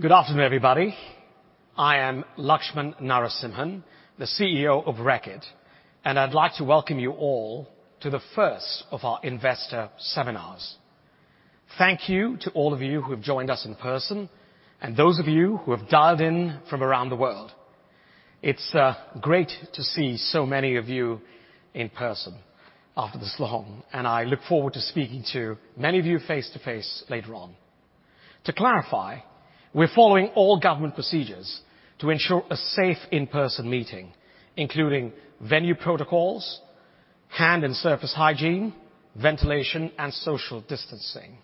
Good afternoon, everybody. I am Laxman Narasimhan, the CEO of Reckitt, and I'd like to welcome you all to the first of our investor seminars. Thank you to all of you who have joined us in person, and those of you who have dialed in from around the world. It's great to see so many of you in person after this long, and I look forward to speaking to many of you face-to-face later on. To clarify, we're following all government procedures to ensure a safe in-person meeting, including venue protocols, hand and surface hygiene, ventilation, and social distancing.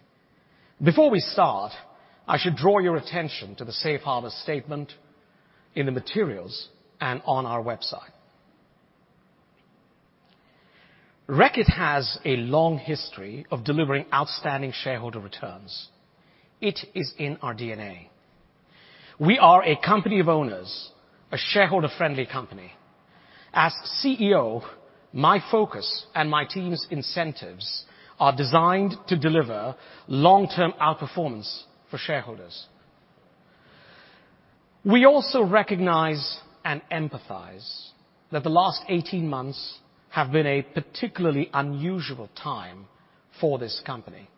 Before we start, I should draw your attention to the safe harbor statement in the materials and on our website. Reckitt has a long history of delivering outstanding shareholder returns. It is in our DNA. We are a company of owners, a shareholder-friendly company. As CEO, my focus and my team's incentives are designed to deliver long-term outperformance for shareholders. We also recognize and empathize that the last 18 months have been a particularly unusual time for this company.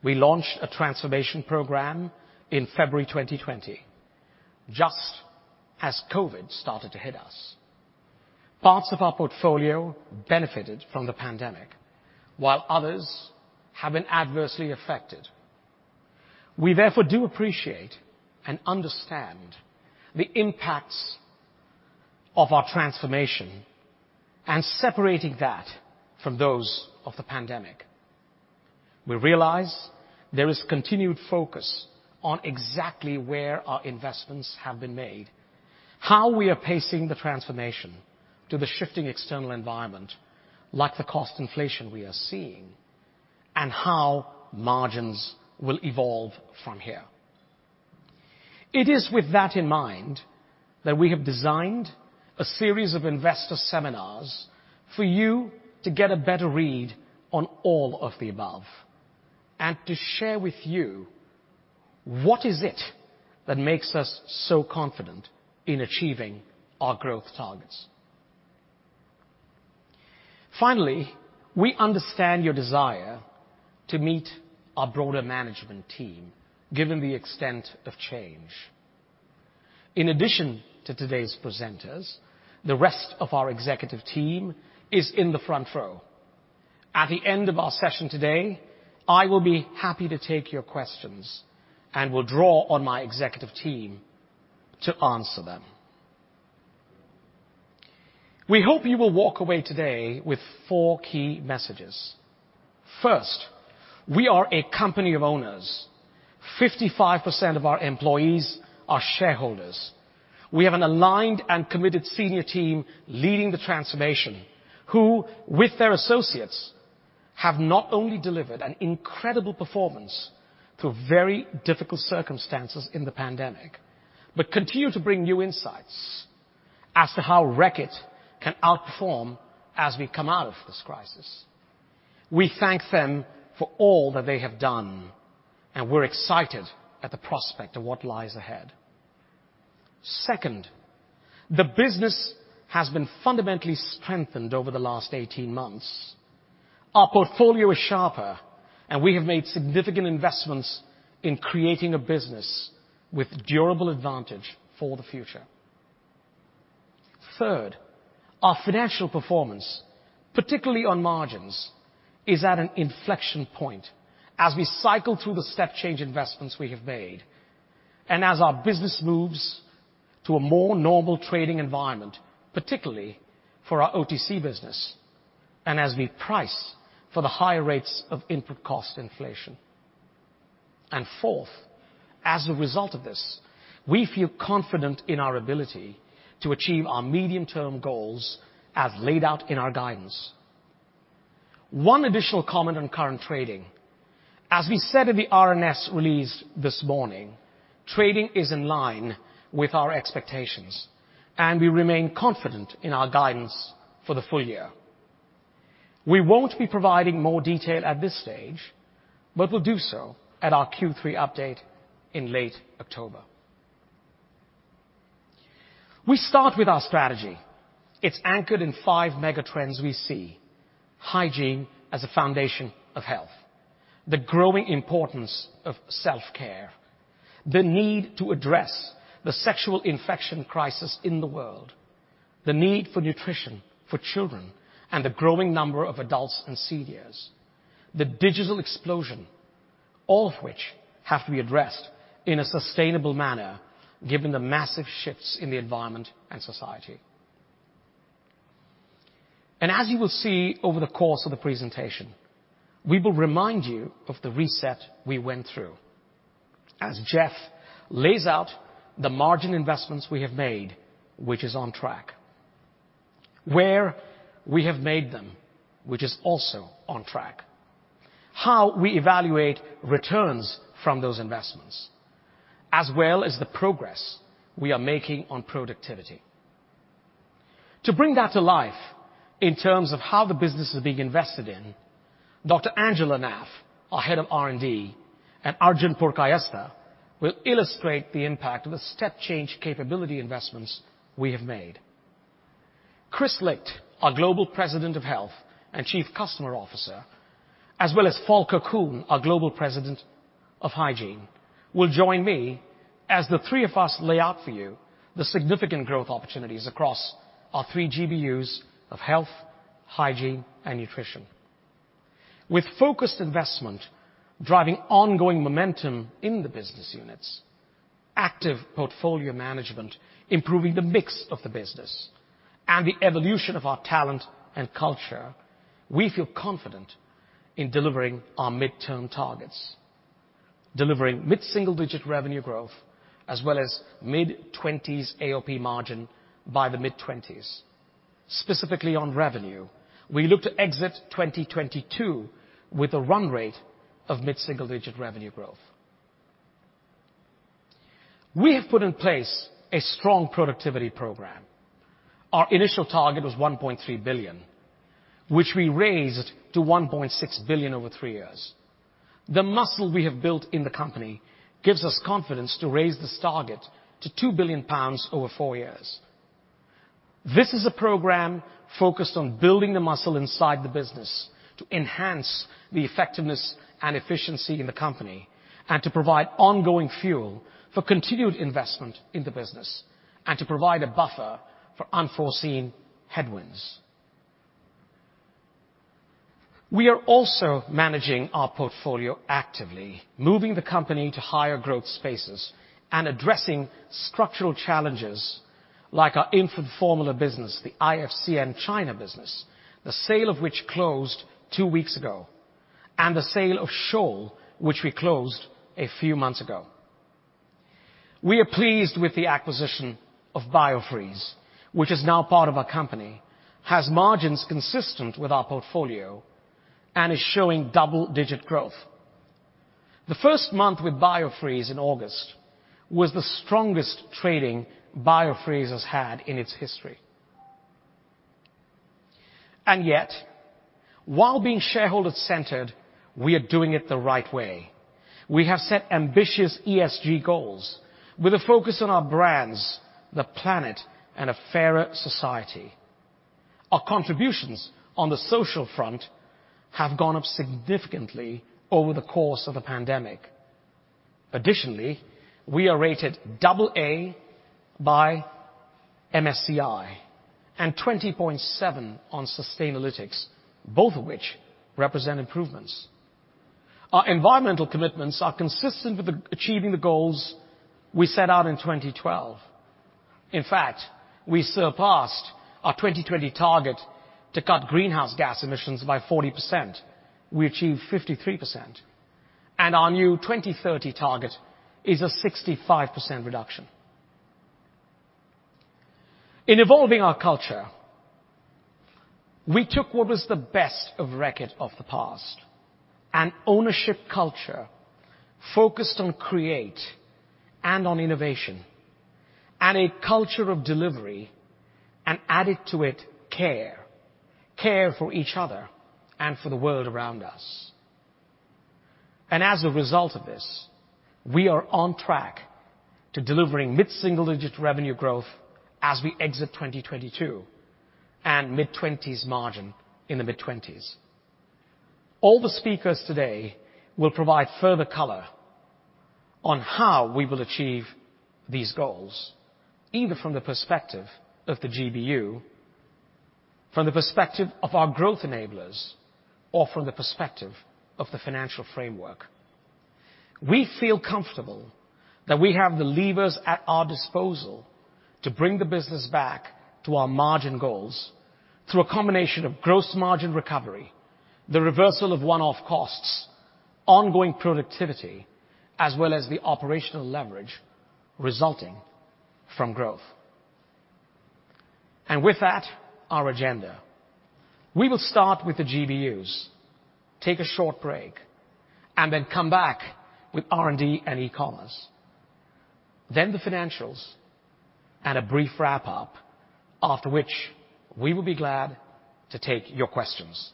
We launched a transformation program in February 2020, just as COVID started to hit us. Parts of our portfolio benefited from the pandemic, while others have been adversely affected. We therefore do appreciate and understand the impacts of our transformation and separating that from those of the pandemic. We realize there is continued focus on exactly where our investments have been made, how we are pacing the transformation to the shifting external environment, like the cost inflation we are seeing, and how margins will evolve from here. It is with that in mind that we have designed a series of investor seminars for you to get a better read on all of the above, and to share with you what is it that makes us so confident in achieving our growth targets. Finally, we understand your desire to meet our broader management team, given the extent of change. In addition to today's presenters, the rest of our executive team is in the front row. At the end of our session today, I will be happy to take your questions and will draw on my executive team to answer them. We hope you will walk away today with four key messages. First, we are a company of owners. 55% of our employees are shareholders. We have an aligned and committed senior team leading the transformation, who, with their associates, have not only delivered an incredible performance through very difficult circumstances in the pandemic, but continue to bring new insights as to how Reckitt can outperform as we come out of this crisis. We thank them for all that they have done, and we're excited at the prospect of what lies ahead. Second, the business has been fundamentally strengthened over the last 18 months. Our portfolio is sharper, and we have made significant investments in creating a business with durable advantage for the future. Third, our financial performance, particularly on margins, is at an inflection point as we cycle through the step change investments we have made, and as our business moves to a more normal trading environment, particularly for our OTC business, and as we price for the higher rates of input cost inflation. Fourth, as a result of this, we feel confident in our ability to achieve our medium-term goals as laid out in our guidance. One additional comment on current trading. As we said in the RNS release this morning, trading is in line with our expectations, and we remain confident in our guidance for the full year. We won't be providing more detail at this stage, but will do so at our Q3 update in late October. We start with our strategy. It's anchored in five mega trends we see: hygiene as a foundation of health, the growing importance of self-care, the need to address the sexual infection crisis in the world, the need for nutrition for children and the growing number of adults and seniors, the digital explosion, all of which have to be addressed in a sustainable manner given the massive shifts in the environment and society. As you will see over the course of the presentation, we will remind you of the reset we went through as Jeff lays out the margin investments we have made, which is on track. Where we have made them, which is also on track, how we evaluate returns from those investments, as well as the progress we are making on productivity. To bring that to life in terms of how the business is being invested in, Dr. Angela Naef, our head of R&D, and Arjun Purkayastha will illustrate the impact of the step change capability investments we have made. Kris Licht, our Global President of Health and Chief Customer Officer, as well as Volker Kuhn, our Global President of Hygiene, will join me as the three of us lay out for you the significant growth opportunities across our three GBUs of health, hygiene, and nutrition. With focused investment driving ongoing momentum in the business units, active portfolio management improving the mix of the business, and the evolution of our talent and culture, we feel confident in delivering our midterm targets, delivering mid-single-digit revenue growth, as well as mid-20s AOP margin by the mid-20s. Specifically on revenue, we look to exit 2022 with a run rate of mid-single-digit revenue growth. We have put in place a strong productivity program. Our initial target was 1.3 billion, which we raised to 1.6 billion over three years. The muscle we have built in the company gives us confidence to raise this target to 2 billion pounds over four years. This is a program focused on building the muscle inside the business to enhance the effectiveness and efficiency in the company, to provide ongoing fuel for continued investment in the business, and to provide a buffer for unforeseen headwinds. We are also managing our portfolio actively, moving the company to higher growth spaces, addressing structural challenges like our infant formula business, the IFCN China business, the sale of which closed two weeks ago, and the sale of Scholl, which we closed a few months ago. We are pleased with the acquisition of Biofreeze, which is now part of our company, has margins consistent with our portfolio, and is showing double-digit growth. The first month with Biofreeze in August was the strongest trading Biofreeze has had in its history. Yet, while being shareholder-centered, we are doing it the right way. We have set ambitious ESG goals with a focus on our brands, the planet, and a fairer society. Our contributions on the social front have gone up significantly over the course of the pandemic. Additionally, we are rated AA by MSCI and 20.7 on Sustainalytics, both of which represent improvements. Our environmental commitments are consistent with the achieving the goals we set out in 2012. In fact, we surpassed our 2020 target to cut greenhouse gas emissions by 40%. We achieved 53%, and our new 2030 target is a 65% reduction. In evolving our culture, we took what was the best of Reckitt of the past, an ownership culture focused on create and on innovation and a culture of delivery, and added to it CARE. CARE for each other and for the world around us. As a result of this, we are on track to delivering mid-single-digit revenue growth as we exit 2022, and mid-20s margin in the mid-20s. All the speakers today will provide further color on how we will achieve these goals, either from the perspective of the GBU, from the perspective of our growth enablers, or from the perspective of the financial framework. We feel comfortable that we have the levers at our disposal to bring the business back to our margin goals through a combination of gross margin recovery, the reversal of one-off costs, ongoing productivity, as well as the operational leverage resulting from growth. With that, our agenda. We will start with the GBUs, take a short break, and then come back with R&D and e-commerce, then the financials and a brief wrap-up, after which we will be glad to take your questions.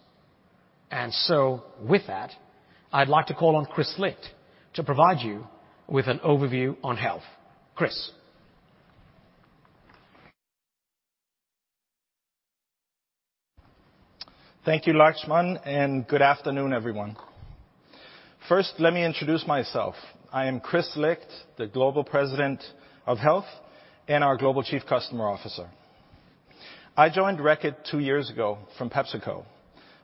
With that, I'd like to call on Kris Licht to provide you with an overview on health. Kris? Thank you, Laxman, good afternoon, everyone. First, let me introduce myself. I am Kris Licht, the Global President of Health and our Global Chief Customer Officer. I joined Reckitt two years ago from PepsiCo,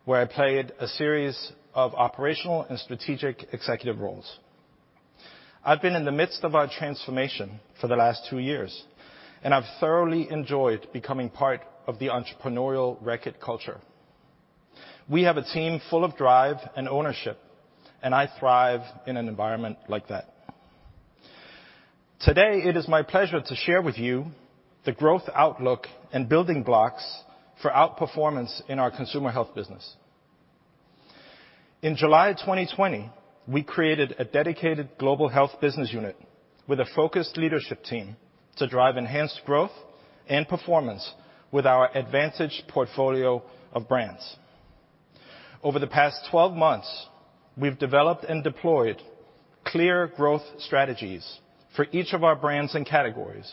where I played a series of operational and strategic executive roles. I've been in the midst of our transformation for the last two years, and I've thoroughly enjoyed becoming part of the entrepreneurial Reckitt culture. We have a team full of drive and ownership, and I thrive in an environment like that. Today, it is my pleasure to share with you the growth outlook and building blocks for outperformance in our consumer health business. In July 2020, we created a dedicated global health business unit with a focused leadership team to drive enhanced growth and performance with our advantage portfolio of brands. Over the past 12 months, we've developed and deployed clear growth strategies for each of our brands and categories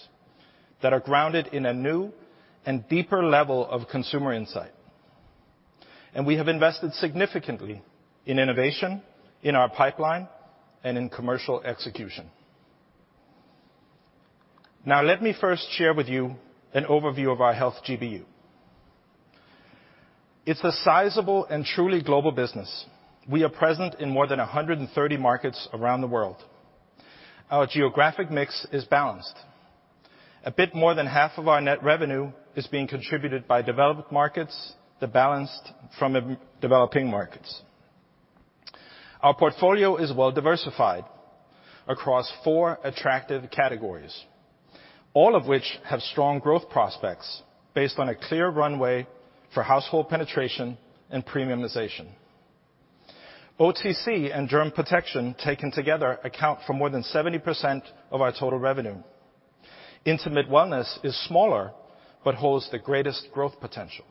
that are grounded in a new and deeper level of consumer insight. We have invested significantly in innovation, in our pipeline, and in commercial execution. Now, let me first share with you an overview of our Health GBU. It's a sizable and truly global business. We are present in more than 130 markets around the world. Our geographic mix is balanced. A bit more than half of our net revenue is being contributed by developed markets, the balanced from developing markets. Our portfolio is well-diversified across four attractive categories, all of which have strong growth prospects based on a clear runway for household penetration and premiumization. OTC and germ protection taken together account for more than 70% of our total revenue. Intimate wellness is smaller, but holds the greatest growth potential.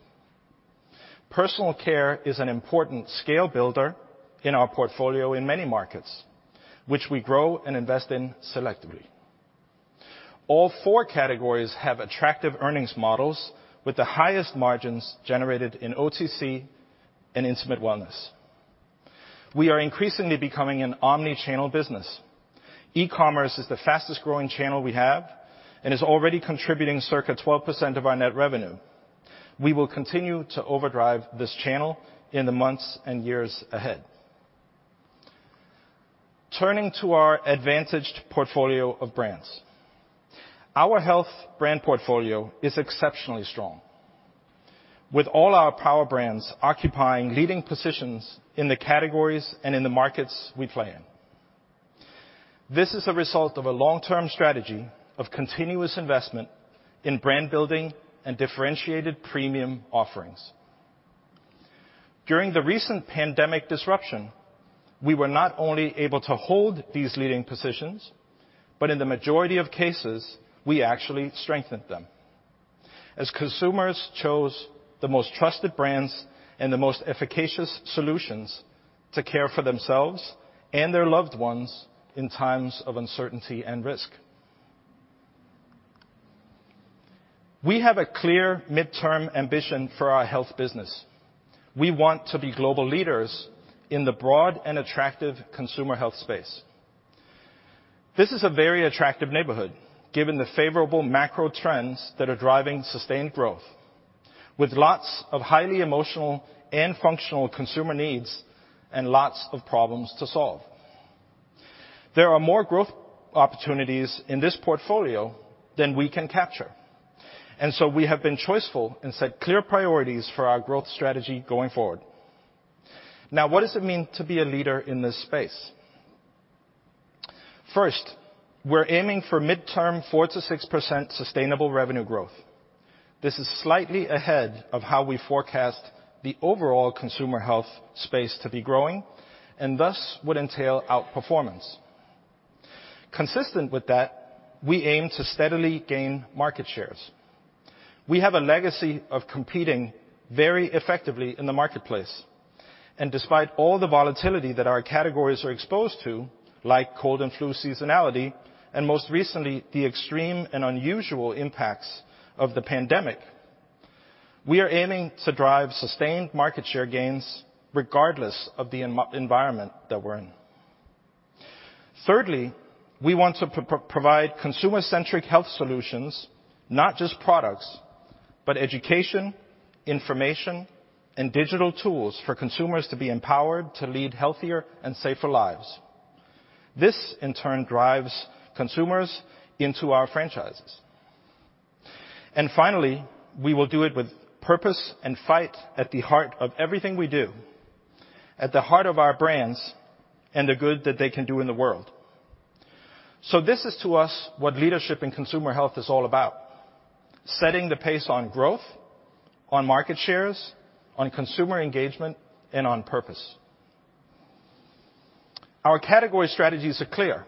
Personal care is an important scale builder in our portfolio in many markets, which we grow and invest in selectively. All four categories have attractive earnings models with the highest margins generated in OTC and intimate wellness. We are increasingly becoming an omni-channel business. E-commerce is the fastest-growing channel we have and is already contributing circa 12% of our net revenue. We will continue to overdrive this channel in the months and years ahead. Turning to our advantaged portfolio of brands. Our health brand portfolio is exceptionally strong with all our power brands occupying leading positions in the categories and in the markets we play in. This is a result of a long-term strategy of continuous investment in brand building and differentiated premium offerings. During the recent pandemic disruption, we were not only able to hold these leading positions, but in the majority of cases, we actually strengthened them as consumers chose the most trusted brands and the most efficacious solutions to care for themselves and their loved ones in times of uncertainty and risk. We have a clear midterm ambition for our health business. We want to be global leaders in the broad and attractive consumer health space. This is a very attractive neighborhood, given the favorable macro trends that are driving sustained growth, with lots of highly emotional and functional consumer needs and lots of problems to solve. There are more growth opportunities in this portfolio than we can capture, and so we have been choiceful and set clear priorities for our growth strategy going forward. Now, what does it mean to be a leader in this space? First, we're aiming for midterm 4%-6% sustainable revenue growth. This is slightly ahead of how we forecast the overall consumer health space to be growing, and thus would entail outperformance. Consistent with that, we aim to steadily gain market shares. We have a legacy of competing very effectively in the marketplace. Despite all the volatility that our categories are exposed to, like cold and flu seasonality, and most recently, the extreme and unusual impacts of the pandemic, we are aiming to drive sustained market share gains regardless of the environment that we're in. Thirdly, we want to provide consumer-centric health solutions, not just products, but education, information, and digital tools for consumers to be empowered to lead healthier and safer lives. This in turn drives consumers into our franchises. Finally, we will do it with purpose and fight at the heart of everything we do, at the heart of our brands, and the good that they can do in the world. This is to us what leadership in consumer health is all about, setting the pace on growth, on market shares, on consumer engagement, and on purpose. Our category strategies are clear.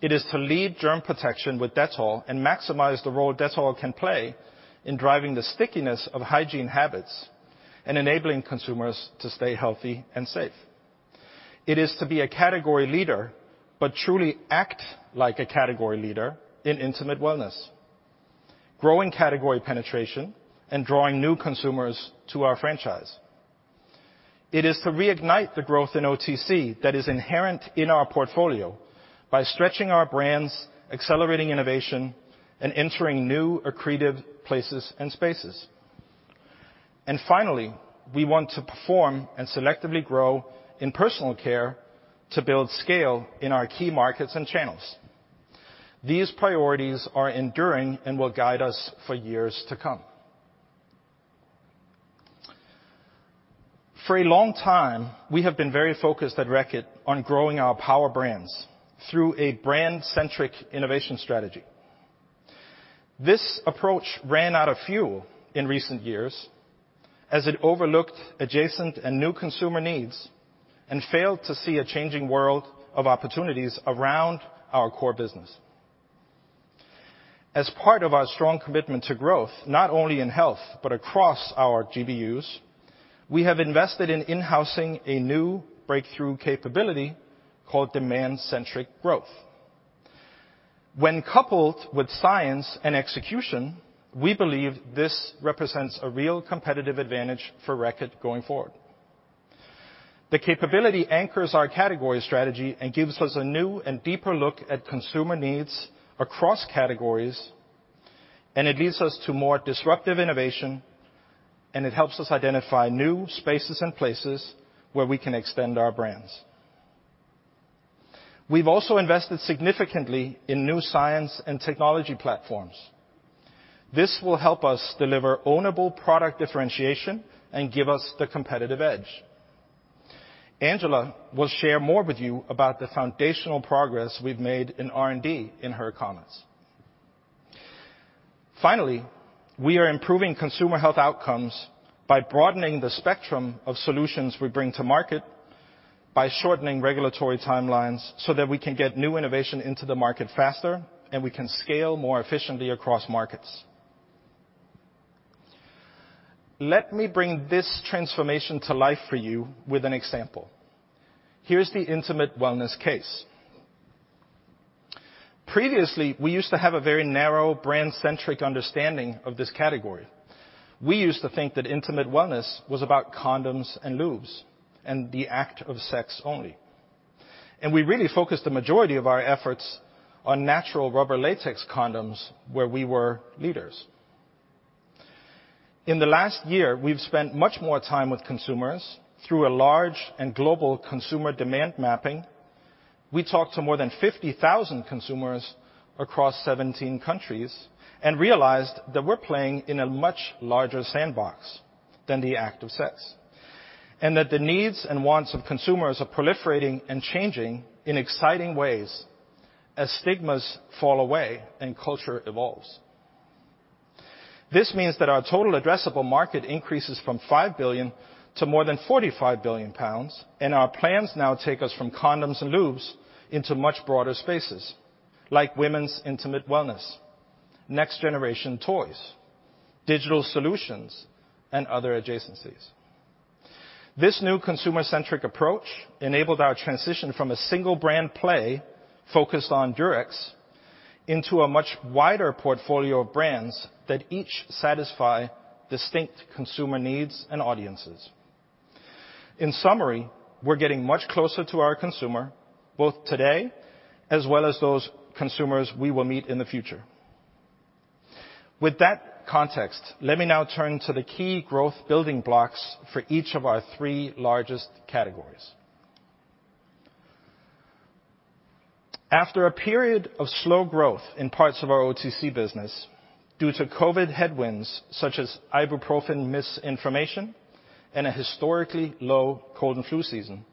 It is to lead germ protection with Dettol and maximize the role Dettol can play in driving the stickiness of hygiene habits and enabling consumers to stay healthy and safe. It is to be a category leader, but truly act like a category leader in intimate wellness, growing category penetration and drawing new consumers to our franchise. It is to reignite the growth in OTC that is inherent in our portfolio by stretching our brands, accelerating innovation, and entering new accretive places and spaces. Finally, we want to perform and selectively grow in personal care to build scale in our key markets and channels. These priorities are enduring and will guide us for years to come. For a long time, we have been very focused at Reckitt on growing our power brands through a brand-centric innovation strategy. This approach ran out of fuel in recent years as it overlooked adjacent and new consumer needs and failed to see a changing world of opportunities around our core business. As part of our strong commitment to growth, not only in health, but across our GBUs, we have invested in in-housing a new breakthrough capability called Demand-Centric Growth. When coupled with science and execution, we believe this represents a real competitive advantage for Reckitt going forward. The capability anchors our category strategy and gives us a new and deeper look at consumer needs across categories, and it leads us to more disruptive innovation, and it helps us identify new spaces and places where we can extend our brands. We've also invested significantly in new science and technology platforms. This will help us deliver ownable product differentiation and give us the competitive edge. Angela will share more with you about the foundational progress we've made in R&D in her comments. Finally, we are improving consumer health outcomes by broadening the spectrum of solutions we bring to market by shortening regulatory timelines so that we can get new innovation into the market faster, and we can scale more efficiently across markets. Let me bring this transformation to life for you with an example. Here's the intimate wellness case. Previously, we used to have a very narrow brand-centric understanding of this category. We used to think that intimate wellness was about condoms and lubes and the act of sex only. We really focused the majority of our efforts on natural rubber latex condoms, where we were leaders. In the last year, we've spent much more time with consumers through a large and global consumer demand mapping. We talked to more than 50,000 consumers across 17 countries and realized that we're playing in a much larger sandbox than the act of sex, and that the needs and wants of consumers are proliferating and changing in exciting ways as stigmas fall away and culture evolves. This means that our total addressable market increases from 5 billion to more than 45 billion pounds, and our plans now take us from condoms and lubes into much broader spaces, like women's intimate wellness, next-generation toys, digital solutions, and other adjacencies. This new consumer-centric approach enabled our transition from a single brand play focused on Durex into a much wider portfolio of brands that each satisfy distinct consumer needs and audiences. In summary, we're getting much closer to our consumer, both today as well as those consumers we will meet in the future. With that context, let me now turn to the key growth building blocks for each of our three largest categories. After a period of slow growth in parts of our OTC business due to COVID headwinds such as ibuprofen misinformation and a historically low cold and flu season,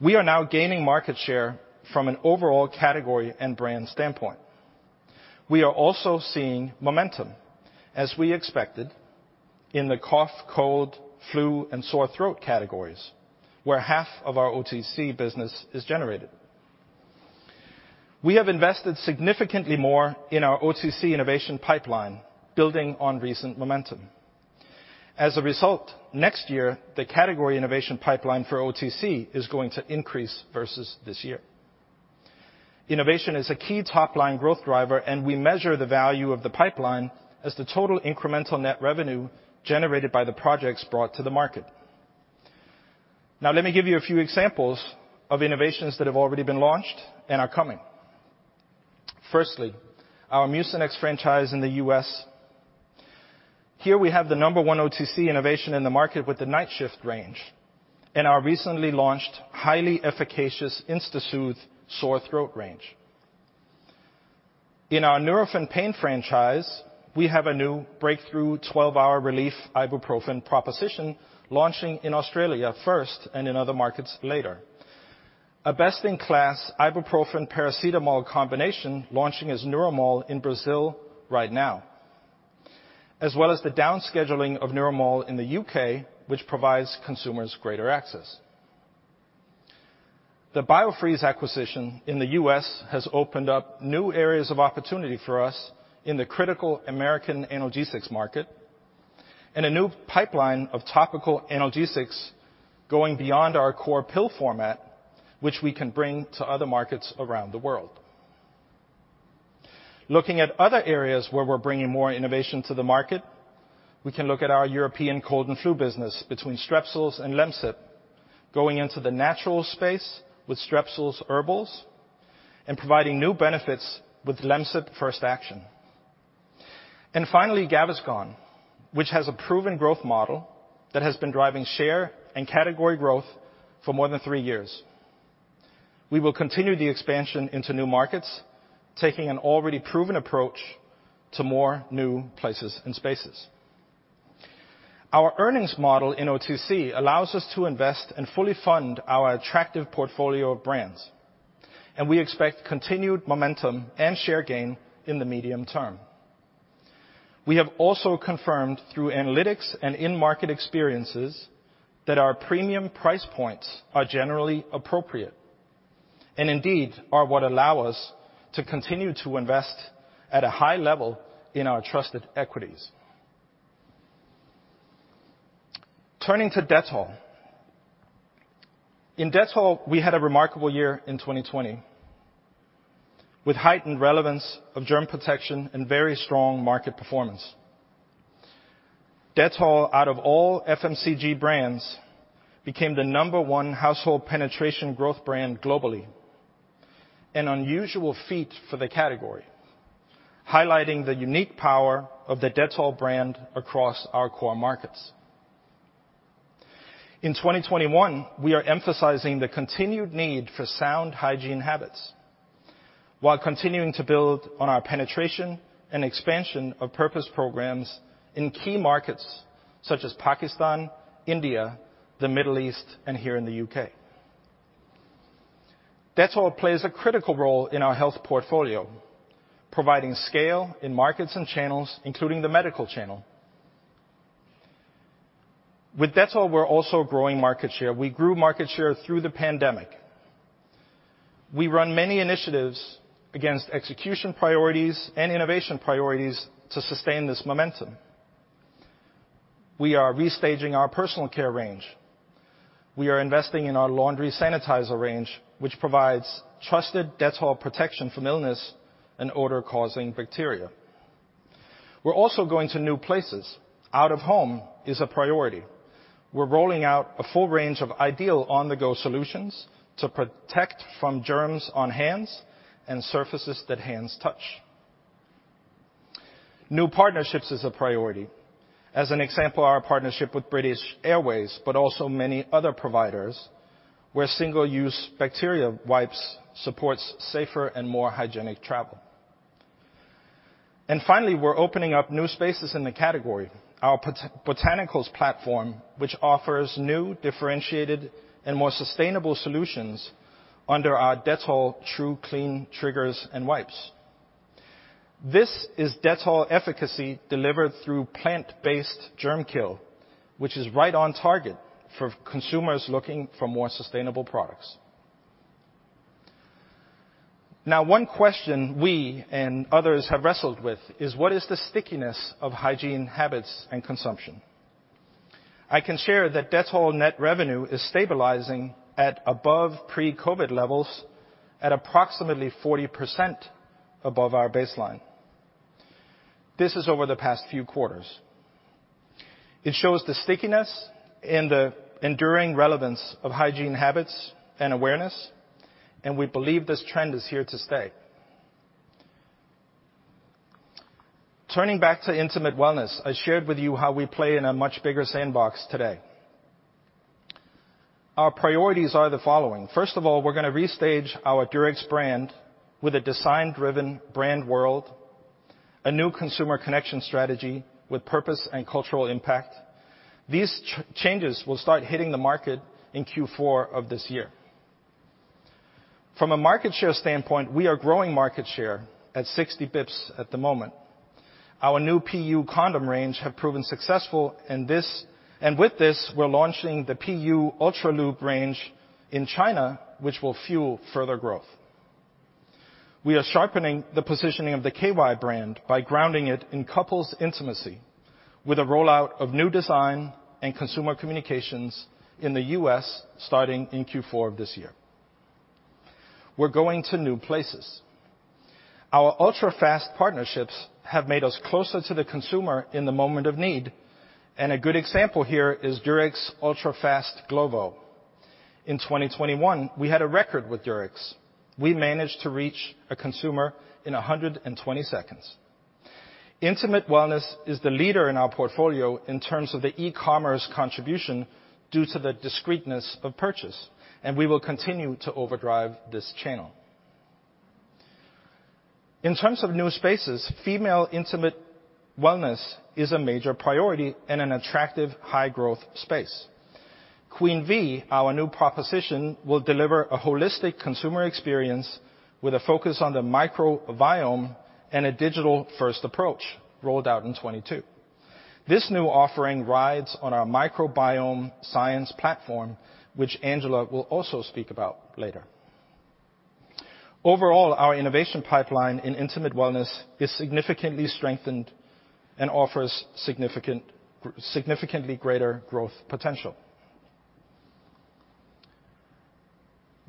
we are now gaining market share from an overall category and brand standpoint. We are also seeing momentum, as we expected, in the cough, cold, flu, and sore throat categories, where half of our OTC business is generated. We have invested significantly more in our OTC innovation pipeline, building on recent momentum. As a result, next year, the category innovation pipeline for OTC is going to increase versus this year. Innovation is a key top-line growth driver, and we measure the value of the pipeline as the total incremental net revenue generated by the projects brought to the market. Now let me give you a few examples of innovations that have already been launched and are coming. Firstly, our Mucinex franchise in the U.S. Here we have the number one OTC innovation in the market with the Nightshift range and our recently launched highly efficacious InstaSoothe sore throat range. In our Nurofen pain franchise, we have a new breakthrough 12-hour relief ibuprofen proposition launching in Australia first and in other markets later. A best-in-class ibuprofen paracetamol combination launching as Nuromol in Brazil right now, as well as the down scheduling of Nuromol in the U.K., which provides consumers greater access. The Biofreeze acquisition in the U.S. has opened up new areas of opportunity for us in the critical American analgesics market and a new pipeline of topical analgesics going beyond our core pill format, which we can bring to other markets around the world. Looking at other areas where we're bringing more innovation to the market, we can look at our European cold and flu business between Strepsils and Lemsip, going into the natural space with Strepsils Herbal and providing new benefits with Lemsip First Action. Finally, Gaviscon, which has a proven growth model that has been driving share and category growth for more than three years. We will continue the expansion into new markets, taking an already proven approach to more new places and spaces. Our earnings model in OTC allows us to invest and fully fund our attractive portfolio of brands, we expect continued momentum and share gain in the medium term. We have also confirmed through analytics and in-market experiences that our premium price points are generally appropriate, indeed are what allow us to continue to invest at a high level in our trusted equities. Turning to Dettol. In Dettol, we had a remarkable year in 2020, with heightened relevance of germ protection and very strong market performance. Dettol, out of all FMCG brands, became the number one household penetration growth brand globally, an unusual feat for the category, highlighting the unique power of the Dettol brand across our core markets. In 2021, we are emphasizing the continued need for sound hygiene habits while continuing to build on our penetration and expansion of purpose programs in key markets such as Pakistan, India, the Middle East, and here in the U.K. Dettol plays a critical role in our health portfolio, providing scale in markets and channels, including the medical channel. With Dettol, we're also growing market share. We grew market share through the pandemic. We run many initiatives against execution priorities and innovation priorities to sustain this momentum. We are restaging our personal care range. We are investing in our laundry sanitizer range, which provides trusted Dettol protection from illness and odor-causing bacteria. We're going to new places. Out of home is a priority. We're rolling out a full range of ideal on-the-go solutions to protect from germs on hands and surfaces that hands touch. New partnerships is a priority. As an example, our partnership with British Airways, also many other providers, where single-use bacteria wipes supports safer and more hygienic travel. Finally, we're opening up new spaces in the category, our botanicals platform, which offers new, differentiated, and more sustainable solutions under our Dettol Tru Clean Triggers and Wipes. This is Dettol efficacy delivered through plant-based germ kill, which is right on target for consumers looking for more sustainable products. One question we and others have wrestled with is what is the stickiness of hygiene habits and consumption? I can share that Dettol net revenue is stabilizing at above pre-COVID levels at approximately 40% above our baseline. This is over the past few quarters. It shows the stickiness and the enduring relevance of hygiene habits and awareness. We believe this trend is here to stay. Turning back to intimate wellness, I shared with you how we play in a much bigger sandbox today. Our priorities are the following. First of all, we're gonna restage our Durex brand with a design-driven brand world, a new consumer connection strategy with purpose and cultural impact. These changes will start hitting the market in Q4 of this year. From a market share standpoint, we are growing market share at 60 basis points at the moment. Our new PU condom range have proven successful, and with this, we're launching the PU UltraLube range in China, which will fuel further growth. We are sharpening the positioning of the K-Y brand by grounding it in couples intimacy with a rollout of new design and consumer communications in the U.S. starting in Q4 of this year. We're going to new places. Our UltraFast partnerships have made us closer to the consumer in the moment of need, and a good example here is Durex UltraFast Glovo. In 2021, we had a record with Durex. We managed to reach a consumer in 120 seconds. Intimate wellness is the leader in our portfolio in terms of the e-commerce contribution due to the discreetness of purchase, and we will continue to overdrive this channel. In terms of new spaces, female intimate wellness is a major priority and an attractive high-growth space. Queen V, our new proposition, will deliver a holistic consumer experience with a focus on the microbiome and a digital-first approach rolled out in 2022. This new offering rides on our microbiome science platform, which Angela will also speak about later. Overall, our innovation pipeline in intimate wellness is significantly strengthened and offers significant, significantly greater growth potential.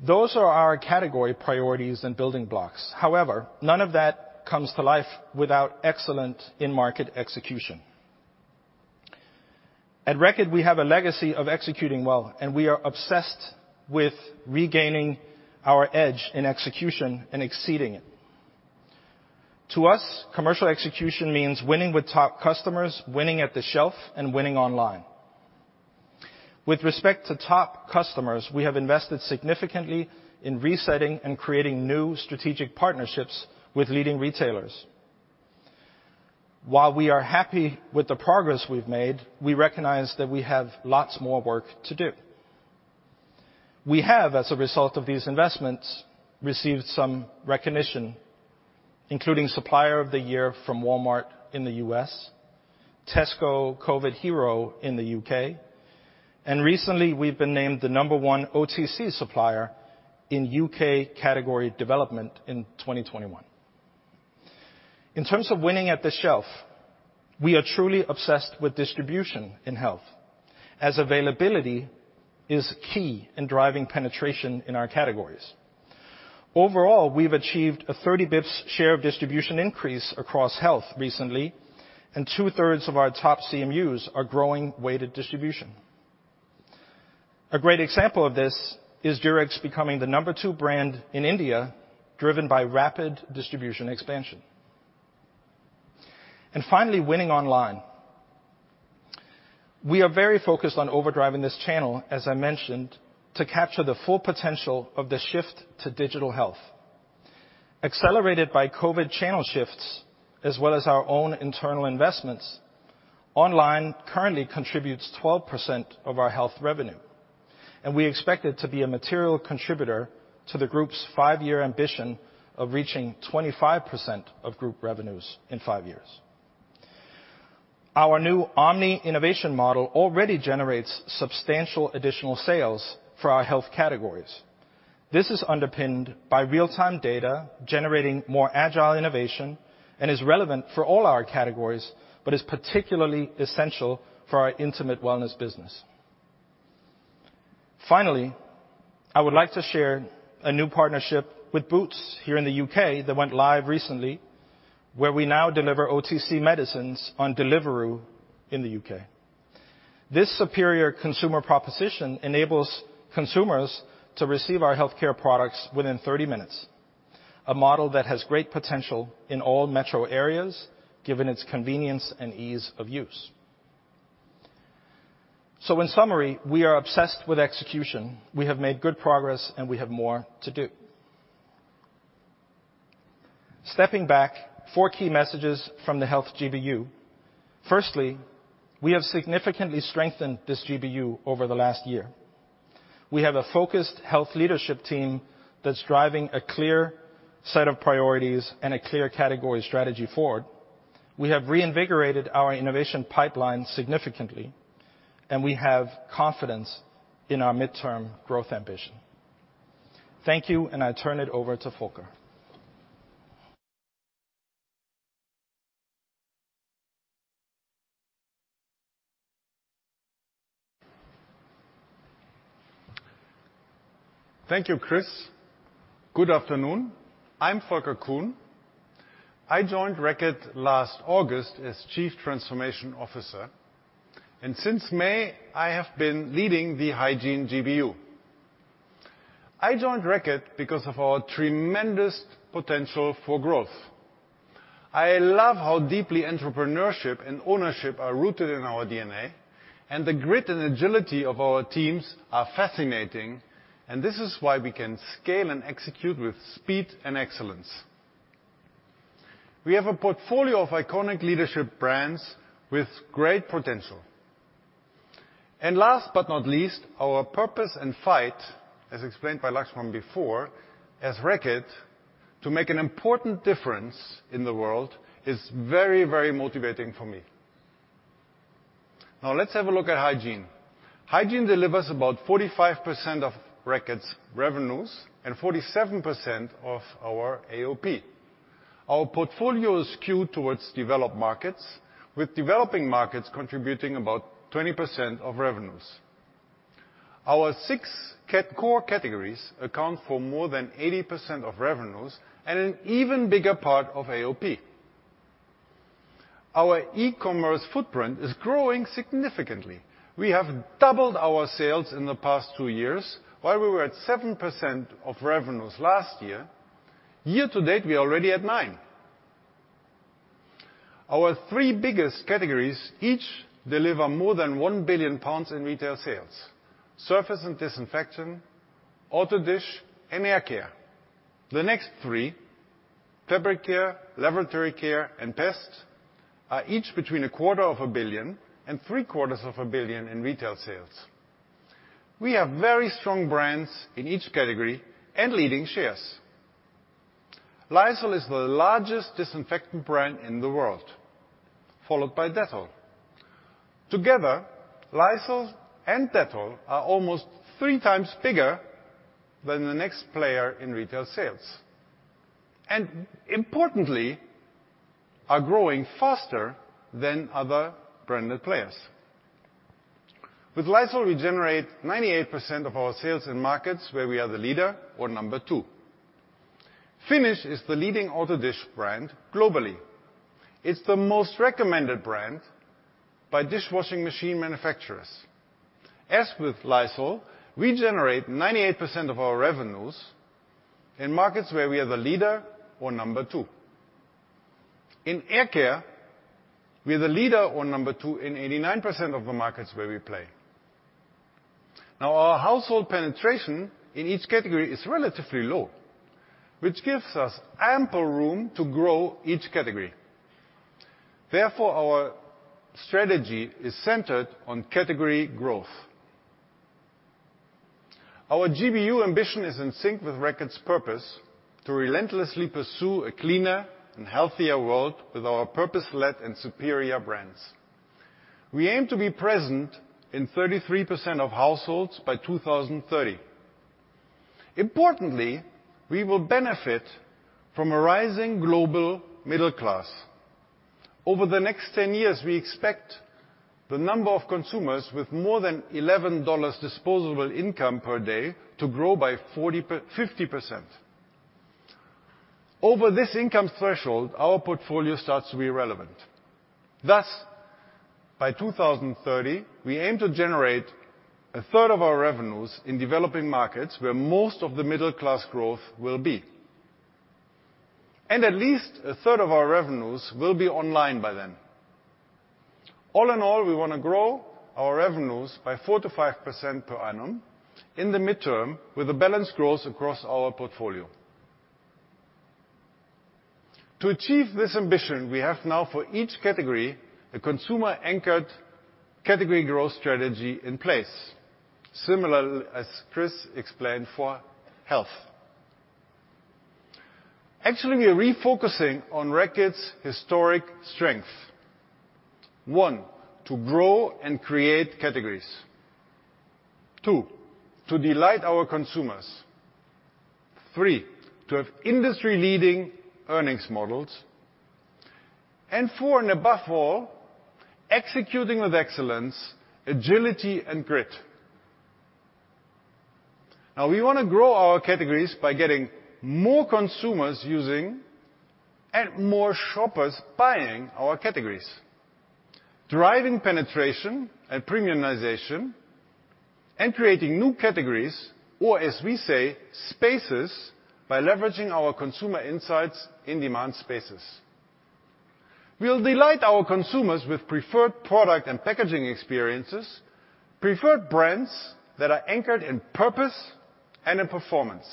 Those are our category priorities and building blocks. However, none of that comes to life without excellent in-market execution. At Reckitt, we have a legacy of executing well, and we are obsessed with regaining our edge in execution and exceeding it. To us, commercial execution means winning with top customers, winning at the shelf, and winning online. With respect to top customers, we have invested significantly in resetting and creating new strategic partnerships with leading retailers. While we are happy with the progress we've made, we recognize that we have lots more work to do. We have, as a result of these investments, received some recognition, including Supplier of the Year from Walmart in the U.S., Tesco COVID Hero in the U.K., and recently, we've been named the number one OTC supplier in U.K. category development in 2021. In terms of winning at the shelf, we are truly obsessed with distribution in health, as availability is key in driving penetration in our categories. Overall, we've achieved a 30 basis points share of distribution increase across health recently, and two-thirds of our top CMUs are growing weighted distribution. A great example of this is Durex becoming the number two brand in India, driven by rapid distribution expansion. Finally, winning online. We are very focused on over-driving this channel, as I mentioned, to capture the full potential of the shift to digital health. Accelerated by COVID channel shifts, as well as our own internal investments, online currently contributes 12% of our health revenue, and we expect it to be a material contributor to the group's five-year ambition of reaching 25% of group revenues in five years. Our new omni-innovation model already generates substantial additional sales for our health categories. This is underpinned by real-time data generating more agile innovation and is relevant for all our categories, but is particularly essential for our intimate wellness business. Finally, I would like to share a new partnership with Boots here in the U.K. that went live recently, where we now deliver OTC medicines on Deliveroo in the U.K. This superior consumer proposition enables consumers to receive our healthcare products within 30 minutes, a model that has great potential in all metro areas given its convenience and ease of use. In summary, we are obsessed with execution. We have made good progress, and we have more to do. Stepping back, four key messages from the Health GBU. Firstly, we have significantly strengthened this GBU over the last year. We have a focused Health leadership team that's driving a clear set of priorities and a clear category strategy forward. We have reinvigorated our innovation pipeline significantly, and we have confidence in our midterm growth ambition. Thank you, and I turn it over to Volker. Thank you, Kris. Good afternoon. I'm Volker Kuhn. I joined Reckitt last August as Chief Transformation Officer, and since May, I have been leading the Hygiene GBU. I joined Reckitt because of our tremendous potential for growth. I love how deeply entrepreneurship and ownership are rooted in our DNA, the grit and agility of our teams are fascinating, and this is why we can scale and execute with speed and excellence. We have a portfolio of iconic leadership brands with great potential. Last but not least, our purpose and fight, as explained by Laxman before, as Reckitt to make an important difference in the world is very motivating for me. Now let's have a look at hygiene. Hygiene delivers about 45% of Reckitt's revenues and 47% of our AOP. Our portfolio is skewed towards developed markets, with developing markets contributing about 20% of revenues. Our six core categories account for more than 80% of revenues and an even bigger part of AOP. Our e-commerce footprint is growing significantly. We have doubled our sales in the past two years. While we were at 7% of revenues last year to date, we are already at 9%. Our three biggest categories each deliver more than 1 billion pounds in retail sales: surface and disinfection, autodish, and hair care. The next three, fabric care, lavatory care, and pest, are each between a quarter of a billion and three-quarters of a billion in retail sales. We have very strong brands in each category and leading shares. Lysol is the largest disinfectant brand in the world, followed by Dettol. Together, Lysol and Dettol are almost three times bigger than the next player in retail sales, and importantly, are growing faster than other branded players. With Lysol, we generate 98% of our sales in markets where we are the leader or number two. Finish is the leading autodish brand globally. It's the most recommended brand by dishwashing machine manufacturers. As with Lysol, we generate 98% of our revenues in markets where we are the leader or number two. In air care, we're the leader or number two in 89% of the markets where we play. Now, our household penetration in each category is relatively low, which gives us ample room to grow each category. Therefore, our strategy is centered on category growth. Our GBU ambition is in sync with Reckitt's purpose to relentlessly pursue a cleaner and healthier world with our purpose-led and superior brands. We aim to be present in 33% of households by 2030. Importantly, we will benefit from a rising global middle class. Over the next 10 years, we expect the number of consumers with more than $11 disposable income per day to grow by 50%. Over this income threshold, our portfolio starts to be relevant. Thus, by 2030, we aim to generate a third of our revenues in developing markets where most of the middle class growth will be. At least a third of our revenues will be online by then. All in all, we wanna grow our revenues by 4%-5% per annum in the midterm with a balanced growth across our portfolio. To achieve this ambition, we have now for each category, a consumer-anchored category growth strategy in place, similarly as Kris explained for health. Actually, we are refocusing on Reckitt's historic strength. One, to grow and create categories. Two, to delight our consumers. Three, to have industry-leading earnings models. Four, and above all, executing with excellence, agility, and grit. We wanna grow our categories by getting more consumers using and more shoppers buying our categories, driving penetration and premiumization, and creating new categories, or as we say, spaces, by leveraging our consumer insights in demand spaces. We'll delight our consumers with preferred product and packaging experiences, preferred brands that are anchored in purpose and in performance.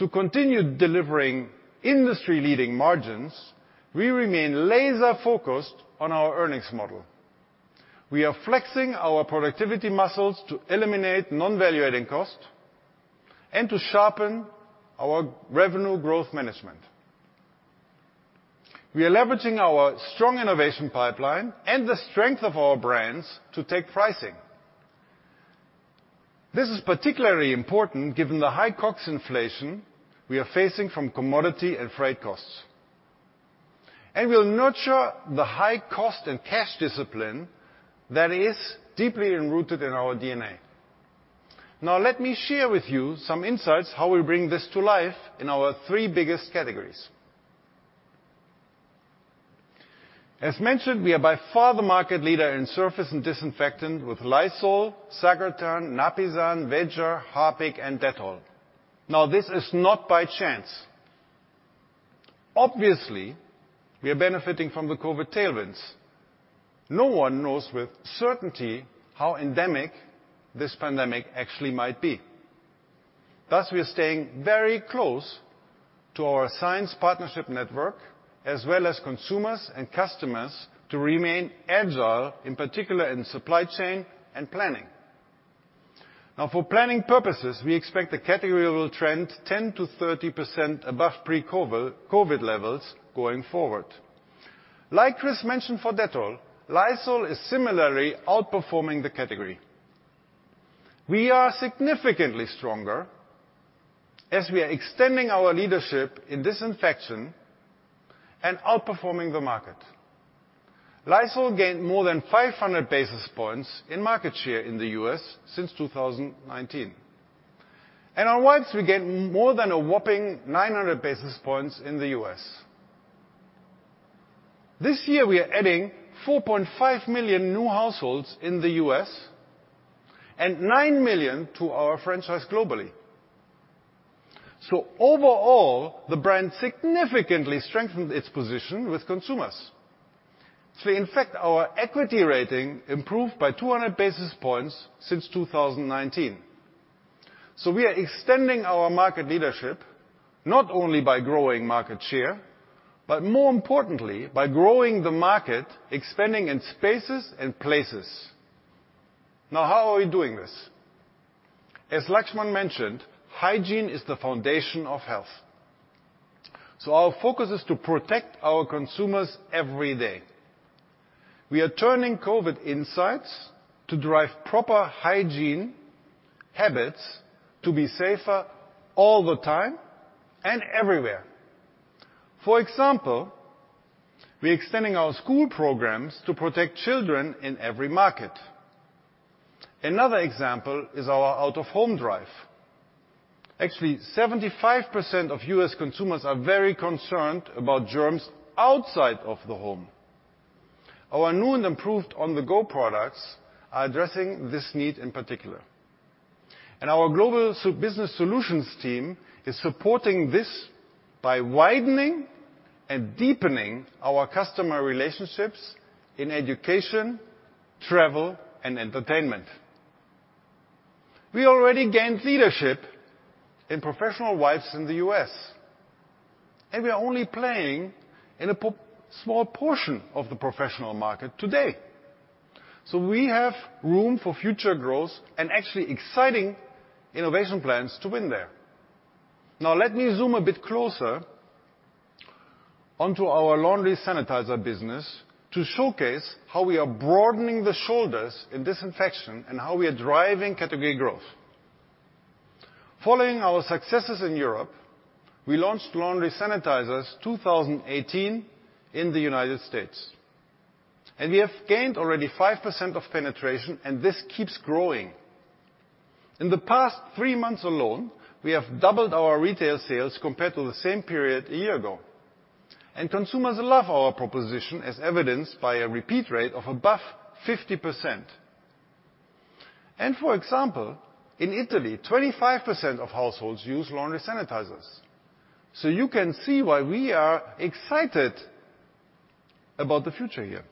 To continue delivering industry-leading margins, we remain laser-focused on our earnings model. We are flexing our productivity muscles to eliminate non-value-adding cost and to sharpen our revenue growth management. We are leveraging our strong innovation pipeline and the strength of our brands to take pricing. This is particularly important given the high COGS inflation we are facing from commodity and freight costs. We'll nurture the high cost and cash discipline that is deeply enrooted in our DNA. Let me share with you some insights how we bring this to life in our three biggest categories. As mentioned, we are by far the market leader in surface and disinfectant with Lysol, Sagrotan, Napisan, Vanish, Harpic, and Dettol. This is not by chance. Obviously, we are benefiting from the COVID tailwinds. No one knows with certainty how endemic this pandemic actually might be. Thus, we are staying very close to our science partnership network as well as consumers and customers to remain agile, in particular in supply chain and planning. For planning purposes, we expect the category will trend 10%-30% above pre-COVID, COVID levels going forward. Like Kris Licht mentioned for Dettol, Lysol is similarly outperforming the category. We are significantly stronger as we are extending our leadership in disinfection and outperforming the market. Lysol gained more than 500 basis points in market share in the U.S. since 2019. Our wipes, we gained more than a whopping 900 basis points in the U.S. This year, we are adding 4.5 million new households in the U.S. and 9 million to our franchise globally. Overall, the brand significantly strengthened its position with consumers. In fact, our equity rating improved by 200 basis points since 2019. We are extending our market leadership, not only by growing market share, but more importantly, by growing the market, expanding in spaces and places. How are we doing this? As Laxman mentioned, hygiene is the foundation of health. Our focus is to protect our consumers every day. We are turning COVID insights to drive proper hygiene habits to be safer all the time and everywhere. For example, we're extending our school programs to protect children in every market. Another example is our out-of-home drive. Actually, 75% of U.S. consumers are very concerned about germs outside of the home. Our new and improved on-the-go products are addressing this need in particular. Our global business solutions team is supporting this by widening and deepening our customer relationships in education, travel, and entertainment. We already gained leadership in professional wipes in the U.S., and we are only playing in a small portion of the professional market today. We have room for future growth and actually exciting innovation plans to win there. Let me zoom a bit closer onto our laundry sanitizer business to showcase how we are broadening the shoulders in disinfection and how we are driving category growth. Following our successes in Europe, we launched laundry sanitizers 2018 in the United States, we have gained already 5% of penetration, and this keeps growing. In the past three months alone, we have doubled our retail sales compared to the same period a year ago. Consumers love our proposition, as evidenced by a repeat rate of above 50%. For example, in Italy, 25% of households use laundry sanitizers, you can see why we are excited about the future here.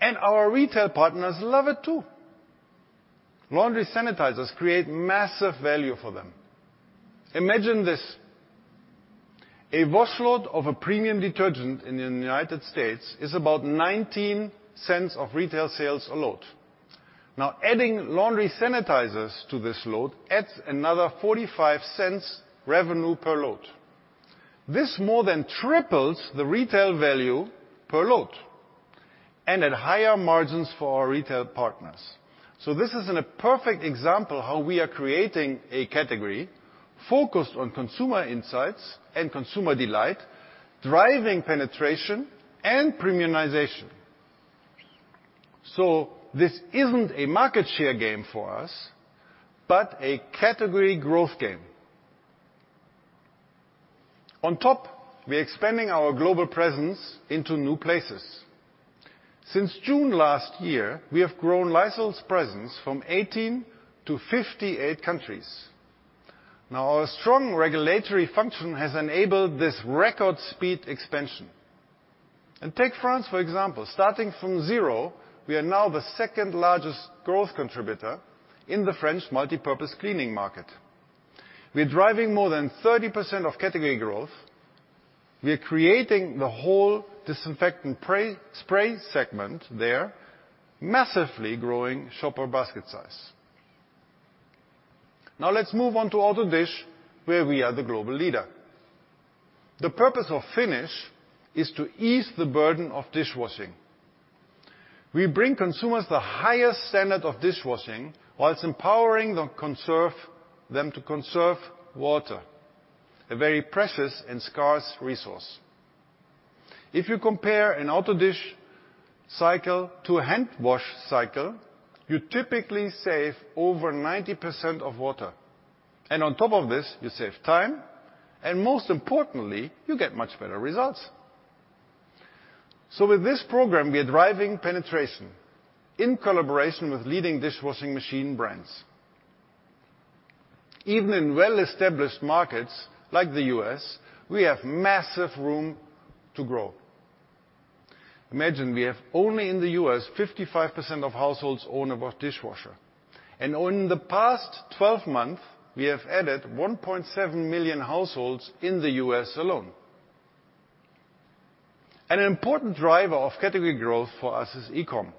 Our retail partners love it too. Laundry sanitizers create massive value for them. Imagine this, a wash load of a premium detergent in the U.S. is about 0.19 of retail sales a load. Adding laundry sanitizers to this load adds another 0.45 revenue per load. This more than triples the retail value per load and at higher margins for our retail partners. This is a perfect example how we are creating a category focused on consumer insights and consumer delight, driving penetration and premiumization. This isn't a market share game for us, but a category growth game. On top, we're expanding our global presence into new places. Since June last year, we have grown Lysol's presence from 18 to 58 countries. Our strong regulatory function has enabled this record-speed expansion. Take France, for example. Starting from zero, we are now the second-largest growth contributor in the French multipurpose cleaning market. We're driving more than 30% of category growth. We are creating the whole disinfectant spray segment there, massively growing shopper basket size. Let's move on to autodish, where we are the global leader. The purpose of Finish is to ease the burden of dishwashing. We bring consumers the highest standard of dishwashing whilst empowering them to conserve water, a very precious and scarce resource. If you compare an autodish cycle to a hand wash cycle, you typically save over 90% of water. On top of this, you save time. Most importantly, you get much better results. With this program, we are driving penetration in collaboration with leading dishwashing machine brands. Even in well-established markets like the U.S., we have massive room to grow. Imagine we have only in the U.S., 55% of households own a wash dishwasher. In the past 12 months, we have added 1.7 million households in the U.S. alone. An important driver of category growth for us is eCom,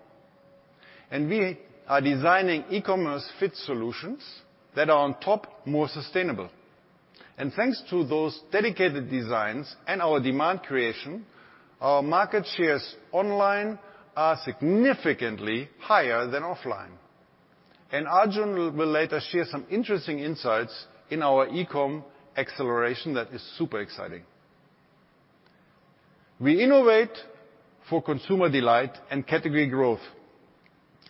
we are designing eCommerce-fit solutions that are on top more sustainable. Thanks to those dedicated designs and our demand creation, our market shares online are significantly higher than offline. Arjun will later share some interesting insights in our eCom acceleration that is super exciting. We innovate for consumer delight and category growth.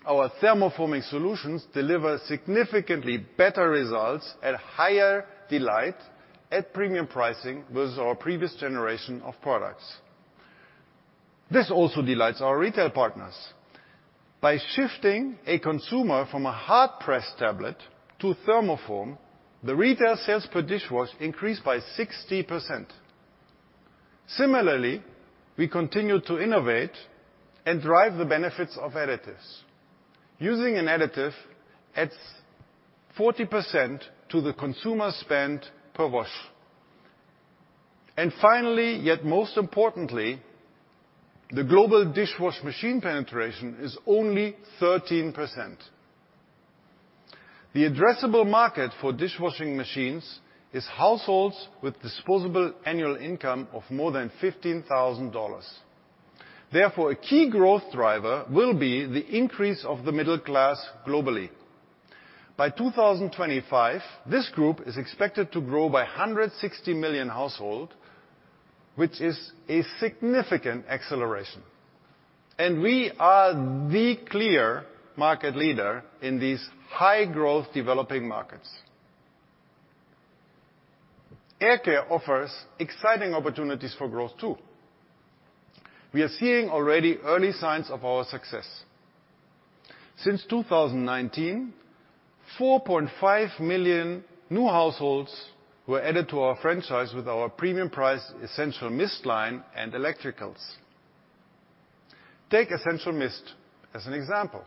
Our thermoforming solutions deliver significantly better results at higher delight, at premium pricing versus our previous generation of products. This also delights our retail partners. By shifting a consumer from a hard-pressed tablet to thermoform, the retail sales per dish was increased by 60%. Similarly, we continue to innovate and drive the benefits of additives. Using an additive adds 40% to the consumer spend per wash. Finally, yet most importantly, the global dishwasher machine penetration is only 13%. The addressable market for dishwashing machines is households with disposable annual income of more than GBP 15,000. Therefore, a key growth driver will be the increase of the middle class globally. By 2025, this group is expected to grow by 160 million household, which is a significant acceleration, and we are the clear market leader in these high-growth developing markets. Air care offers exciting opportunities for growth too. We are seeing already early signs of our success. Since 2019, 4.5 million new households were added to our franchise with our premium price Essential Mist line and electricals. Take Essential Mist as an example.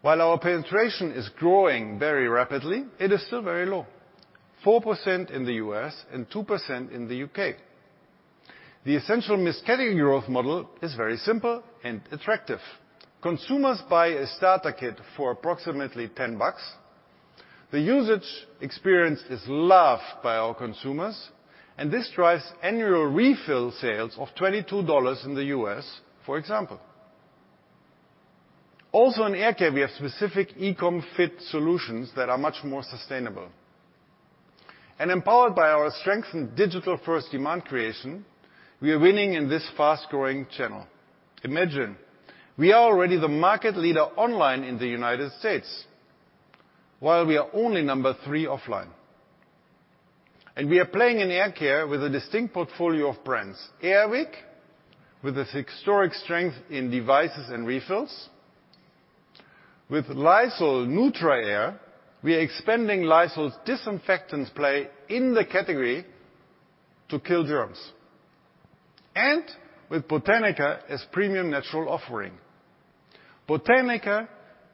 While our penetration is growing very rapidly, it is still very low. 4% in the U.S. and 2% in the U.K. The Essential Mist category growth model is very simple and attractive. Consumers buy a starter kit for approximately $10. The usage experience is loved by our consumers, and this drives annual refill sales of $22 in the U.S., for example. Also in air care, we have specific eCom fit solutions that are much more sustainable. Empowered by our strength in digital-first demand creation, we are winning in this fast-growing channel. Imagine, we are already the market leader online in the United States, while we are only number three offline. We are playing in air care with a distinct portfolio of brands. Air Wick, with its historic strength in devices and refills. With Lysol Neutra Air, we are expanding Lysol's disinfectants play in the category to kill germs. With Botanica as premium natural offering. Botanica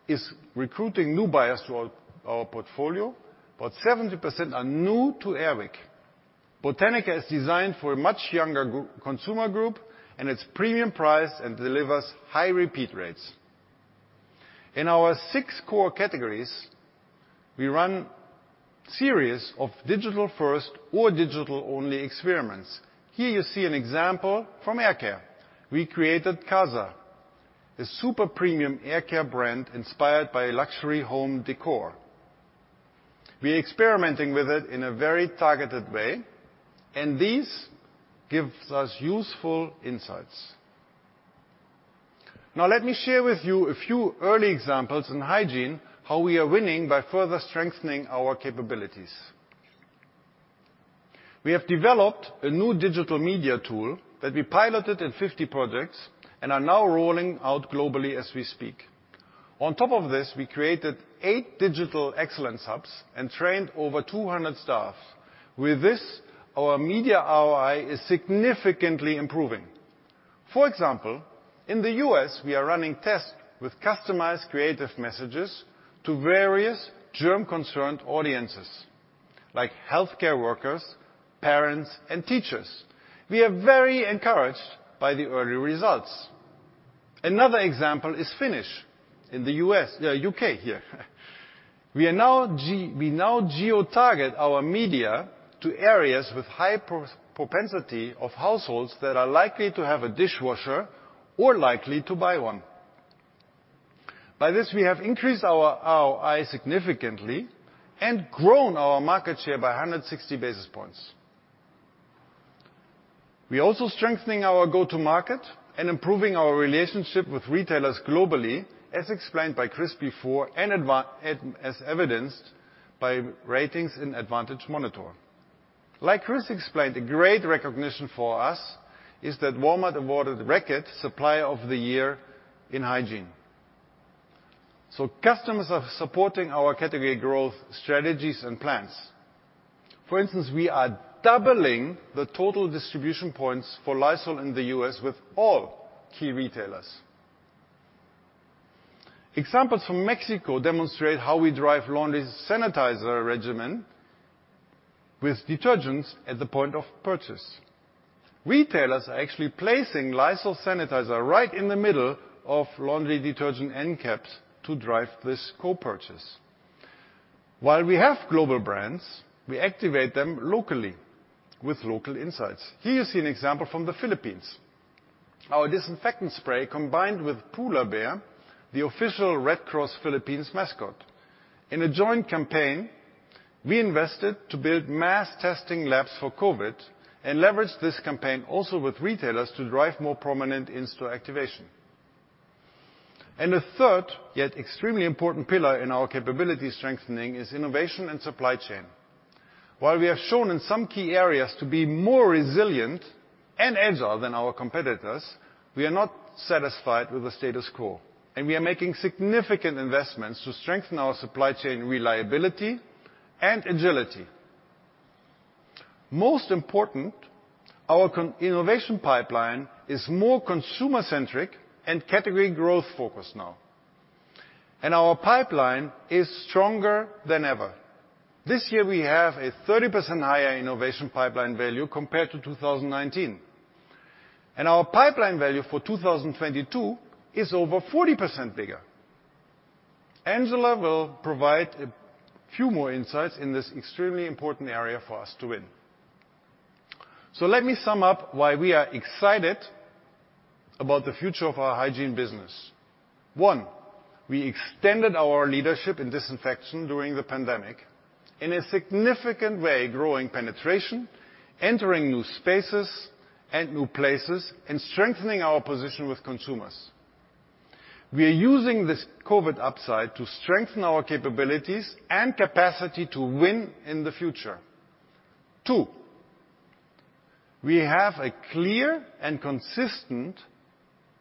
is recruiting new buyers to our portfolio, about 70% are new to Air Wick. Botanica is designed for a much younger consumer group, and its premium price and delivers high repeat rates. In our six core categories, we run series of digital-first or digital-only experiments. Here you see an example from air care. We created Casa, a super premium air care brand inspired by luxury home decor. We're experimenting with it in a very targeted way, and this gives us useful insights. Let me share with you a few early examples in hygiene, how we are winning by further strengthening our capabilities. We have developed a new digital media tool that we piloted in 50 projects and are now rolling out globally as we speak. On top of this, we created eight digital excellence hubs and trained over 200 staff. With this, our media ROI is significantly improving. For example, in the U.S., we are running tests with customized creative messages to various germ-concerned audiences like healthcare workers, parents, and teachers. We are very encouraged by the early results. Another example is Finish in the U.S., U.K. here. We now geo-target our media to areas with high propensity of households that are likely to have a dishwasher or likely to buy one. By this, we have increased our ROI significantly and grown our market share by 160 basis points. We're also strengthening our go-to market and improving our relationship with retailers globally, as explained by Kris before and as evidenced by ratings in Advantage Monitor. Like Kris explained, a great recognition for us is that Walmart awarded Reckitt Supplier of the Year in hygiene. Customers are supporting our category growth strategies and plans. For instance, we are doubling the total distribution points for Lysol in the U.S. with all key retailers. Examples from Mexico demonstrate how we drive laundry sanitizer regimen with detergents at the point of purchase. Retailers are actually placing Lysol sanitizer right in the middle of laundry detergent end caps to drive this co-purchase. While we have global brands, we activate them locally with local insights. Here you see an example from the Philippines, our disinfectant spray combined with Pula Bear, the official Philippine Red Cross mascot. In a joint campaign, we invested to build mass testing labs for COVID and leveraged this campaign also with retailers to drive more prominent in-store activation. The third yet extremely important pillar in our capability strengthening is innovation and supply chain. While we have shown in some key areas to be more resilient and agile than our competitors, we are not satisfied with the status quo, and we are making significant investments to strengthen our supply chain reliability and agility. Most important, our innovation pipeline is more consumer-centric and category growth-focused now, and our pipeline is stronger than ever. This year, we have a 30% higher innovation pipeline value compared to 2019, and our pipeline value for 2022 is over 40% bigger. Angela will provide a few more insights in this extremely important area for us to win. Let me sum up why we are excited about the future of our hygiene business. One, we extended our leadership in disinfection during the pandemic in a significant way, growing penetration, entering new spaces and new places, and strengthening our position with consumers. We are using this COVID upside to strengthen our capabilities and capacity to win in the future. Two, we have a clear and consistent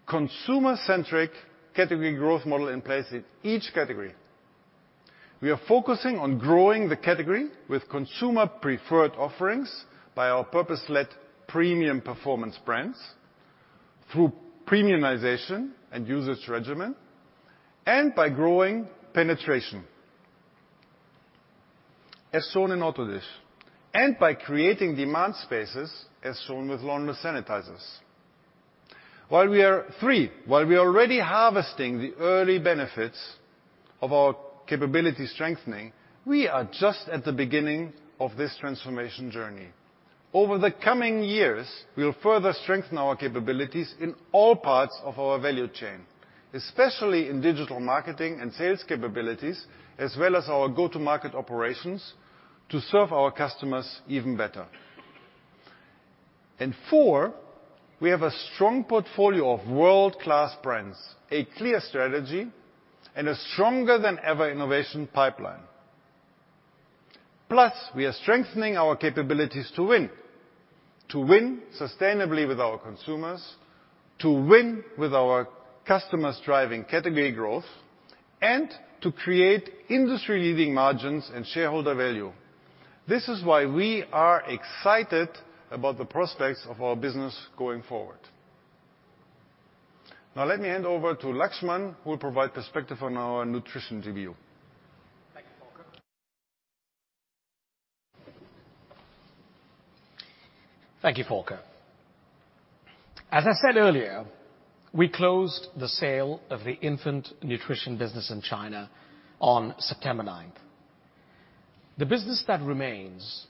consumer-centric category growth model in place in each category. We are focusing on growing the category with consumer preferred offerings by our purpose-led premium performance brands through premiumization and usage regimen, and by growing penetration as shown in autodish, and by creating demand spaces as shown with laundry sanitizers. Three, while we are already harvesting the early benefits of our capability strengthening, we are just at the beginning of this transformation journey. Over the coming years, we will further strengthen our capabilities in all parts of our value chain, especially in digital marketing and sales capabilities, as well as our go-to-market operations to serve our customers even better. Four, we have a strong portfolio of world-class brands, a clear strategy, and a stronger than ever innovation pipeline. We are strengthening our capabilities to win, to win sustainably with our consumers, to win with our customers driving category growth, and to create industry-leading margins and shareholder value. This is why we are excited about the prospects of our business going forward. Let me hand over to Laxman, who will provide perspective on our Nutrition GBU. Thank you, Volker. As I said earlier, we closed the sale of the infant nutrition business in China on September 9th. The business that remains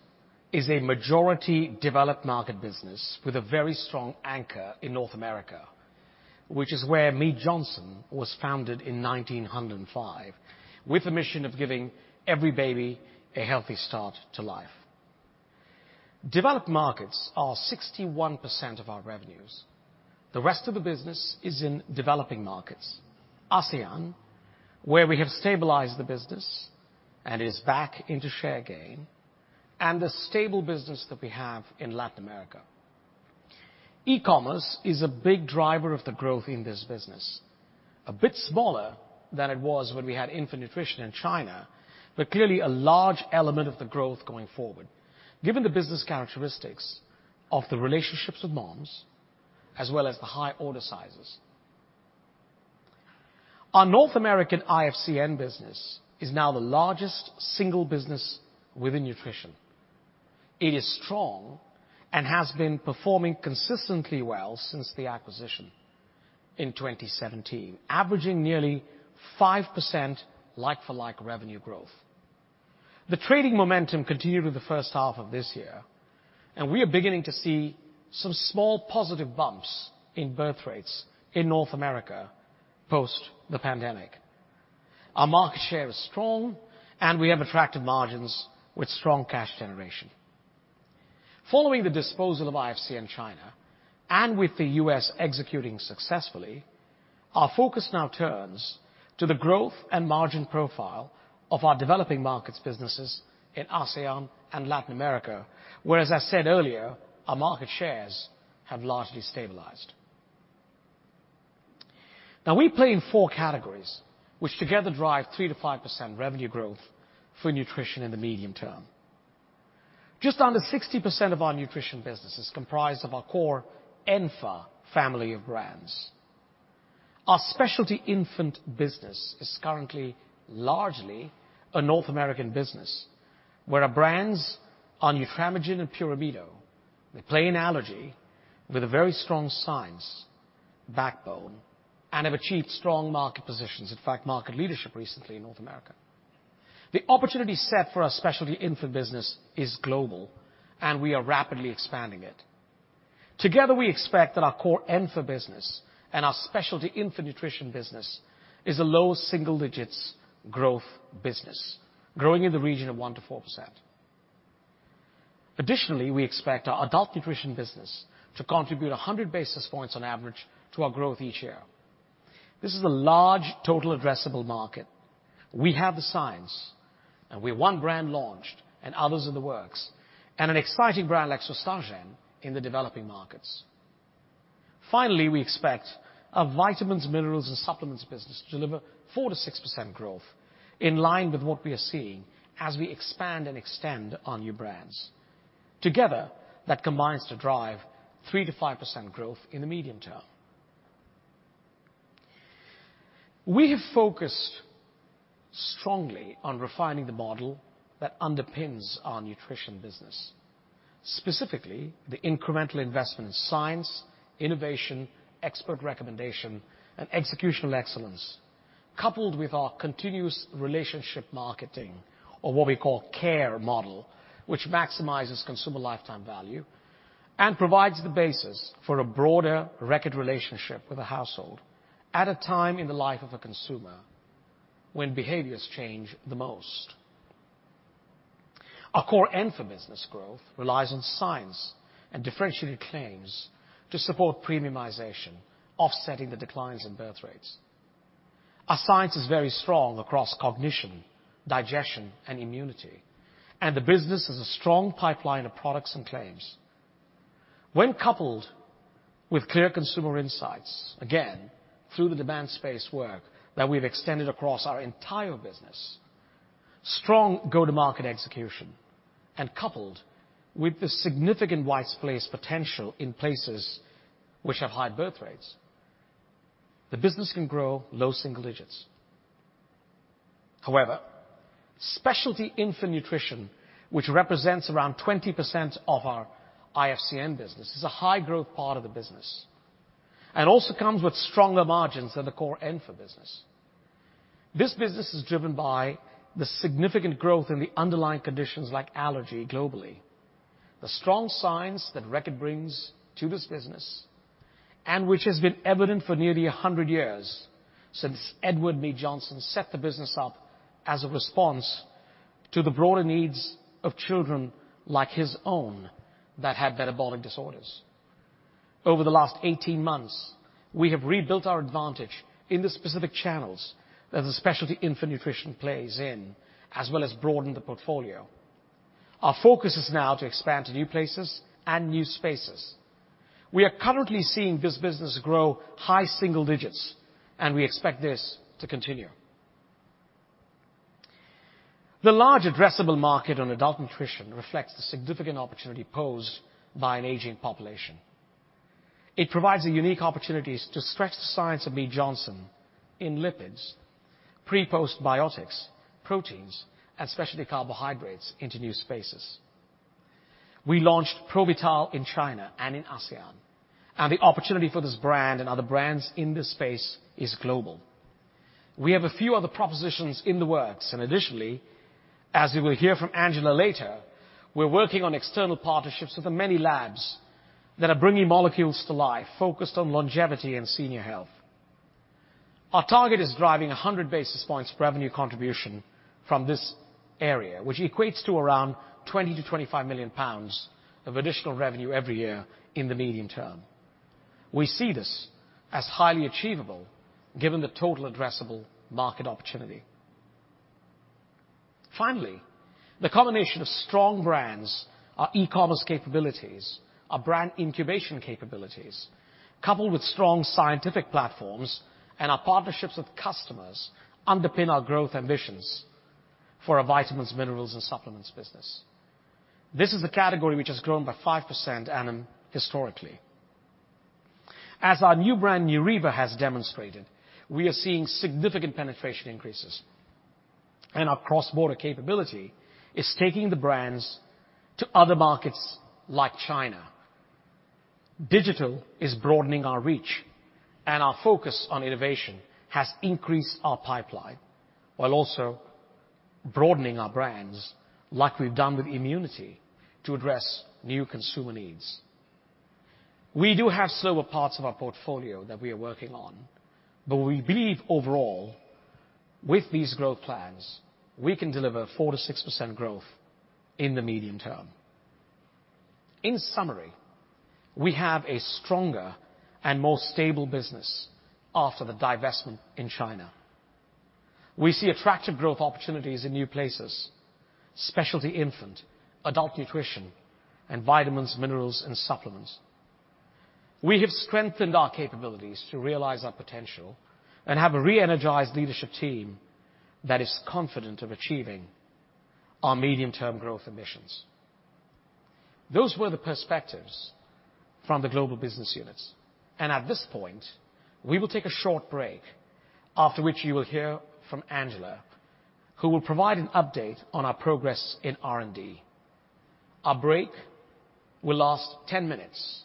is a majority developed market business with a very strong anchor in North America, which is where Mead Johnson was founded in 1905, with the mission of giving every baby a healthy start to life. Developed markets are 61% of our revenues. The rest of the business is in developing markets. ASEAN, where we have stabilized the business and is back into share gain, and the stable business that we have in Latin America. E-commerce is a big driver of the growth in this business, a bit smaller than it was when we had infant nutrition in China, but clearly a large element of the growth going forward, given the business characteristics of the relationships with moms, as well as the high order sizes. Our North American IFCN business is now the largest single business within nutrition. It is strong and has been performing consistently well since the acquisition in 2017, averaging nearly 5% like for like revenue growth. The trading momentum continued with the first half of this year, and we are beginning to see some small positive bumps in birth rates in North America post the pandemic. Our market share is strong, and we have attractive margins with strong cash generation. Following the disposal of IFCN China, and with the U.S. executing successfully, our focus now turns to the growth and margin profile of our developing markets businesses in ASEAN and Latin America, where, as I said earlier, our market shares have largely stabilized. Now we play in four categories, which together drive 3%-5% revenue growth for nutrition in the medium term. Just under 60% of our nutrition business is comprised of our core Enfa family of brands. Our specialty infant business is currently largely a North American business, where our brands are Nutramigen and PurAmino. They play in allergy with a very strong science backbone and have achieved strong market positions, in fact, market leadership recently in North America. The opportunity set for our specialty infant business is global, and we are rapidly expanding it. Together, we expect that our core Enfa business and our specialty infant nutrition business is a low single-digits growth business, growing in the region of 1%-4%. Additionally, we expect our adult nutrition business to contribute 100 basis points on average to our growth each year. This is a large total addressable market. We have the science, and we have one brand launched and others in the works, and an exciting brand like Sustagen in the developing markets. Finally, we expect our vitamins, minerals, and supplements business to deliver 4%-6% growth in line with what we are seeing as we expand and extend our new brands. Together, that combines to drive 3%-5% growth in the medium term. We have focused strongly on refining the model that underpins our nutrition business, specifically the incremental investment in science, innovation, expert recommendation, and executional excellence, coupled with our continuous relationship marketing or what we call CARE model, which maximizes consumer lifetime value and provides the basis for a broader Reckitt relationship with a household at a time in the life of a consumer when behaviors change the most. Our core infant business growth relies on science and differentiated claims to support premiumization, offsetting the declines in birth rates. Our science is very strong across cognition, digestion, and immunity, and the business has a strong pipeline of products and claims. When coupled with clear consumer insights, again, through the demand space work that we've extended across our entire business, strong go-to-market execution, and coupled with the significant wide-space potential in places which have high birth rates, the business can grow low single digits. However, specialty infant nutrition, which represents around 20% of our IFCN business, is a high growth part of the business, and also comes with stronger margins than the core infant business. This business is driven by the significant growth in the underlying conditions like allergy globally. The strong signs that Reckitt brings to this business, and which has been evident for nearly 100 years since Edward Mead Johnson set the business up as a response to the broader needs of children like his own that had metabolic disorders. Over the last 18 months, we have rebuilt our advantage in the specific channels that the specialty infant nutrition plays in, as well as broadened the portfolio. Our focus is now to expand to new places and new spaces. We are currently seeing this business grow high single digits, and we expect this to continue. The large addressable market on adult nutrition reflects the significant opportunity posed by an aging population. It provides the unique opportunities to stretch the science of Mead Johnson in lipids, pre/postbiotics, proteins, and specialty carbohydrates into new spaces. We launched ProVital in China and in ASEAN. The opportunity for this brand and other brands in this space is global. We have a few other propositions in the works, additionally, as you will hear from Angela later, we're working on external partnerships with the many labs that are bringing molecules to life focused on longevity and senior health. Our target is driving 100 basis points of revenue contribution from this area, which equates to around 20 million-25 million pounds of additional revenue every year in the medium term. We see this as highly achievable given the total addressable market opportunity. The combination of strong brands, our e-commerce capabilities, our brand incubation capabilities, coupled with strong scientific platforms and our partnerships with customers underpin our growth ambitions for our vitamins, minerals, and supplements business. This is a category which has grown by 5% annum historically. As our new brand, Neuriva, has demonstrated, we are seeing significant penetration increases, and our cross-border capability is taking the brands to other markets like China. Digital is broadening our reach, and our focus on innovation has increased our pipeline while also broadening our brands, like we've done with immunity, to address new consumer needs. We do have slower parts of our portfolio that we are working on, but we believe overall, with these growth plans, we can deliver 4%-6% growth in the medium term. In summary, we have a stronger and more stable business after the divestment in China. We see attractive growth opportunities in new places, specialty infant, adult nutrition, and vitamins, minerals, and supplements. We have strengthened our capabilities to realize our potential and have a re-energized leadership team that is confident of achieving our medium-term growth ambitions. Those were the perspectives from the global business units. At this point, we will take a short break, after which you will hear from Angela, who will provide an update on our progress in R&D. Our break will last 10 minutes,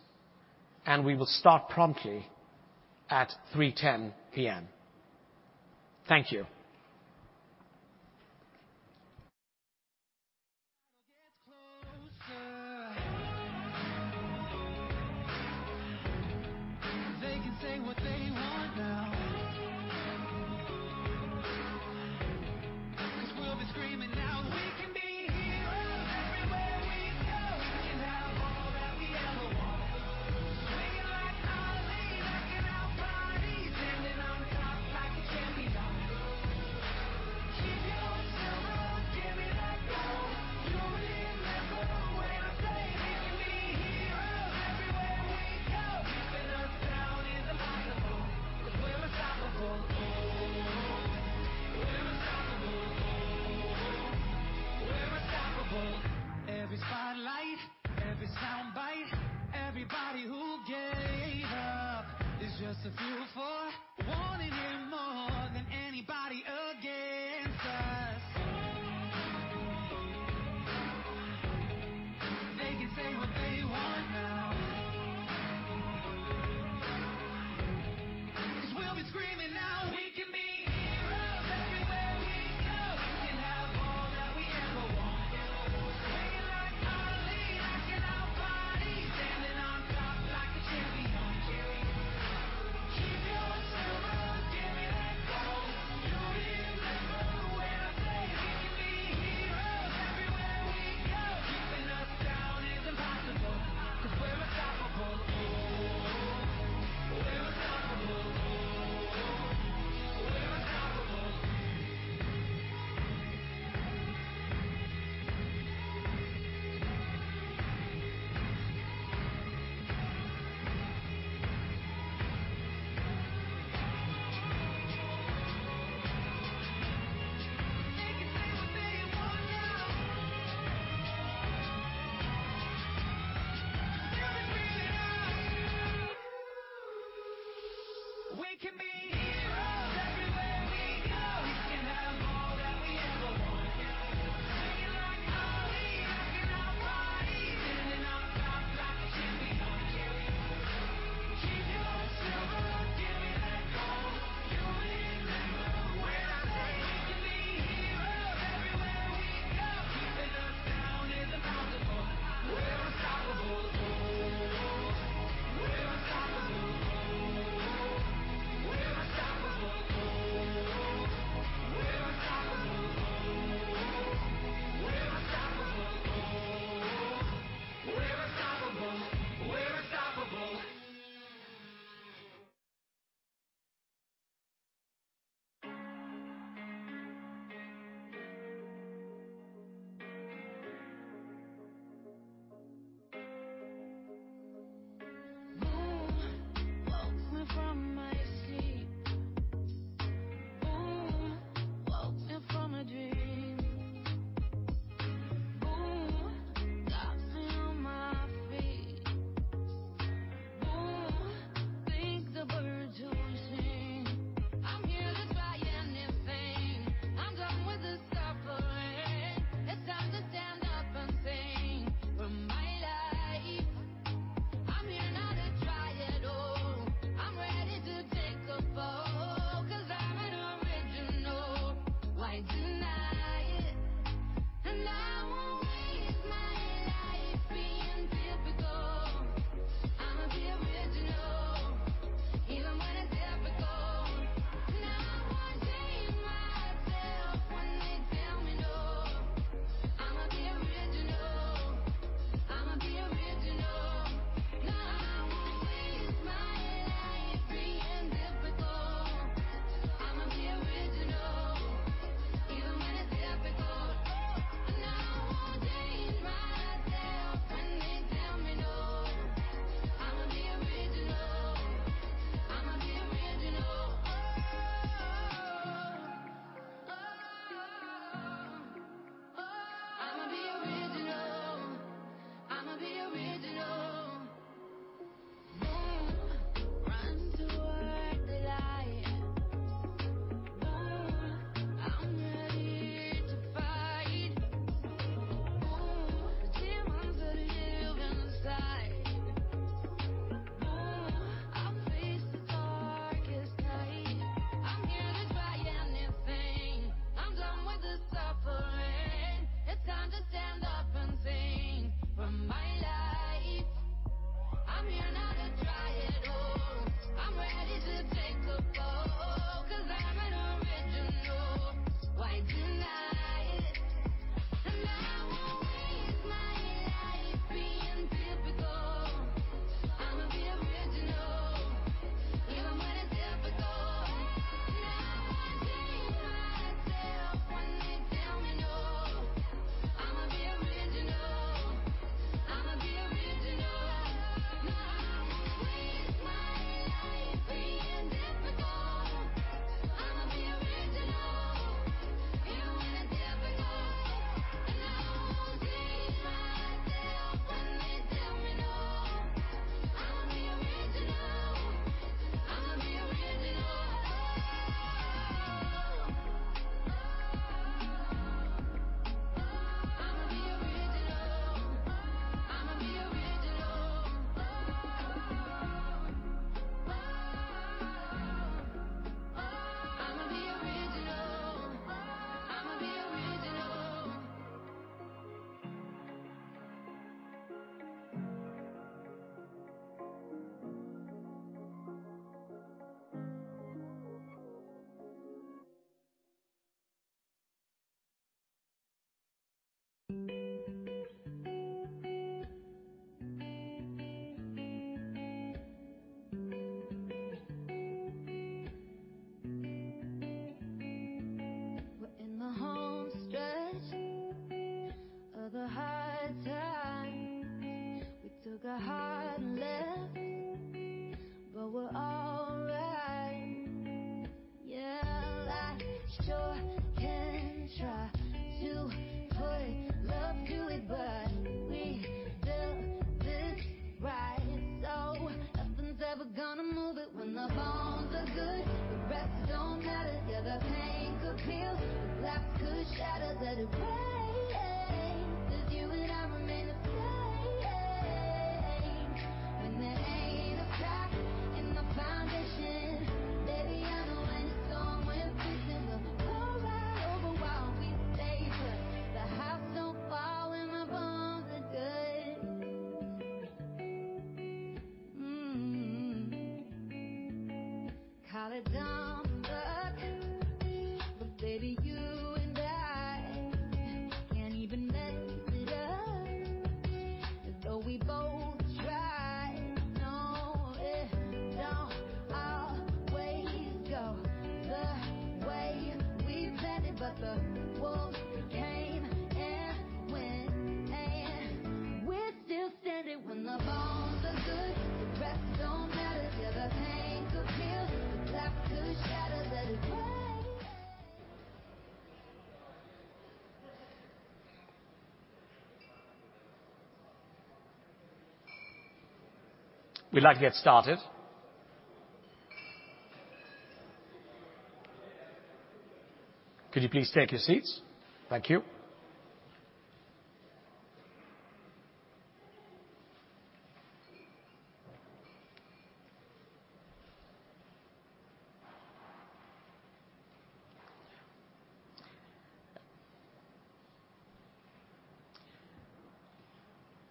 and we will start promptly at 3:10 P.M. Thank you. We'd like to get started. Could you please take your seats? Thank you.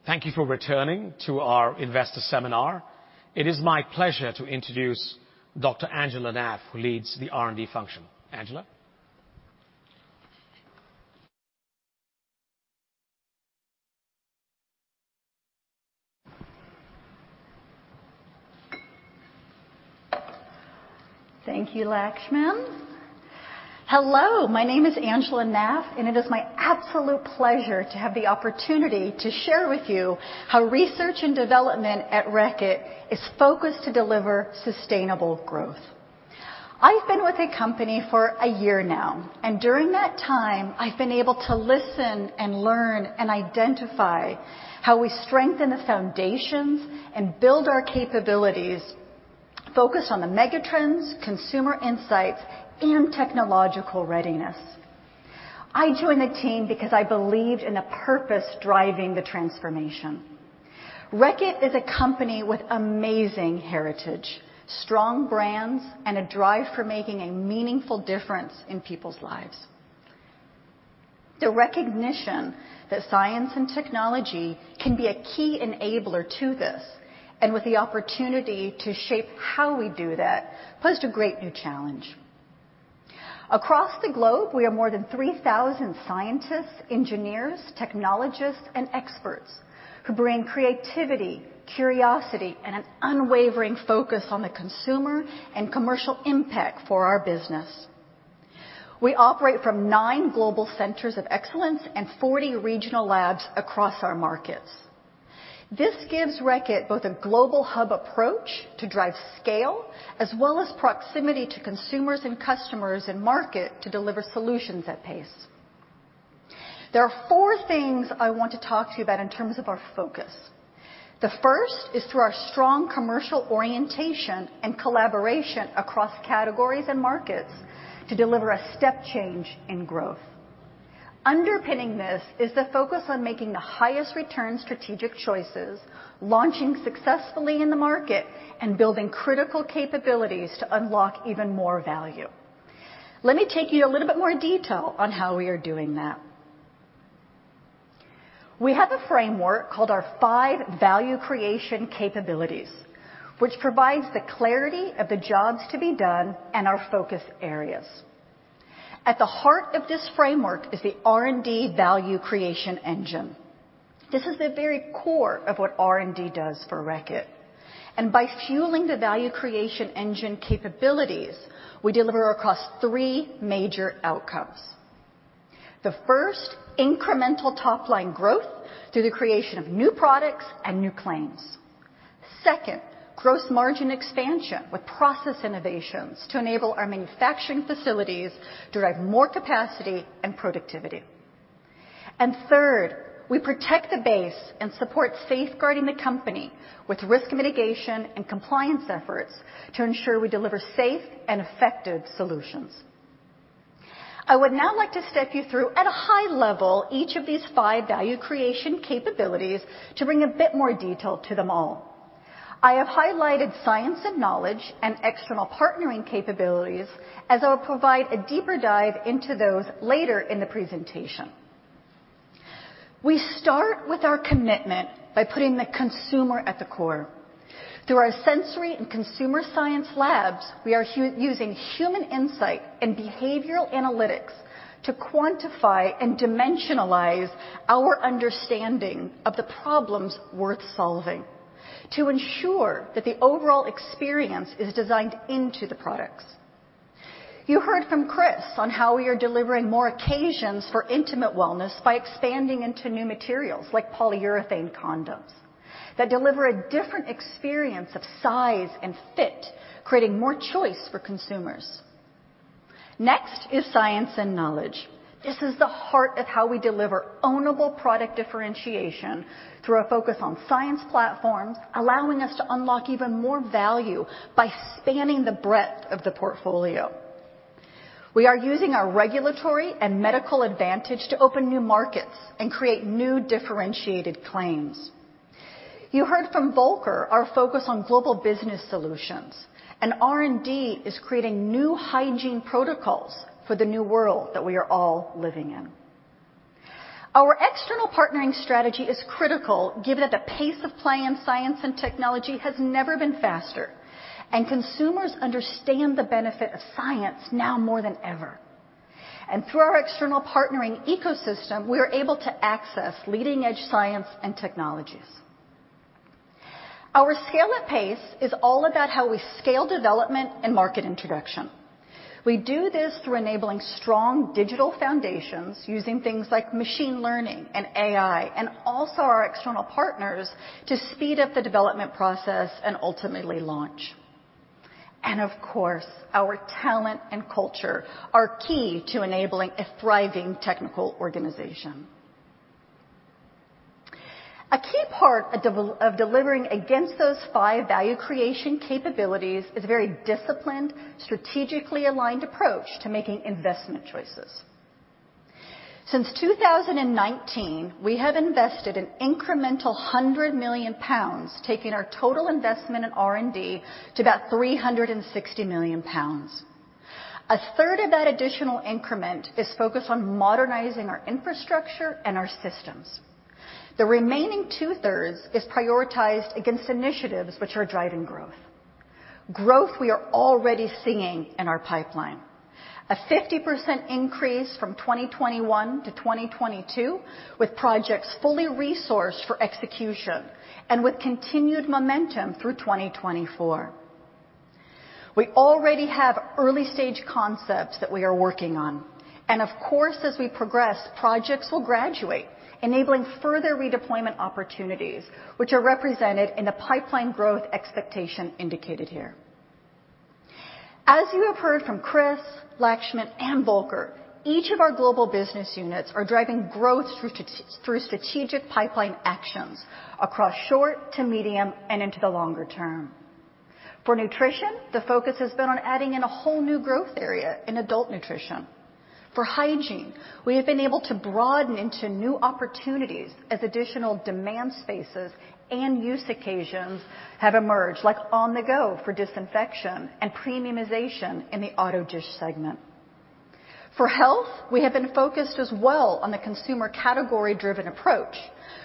Thank you for returning to our investor seminar. It is my pleasure to introduce Dr. Angela Naef, who leads the R&D function. Angela? Thank you, Laxman. Hello, my name is Angela Naef, and it is my absolute pleasure to have the opportunity to share with you how research and development at Reckitt is focused to deliver sustainable growth. I've been with the company for a year now, and during that time, I've been able to listen and learn and identify how we strengthen the foundations and build our capabilities focused on the megatrends, consumer insights, and technological readiness. I joined the team because I believed in a purpose driving the transformation. Reckitt is a company with amazing heritage, strong brands, and a drive for making a meaningful difference in people's lives. The recognition that science and technology can be a key enabler to this, and with the opportunity to shape how we do that, posed a great new challenge. Across the globe, we have more than 3,000 scientists, engineers, technologists, and experts who bring creativity, curiosity, and an unwavering focus on the consumer and commercial impact for our business. We operate from nine global centers of excellence and 40 regional labs across our markets. This gives Reckitt both a global hub approach to drive scale, as well as proximity to consumers and customers in market to deliver solutions at pace. There are four things I want to talk to you about in terms of our focus. The first is through our strong commercial orientation and collaboration across categories and markets to deliver a step change in growth. Underpinning this is the focus on making the highest return strategic choices, launching successfully in the market, and building critical capabilities to unlock even more value. Let me take you a little bit more detail on how we are doing that. We have a framework called our five value creation capabilities, which provides the clarity of the jobs to be done and our focus areas. At the heart of this framework is the R&D value creation engine. This is the very core of what R&D does for Reckitt. By fueling the value creation engine capabilities, we deliver across three major outcomes. The first, incremental top-line growth through the creation of new products and new claims. Second, gross margin expansion with process innovations to enable our manufacturing facilities to drive more capacity and productivity. Third, we protect the base and support safeguarding the company with risk mitigation and compliance efforts to ensure we deliver safe and effective solutions. I would now like to step you through, at a high level, each of these five value creation capabilities to bring a bit more detail to them all. I have highlighted science and knowledge and external partnering capabilities, as I'll provide a deeper dive into those later in the presentation. We start with our commitment by putting the consumer at the core. Through our sensory and consumer science labs, we are using human insight and behavioral analytics to quantify and dimensionalize our understanding of the problems worth solving to ensure that the overall experience is designed into the products. You heard from Kris on how we are delivering more occasions for intimate wellness by expanding into new materials like polyurethane condoms that deliver a different experience of size and fit, creating more choice for consumers. Next is science and knowledge. This is the heart of how we deliver ownable product differentiation through a focus on science platforms, allowing us to unlock even more value by spanning the breadth of the portfolio. We are using our regulatory and medical advantage to open new markets and create new differentiated claims. You heard from Volker, our focus on global business solutions, and R&D is creating new hygiene protocols for the new world that we are all living in. Our external partnering strategy is critical given that the pace of play in science and technology has never been faster, and consumers understand the benefit of science now more than ever. Through our external partnering ecosystem, we are able to access leading-edge science and technologies. Our scale at pace is all about how we scale development and market introduction. We do this through enabling strong digital foundations using things like machine learning and AI, and also our external partners to speed up the development process and ultimately launch. Of course, our talent and culture are key to enabling a thriving technical organization. A key part of delivering against those five value creation capabilities is a very disciplined, strategically aligned approach to making investment choices. Since 2019, we have invested an incremental 100 million pounds, taking our total investment in R&D to about 360 million pounds. A third of that additional increment is focused on modernizing our infrastructure and our systems. The remaining two-thirds is prioritized against initiatives which are driving growth. Growth we are already seeing in our pipeline. A 50% increase from 2021 to 2022, with projects fully resourced for execution and with continued momentum through 2024. We already have early-stage concepts that we are working on. Of course, as we progress, projects will graduate, enabling further redeployment opportunities, which are represented in the pipeline growth expectation indicated here. As you have heard from Kris, Laxman, and Volker, each of our global business units are driving growth through strategic pipeline actions across short to medium and into the longer term. For nutrition, the focus has been on adding in a whole new growth area in adult nutrition. For hygiene, we have been able to broaden into new opportunities as additional demand spaces and use occasions have emerged, like on-the-go for disinfection and premiumization in the autodish segment. For health, we have been focused as well on the consumer category-driven approach,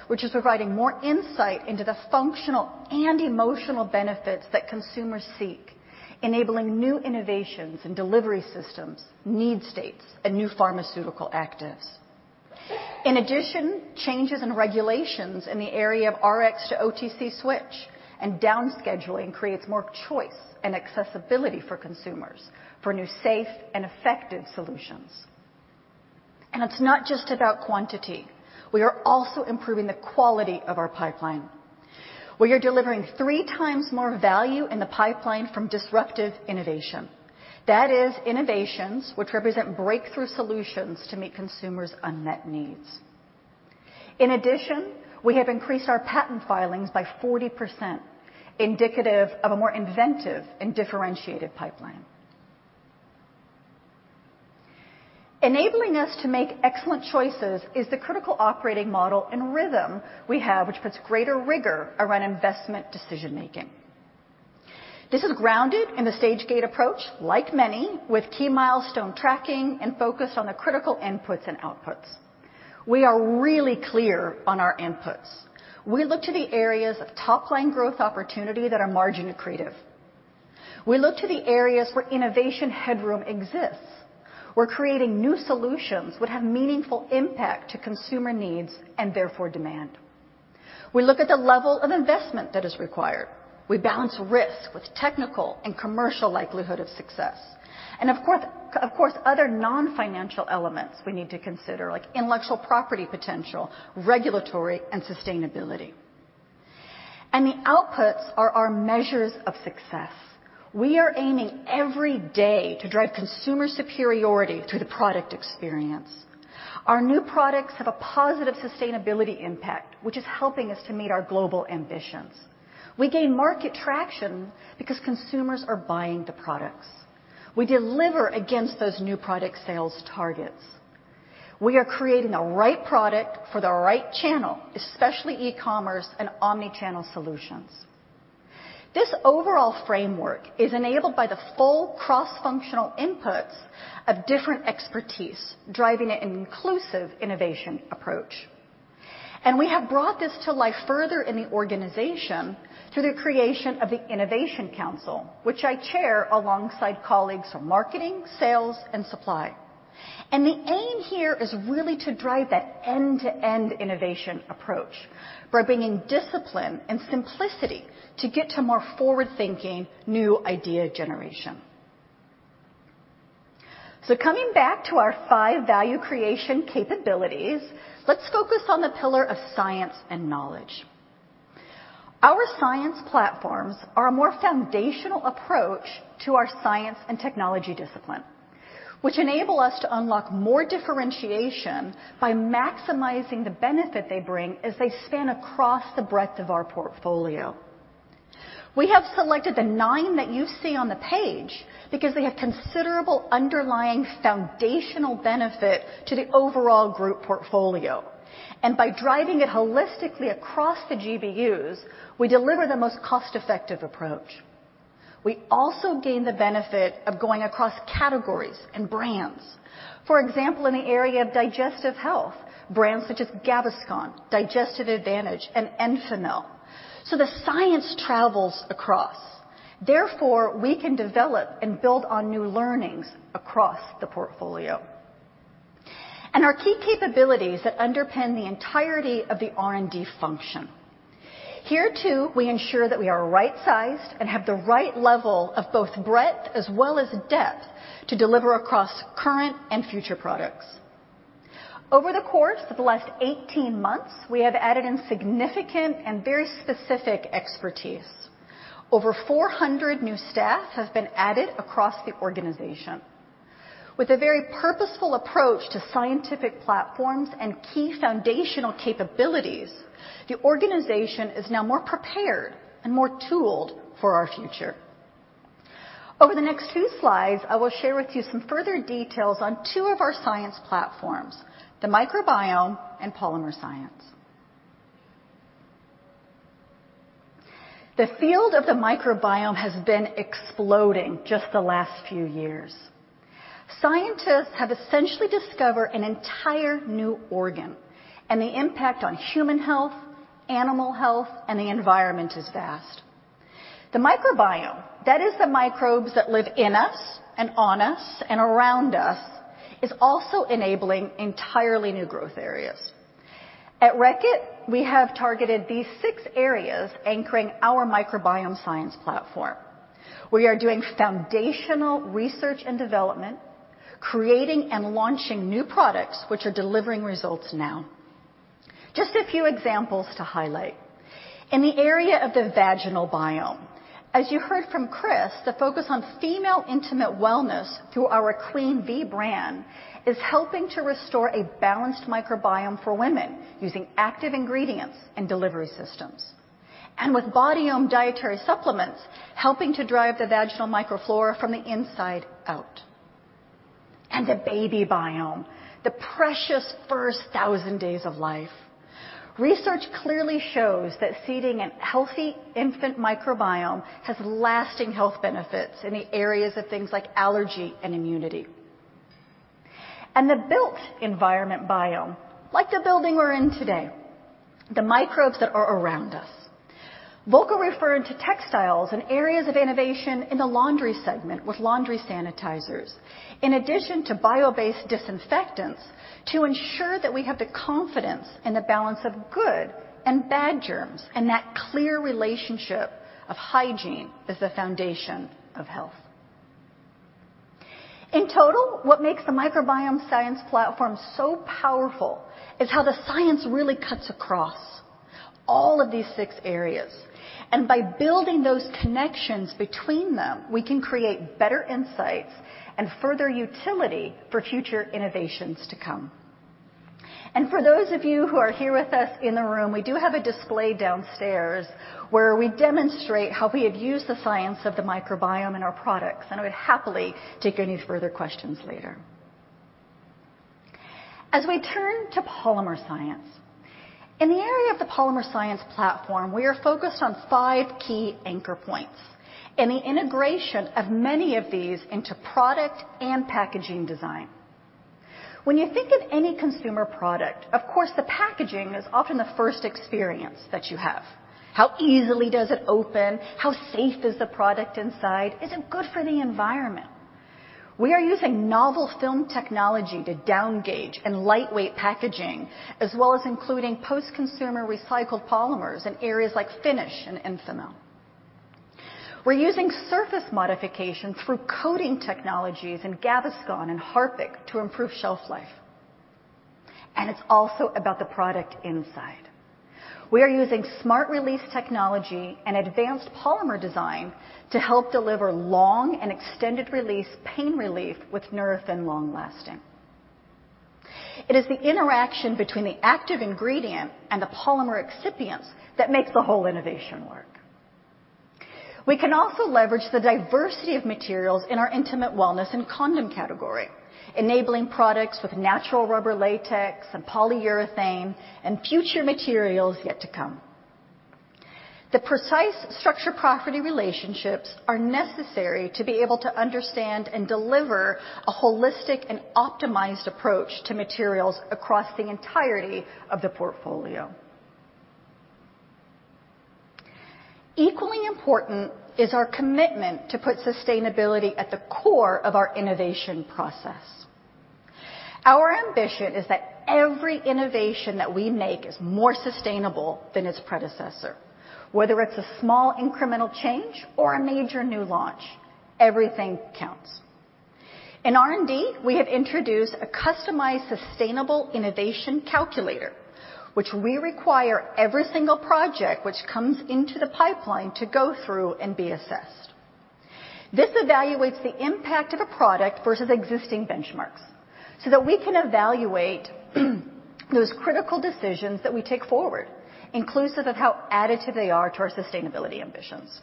which is providing more insight into the functional and emotional benefits that consumers seek, enabling new innovations in delivery systems, need states, and new pharmaceutical actives. In addition, changes in regulations in the area of Rx-to-OTC switch and down scheduling creates more choice and accessibility for consumers for new safe and effective solutions. It's not just about quantity. We are also improving the quality of our pipeline. We are delivering three times more value in the pipeline from disruptive innovation. That is innovations which represent breakthrough solutions to meet consumers' unmet needs. In addition, we have increased our patent filings by 40%, indicative of a more inventive and differentiated pipeline. Enabling us to make excellent choices is the critical operating model and rhythm we have, which puts greater rigor around investment decision-making. This is grounded in the stage gate approach, like many, with key milestone tracking and focus on the critical inputs and outputs. We are really clear on our inputs. We look to the areas of top-line growth opportunity that are margin accretive. We look to the areas where innovation headroom exists, where creating new solutions would have meaningful impact to consumer needs and therefore demand. We look at the level of investment that is required. We balance risk with technical and commercial likelihood of success. Of course, other non-financial elements we need to consider, like intellectual property potential, regulatory, and sustainability. The outputs are our measures of success. We are aiming every day to drive consumer superiority through the product experience. Our new products have a positive sustainability impact, which is helping us to meet our global ambitions. We gain market traction because consumers are buying the products. We deliver against those new product sales targets. We are creating the right product for the right channel, especially e-commerce and omni-channel solutions. This overall framework is enabled by the full cross-functional inputs of different expertise, driving an inclusive innovation approach. We have brought this to life further in the organization through the creation of the Innovation Council, which I chair alongside colleagues from marketing, sales, and supply. The aim here is really to drive that end-to-end innovation approach by bringing discipline and simplicity to get to more forward-thinking, new idea generation. Coming back to our five value creation capabilities, let's focus on the pillar of science and knowledge. Our science platforms are a more foundational approach to our science and technology discipline, which enable us to unlock more differentiation by maximizing the benefit they bring as they span across the breadth of our portfolio. We have selected the nine that you see on the page because they have considerable underlying foundational benefit to the overall group portfolio. By driving it holistically across the GBUs, we deliver the most cost-effective approach. We also gain the benefit of going across categories and brands. For example, in the area of digestive health, brands such as Gaviscon, Digestive Advantage, and Enfamil. The science travels across. Therefore, we can develop and build on new learnings across the portfolio. Our key capabilities that underpin the entirety of the R&D function. Here, too, we ensure that we are right-sized and have the right level of both breadth as well as depth to deliver across current and future products. Over the course of the last 18 months, we have added in significant and very specific expertise. Over 400 new staff have been added across the organization. With a very purposeful approach to scientific platforms and key foundational capabilities, the organization is now more prepared and more tooled for our future. Over the next few slides, I will share with you some further details on two of our science platforms, the microbiome and polymer science. The field of the microbiome has been exploding just the last few years. Scientists have essentially discovered an entire new organ, and the impact on human health, animal health, and the environment is vast. The microbiome, that is the microbes that live in us and on us and around us, is also enabling entirely new growth areas. At Reckitt, we have targeted these six areas anchoring our microbiome science platform. We are doing foundational research and development, creating and launching new products which are delivering results now. Just a few examples to highlight. In the area of the vaginal biome, as you heard from Kris, the focus on female intimate wellness through our Queen V brand is helping to restore a balanced microbiome for women using active ingredients and delivery systems, with Bodi-Ome dietary supplements helping to drive the vaginal microflora from the inside out. The baby biome, the precious first 1,000 days of life. Research clearly shows that seeding a healthy infant microbiome has lasting health benefits in the areas of things like allergy and immunity. The built environment biome, like the building we’re in today, the microbes that are around us. Volker referred to textiles and areas of innovation in the laundry segment with laundry sanitizers, in addition to bio-based disinfectants to ensure that we have the confidence and the balance of good and bad germs, and that clear relationship of hygiene as the foundation of health. In total, what makes the microbiome science platform so powerful is how the science really cuts across all of these six areas. By building those connections between them, we can create better insights and further utility for future innovations to come. For those of you who are here with us in the room, we do have a display downstairs where we demonstrate how we have used the science of the microbiome in our products, and I would happily take any further questions later. As we turn to polymer science, in the area of the polymer science platform, we are focused on five key anchor points and the integration of many of these into product and packaging design. When you think of any consumer product, of course, the packaging is often the first experience that you have. How easily does it open? How safe is the product inside? Is it good for the environment? We are using novel film technology to down-gauge in lightweight packaging, as well as including post-consumer recycled polymers in areas like Finish and Enfamil. We're using surface modification through coating technologies in Gaviscon and Harpic to improve shelf life. It's also about the product inside. We are using smart release technology and advanced polymer design to help deliver long and extended-release pain relief with Nurofen Long Lasting. It is the interaction between the active ingredient and the polymer excipients that makes the whole innovation work. We can also leverage the diversity of materials in our intimate wellness and condom category, enabling products with natural rubber latex and polyurethane and future materials yet to come. The precise structure-property relationships are necessary to be able to understand and deliver a holistic and optimized approach to materials across the entirety of the portfolio. Equally important is our commitment to put sustainability at the core of our innovation process. Our ambition is that every innovation that we make is more sustainable than its predecessor. Whether it's a small incremental change or a major new launch, everything counts. In R&D, we have introduced a customized sustainable innovation calculator, which we require every single project which comes into the pipeline to go through and be assessed. This evaluates the impact of a product versus existing benchmarks so that we can evaluate those critical decisions that we take forward, inclusive of how additive they are to our sustainability ambitions.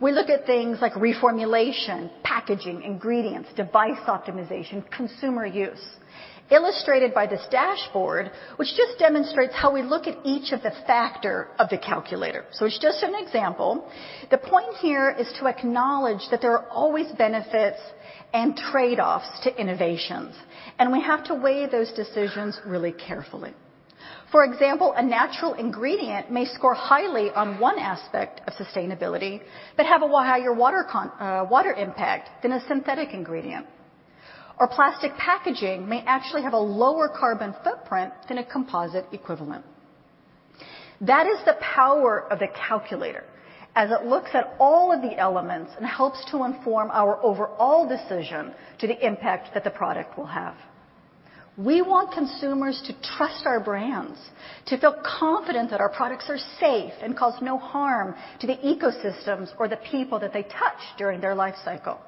We look at things like reformulation, packaging, ingredients, device optimization, consumer use, illustrated by this dashboard, which just demonstrates how we look at each of the factor of the calculator. So it's just an example. The point here is to acknowledge that there are always benefits and trade-offs to innovations, and we have to weigh those decisions really carefully. For example, a natural ingredient may score highly on one aspect of sustainability, but have a higher water impact than a synthetic ingredient. Plastic packaging may actually have a lower carbon footprint than a composite equivalent. That is the power of the calculator as it looks at all of the elements and helps to inform our overall decision to the impact that the product will have. We want consumers to trust our brands, to feel confident that our products are safe and cause no harm to the ecosystems or the people that they touch during their life cycle.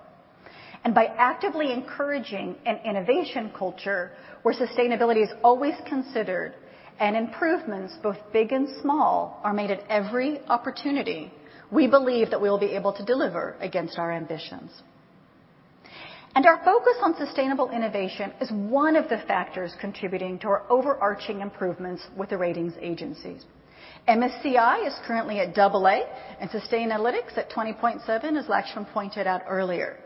By actively encouraging an innovation culture where sustainability is always considered and improvements, both big and small, are made at every opportunity, we believe that we will be able to deliver against our ambitions. Our focus on sustainable innovation is one of the factors contributing to our overarching improvements with the ratings agencies. MSCI is currently at AA, and Sustainalytics at 20.7, as Laxman pointed out earlier.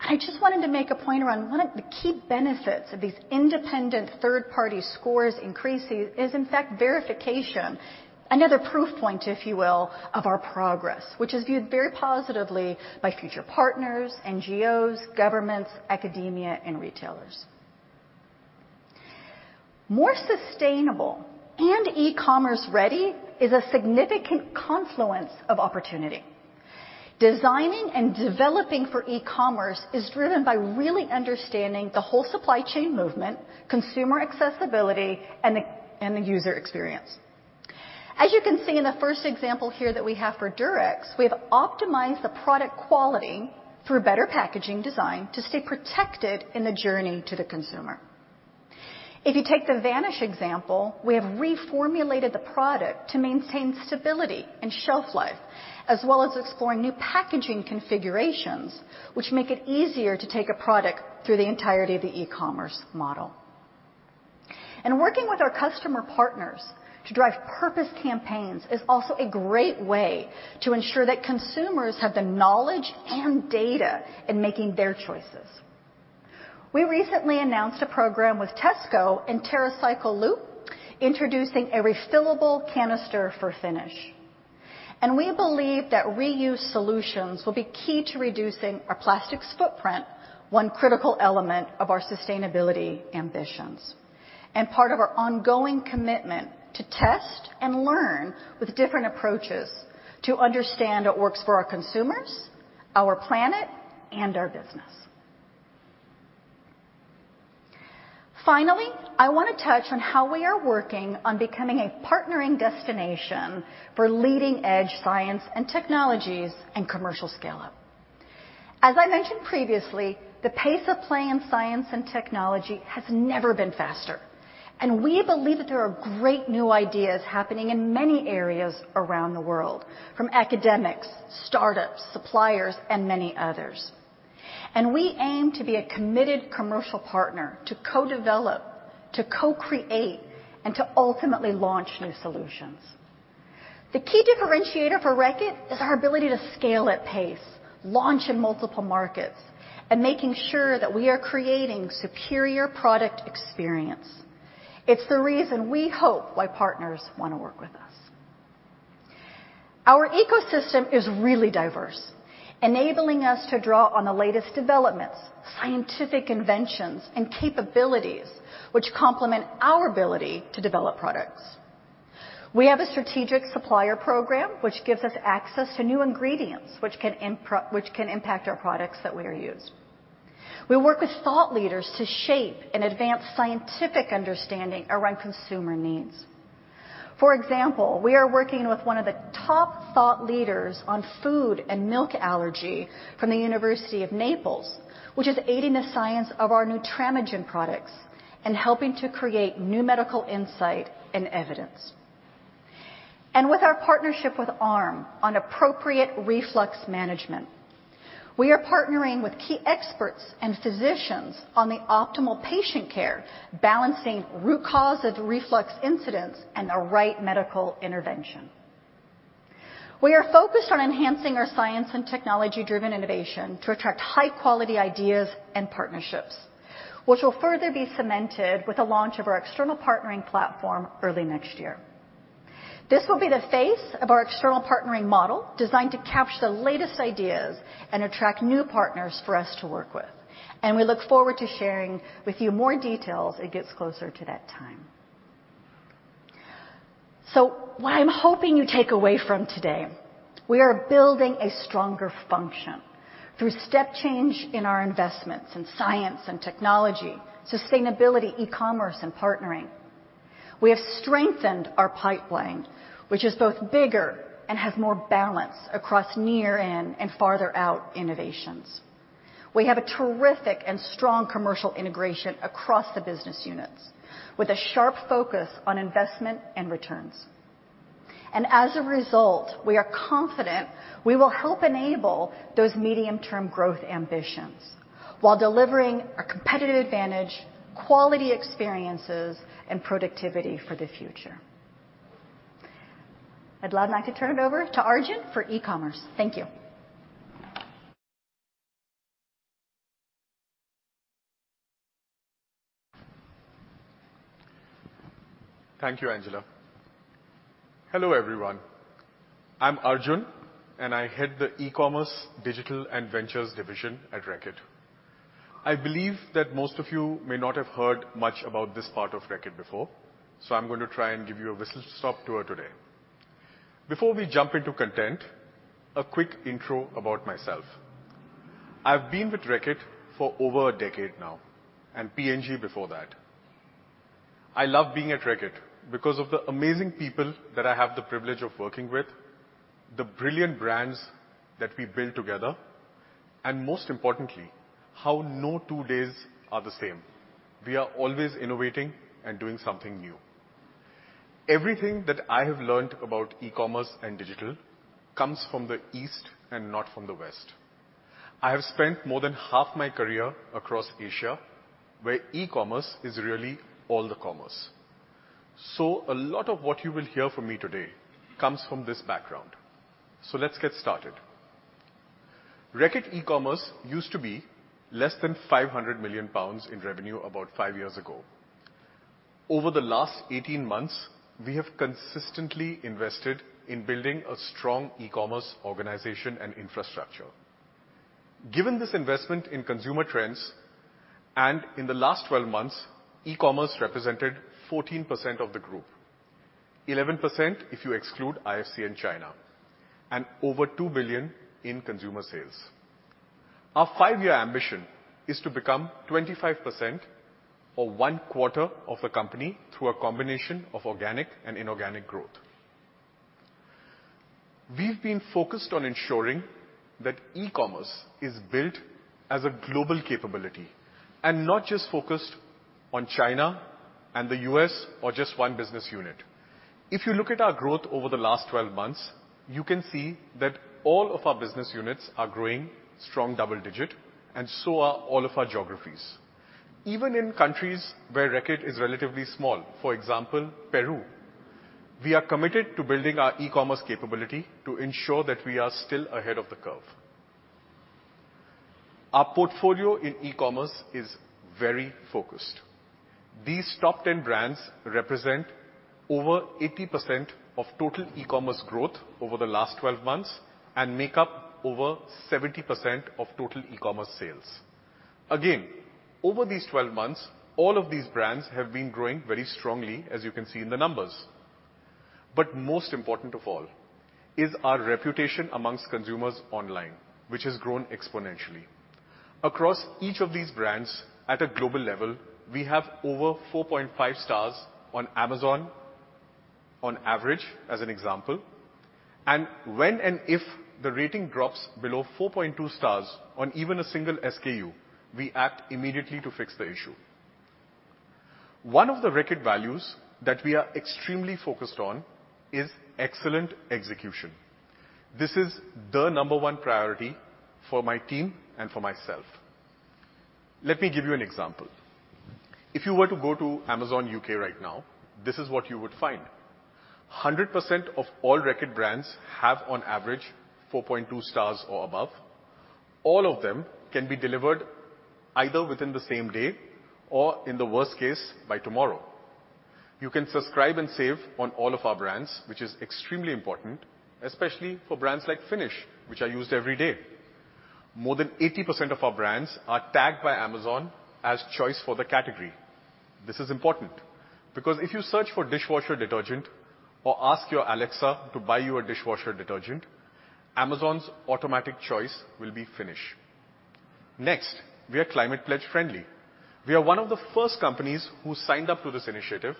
I just wanted to make a point around one of the key benefits of these independent third-party scores increases is in fact verification, another proof point, if you will, of our progress, which is viewed very positively by future partners, NGOs, governments, academia, and retailers. More sustainable and e-commerce ready is a significant confluence of opportunity. Designing and developing for e-commerce is driven by really understanding the whole supply chain movement, consumer accessibility, and the user experience. As you can see in the first example here that we have for Durex, we have optimized the product quality through better packaging design to stay protected in the journey to the consumer. If you take the Vanish example, we have reformulated the product to maintain stability and shelf life, as well as exploring new packaging configurations, which make it easier to take a product through the entirety of the e-commerce model. Working with our customer partners to drive purpose campaigns is also a great way to ensure that consumers have the knowledge and data in making their choices. We recently announced a program with Tesco and TerraCycle Loop introducing a refillable canister for Finish. We believe that reuse solutions will be key to reducing our plastics footprint, one critical element of our sustainability ambitions, and part of our ongoing commitment to test and learn with different approaches to understand what works for our consumers, our planet, and our business. Finally, I want to touch on how we are working on becoming a partnering destination for leading-edge science and technologies and commercial scale-up. As I mentioned previously, the pace of play in science and technology has never been faster, and we believe that there are great new ideas happening in many areas around the world, from academics, startups, suppliers, and many others. We aim to be a committed commercial partner to co-develop, to co-create, and to ultimately launch new solutions. The key differentiator for Reckitt is our ability to scale at pace, launch in multiple markets, and making sure that we are creating superior product experience. It's the reason we hope why partners want to work with us. Our ecosystem is really diverse, enabling us to draw on the latest developments, scientific inventions, and capabilities which complement our ability to develop products. We have a strategic supplier program, which gives us access to new ingredients which can impact our products that we are used. We work with thought leaders to shape and advance scientific understanding around consumer needs. For example, we are working with one of the top thought leaders on food and milk allergy from the University of Naples, which is aiding the science of our Nutramigen products and helping to create new medical insight and evidence. With our partnership with ARM on appropriate reflux management, we are partnering with key experts and physicians on the optimal patient care, balancing root cause of reflux incidents and the right medical intervention. We are focused on enhancing our science and technology-driven innovation to attract high-quality ideas and partnerships, which will further be cemented with the launch of our external partnering platform early next year. This will be the face of our external partnering model, designed to capture the latest ideas and attract new partners for us to work with, and we look forward to sharing with you more details as it gets closer to that time. What I'm hoping you take away from today, we are building a stronger function through step change in our investments in science and technology, sustainability, e-commerce, and partnering. We have strengthened our pipeline, which is both bigger and has more balance across near and farther out innovations. We have a terrific and strong commercial integration across the business units with a sharp focus on investment and returns. As a result, we are confident we will help enable those medium-term growth ambitions while delivering a competitive advantage, quality experiences, and productivity for the future. I'd like now to turn it over to Arjun for eCommerce. Thank you. Thank you, Angela. Hello, everyone. I'm Arjun. I head the eCommerce, Digital, and Ventures division at Reckitt. I believe that most of you may not have heard much about this part of Reckitt before. I'm going to try and give you a whistle-stop tour today. Before we jump into content, a quick intro about myself. I've been with Reckitt for over a decade now. P&G before that. I love being at Reckitt because of the amazing people that I have the privilege of working with, the brilliant brands that we build together. Most importantly, how no two days are the same. We are always innovating and doing something new. Everything that I have learned about eCommerce and digital comes from the East and not from the West. I have spent more than half my career across Asia, where eCommerce is really all the commerce. A lot of what you will hear from me today comes from this background. Let's get started. Reckitt eCommerce used to be less than 500 million pounds in revenue about five years ago. Over the last 18 months, we have consistently invested in building a strong eCommerce organization and infrastructure. Given this investment in consumer trends, in the last 12 months, eCommerce represented 14% of the group, 11% if you exclude IFCN China, and over 2 billion in consumer sales. Our five-year ambition is to become 25% or one quarter of the company through a combination of organic and inorganic growth. We've been focused on ensuring that eCommerce is built as a global capability and not just focused on China and the U.S. or just one business unit. If you look at our growth over the last 12 months, you can see that all of our business units are growing strong double-digit. So are all of our geographies. Even in countries where Reckitt is relatively small, for example, Peru, we are committed to building our eCommerce capability to ensure that we are still ahead of the curve. Our portfolio in eCommerce is very focused. These top 10 brands represent over 80% of total eCommerce growth over the last 12 months and make up over 70% of total eCommerce sales. Again, over these 12 months, all of these brands have been growing very strongly, as you can see in the numbers. Most important of all is our reputation amongst consumers online, which has grown exponentially. Across each of these brands at a global level, we have over 4.5 stars on Amazon on average, as an example. When and if the rating drops below 4.2 stars on even a single SKU, we act immediately to fix the issue. One of the Reckitt values that we are extremely focused on is excellent execution. This is the number one priority for my team and for myself. Let me give you an example. If you were to go to Amazon UK right now, this is what you would find. 100% of all Reckitt brands have on average 4.2 stars or above. All of them can be delivered either within the same day or, in the worst case, by tomorrow. You can subscribe and save on all of our brands, which is extremely important, especially for brands like Finish, which are used every day. More than 80% of our brands are tagged by Amazon as choice for the category. This is important because if you search for dishwasher detergent or ask your Alexa to buy you a dishwasher detergent, Amazon's automatic choice will be Finish. We are Climate Pledge Friendly. We are one of the first companies who signed up to this initiative,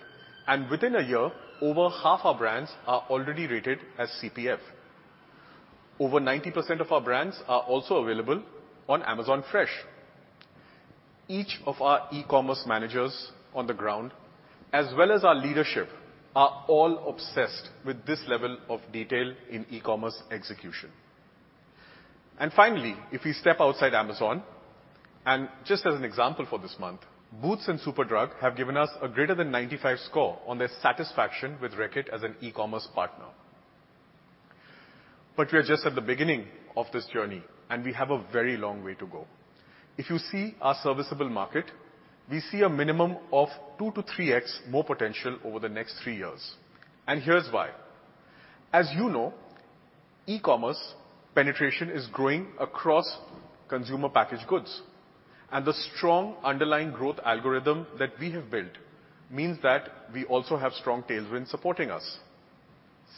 and within a year, over half our brands are already rated as CPF. Over 90% of our brands are also available on Amazon Fresh. Each of our eCommerce managers on the ground, as well as our leadership, are all obsessed with this level of detail in eCommerce execution. Finally, if we step outside Amazon, and just as an example for this month, Boots and Superdrug have given us a greater than 95 score on their satisfaction with Reckitt as an eCommerce partner. We are just at the beginning of this journey, and we have a very long way to go. If you see our serviceable market, we see a minimum of 2x-3x more potential over the next three years. Here's why. As you know, eCommerce penetration is growing across consumer packaged goods, and the strong underlying growth algorithm that we have built means that we also have strong tailwinds supporting us.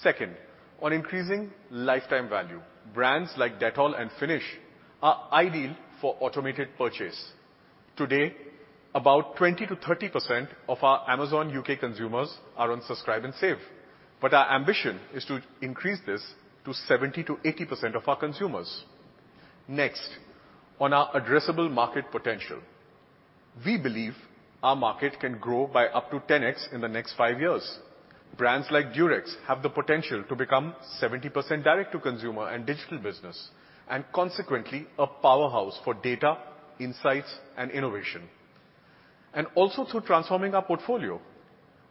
Second, on increasing lifetime value, brands like Dettol and Finish are ideal for automated purchase. Today, about 20%-30% of our Amazon UK consumers are on Subscribe and Save. Our ambition is to increase this to 70% to 80% of our consumers. Next, on our addressable market potential. We believe our market can grow by up to 10x in the next five years. Brands like Durex have the potential to become 70% direct to consumer and digital business, and consequently, a powerhouse for data, insights, and innovation. Also through transforming our portfolio.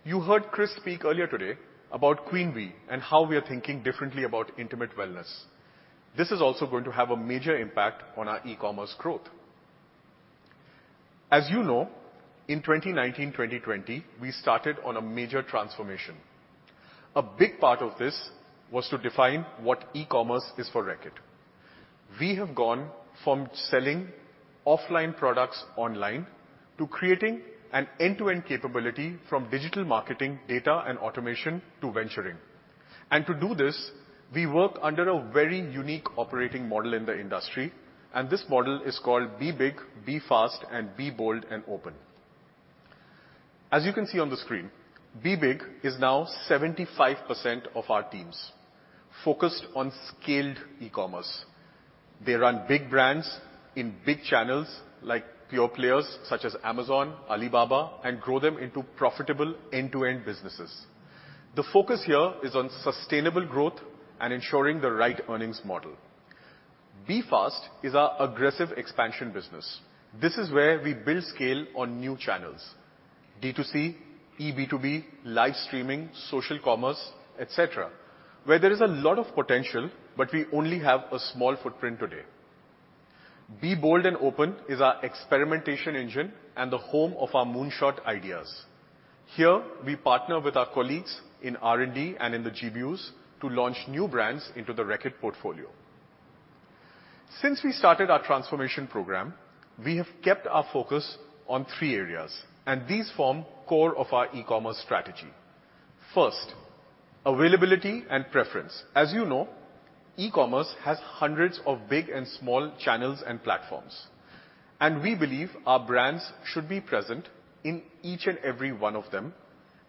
You heard Kris Licht speak earlier today about Queen V and how we are thinking differently about intimate wellness. This is also going to have a major impact on our e-commerce growth. As you know, in 2019, 2020, we started on a major transformation. A big part of this was to define what e-commerce is for Reckitt. We have gone from selling offline products online to creating an end-to-end capability from digital marketing, data, and automation to venturing. To do this, we work under a very unique operating model in the industry, and this model is called Be Big, Be Fast, and Be Bold and Open. As you can see on the screen, Be Big is now 75% of our teams, focused on scaled e-commerce. They run big brands in big channels like pure players such as Amazon, Alibaba, and grow them into profitable end-to-end businesses. The focus here is on sustainable growth and ensuring the right earnings model. Be Fast is our aggressive expansion business. This is where we build scale on new channels, D2C, EB2B, live streaming, social commerce, et cetera, where there is a lot of potential, but we only have a small footprint today. Be Bold and Open is our experimentation engine and the home of our moonshot ideas. Here, we partner with our colleagues in R&D and in the GBUs to launch new brands into the Reckitt portfolio. Since we started our transformation program, we have kept our focus on three areas, and these form core of our e-commerce strategy. First, availability and preference. As you know, e-commerce has hundreds of big and small channels and platforms, and we believe our brands should be present in each and every one of them,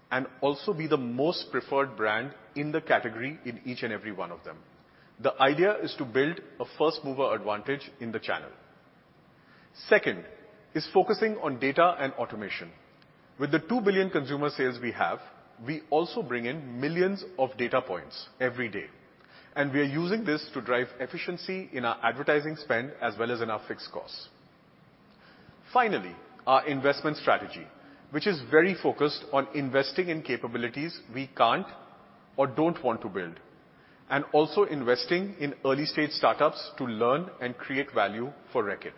and also be the most preferred brand in the category in each and every one of them. The idea is to build a first-mover advantage in the channel. Second is focusing on data and automation. With the 2 billion consumer sales we have, we also bring in millions of data points every day, and we are using this to drive efficiency in our advertising spend as well as in our fixed costs. Our investment strategy, which is very focused on investing in capabilities we can't or don't want to build, and also investing in early-stage startups to learn and create value for Reckitt.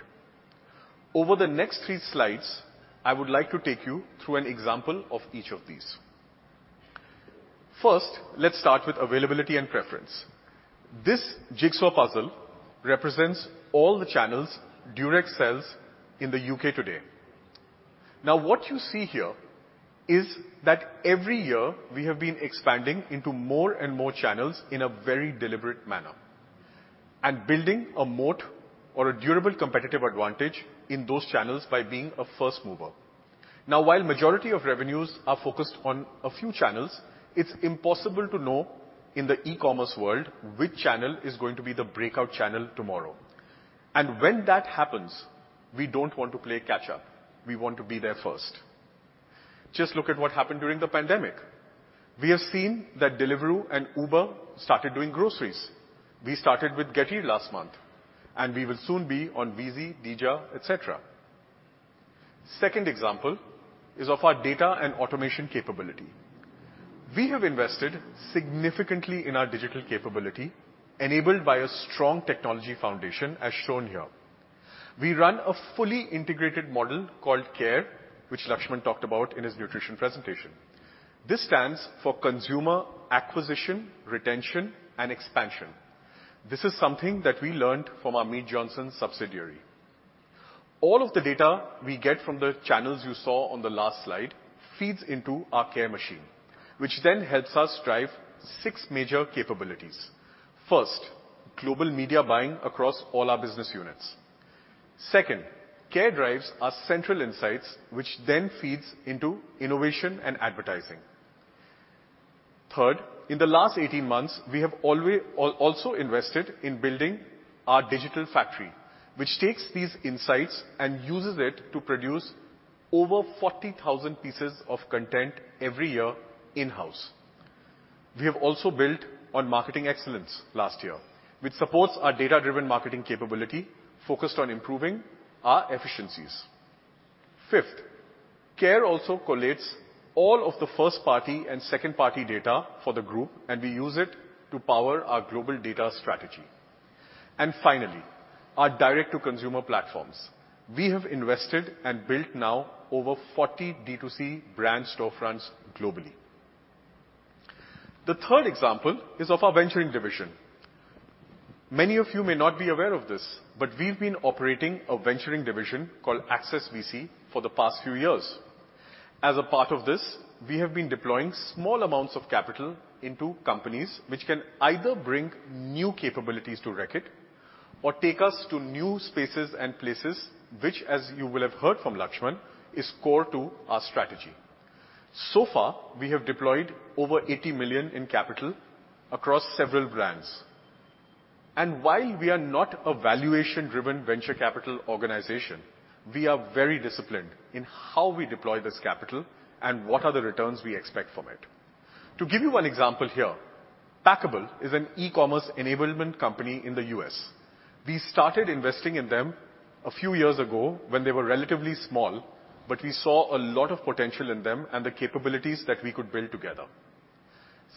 Over the next three slides, I would like to take you through an example of each of these. First, let's start with availability and preference. This jigsaw puzzle represents all the channels Durex sells in the U.K. today. What you see here is that every year, we have been expanding into more and more channels in a very deliberate manner and building a moat or a durable competitive advantage in those channels by being a first mover. While majority of revenues are focused on a few channels, it's impossible to know in the e-commerce world which channel is going to be the breakout channel tomorrow. When that happens, we don't want to play catch up. We want to be there first. Just look at what happened during the pandemic. We have seen that Deliveroo and Uber started doing groceries. We started with Getir last month, and we will soon be on Weezy, Dija, et cetera. Second example is of our data and automation capability. We have invested significantly in our digital capability enabled by a strong technology foundation as shown here. We run a fully integrated model called CARE, which Laxman talked about in his nutrition presentation. This stands for Consumer Acquisition, Retention, and Expansion. This is something that we learned from our Mead Johnson subsidiary. All of the data we get from the channels you saw on the last slide feeds into our CARE machine, which then helps us drive six major capabilities. First, global media buying across all our business units. CARE drives our central insights, which then feeds into innovation and advertising. In the last 18 months, we have also invested in building our digital factory, which takes these insights and uses it to produce over 40,000 pieces of content every year in-house. We have also built on marketing excellence last year, which supports our data-driven marketing capability focused on improving our efficiencies. CARE also collates all of the first-party and second-party data for the group, and we use it to power our global data strategy. Finally, our direct-to-consumer platforms. We have invested and built now over 40 D2C brand storefronts globally. The third example is of our venturing division. Many of you may not be aware of this, but we've been operating a venturing division called Access VC for the past few years. As a part of this, we have been deploying small amounts of capital into companies which can either bring new capabilities to Reckitt or take us to new spaces and places which, as you will have heard from Laxman, is core to our strategy. So far, we have deployed over 80 million in capital across several brands. While we are not a valuation-driven venture capital organization, we are very disciplined in how we deploy this capital and what are the returns we expect from it. To give you one example here, Packable is an e-commerce enablement company in the U.S. We started investing in them a few years ago when they were relatively small, but we saw a lot of potential in them and the capabilities that we could build together.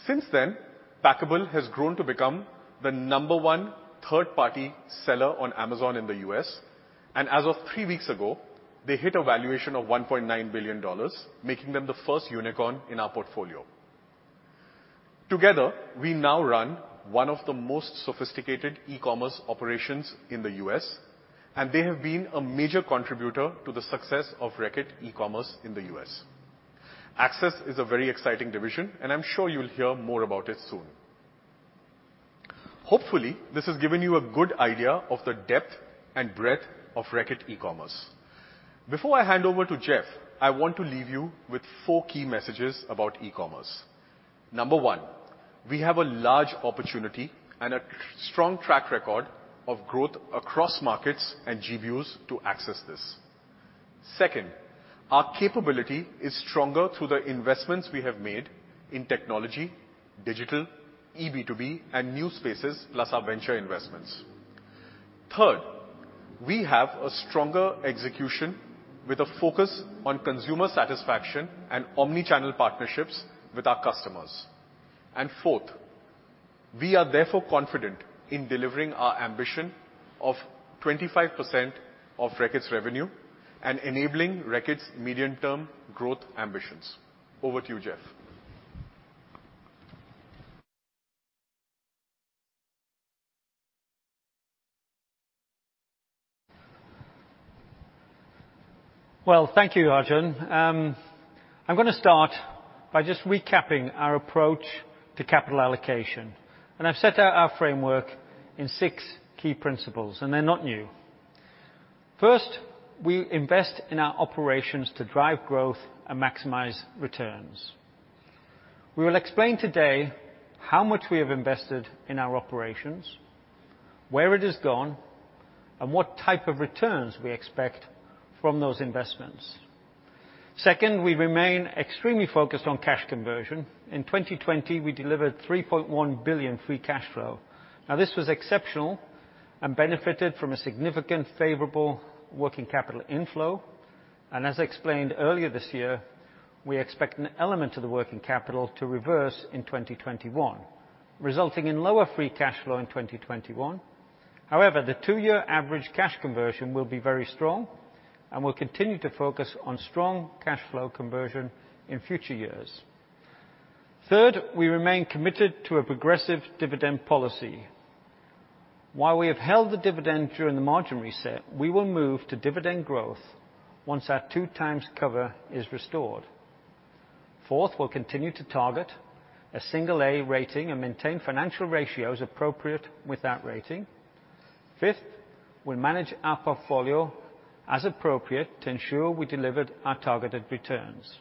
Since then, Packable has grown to become the number one third-party seller on Amazon in the U.S., and as of three weeks ago, they hit a valuation of $1.9 billion, making them the first unicorn in our portfolio. Together, we now run one of the most sophisticated e-commerce operations in the U.S., and they have been a major contributor to the success of Reckitt e-commerce in the U.S. Access is a very exciting division, and I'm sure you'll hear more about it soon. Hopefully, this has given you a good idea of the depth and breadth of Reckitt e-commerce. Before I hand over to Jeff, I want to leave you with four key messages about e-commerce. Number one, we have a large opportunity and a strong track record of growth across markets and GBUs to access this. Second, our capability is stronger through the investments we have made in technology, digital, EB2B, and new spaces, plus our venture investments. Third, we have a stronger execution with a focus on consumer satisfaction and omni-channel partnerships with our customers. Fourth, we are therefore confident in delivering our ambition of 25% of Reckitt's revenue and enabling Reckitt's medium-term growth ambitions. Over to you, Jeff. Well, thank you, Arjun. I'm gonna start by just recapping our approach to capital allocation. I've set out our framework in 6 key principles, and they're not new. First, we invest in our operations to drive growth and maximize returns. We will explain today how much we have invested in our operations, where it has gone, and what type of returns we expect from those investments. Second, we remain extremely focused on cash conversion. In 2020, we delivered 3.1 billion free cash flow. This was exceptional and benefited from a significant favorable working capital inflow. As I explained earlier this year, we expect an element of the working capital to reverse in 2021, resulting in lower free cash flow in 2021. The two-year average cash conversion will be very strong, and we'll continue to focus on strong cash flow conversion in future years. Third, we remain committed to a progressive dividend policy. While we have held the dividend during the margin reset, we will move to dividend growth once our two times cover is restored. Fourth, we'll continue to target a single A rating and maintain financial ratios appropriate with that rating. Fifth, we'll manage our portfolio as appropriate to ensure we delivered our targeted returns.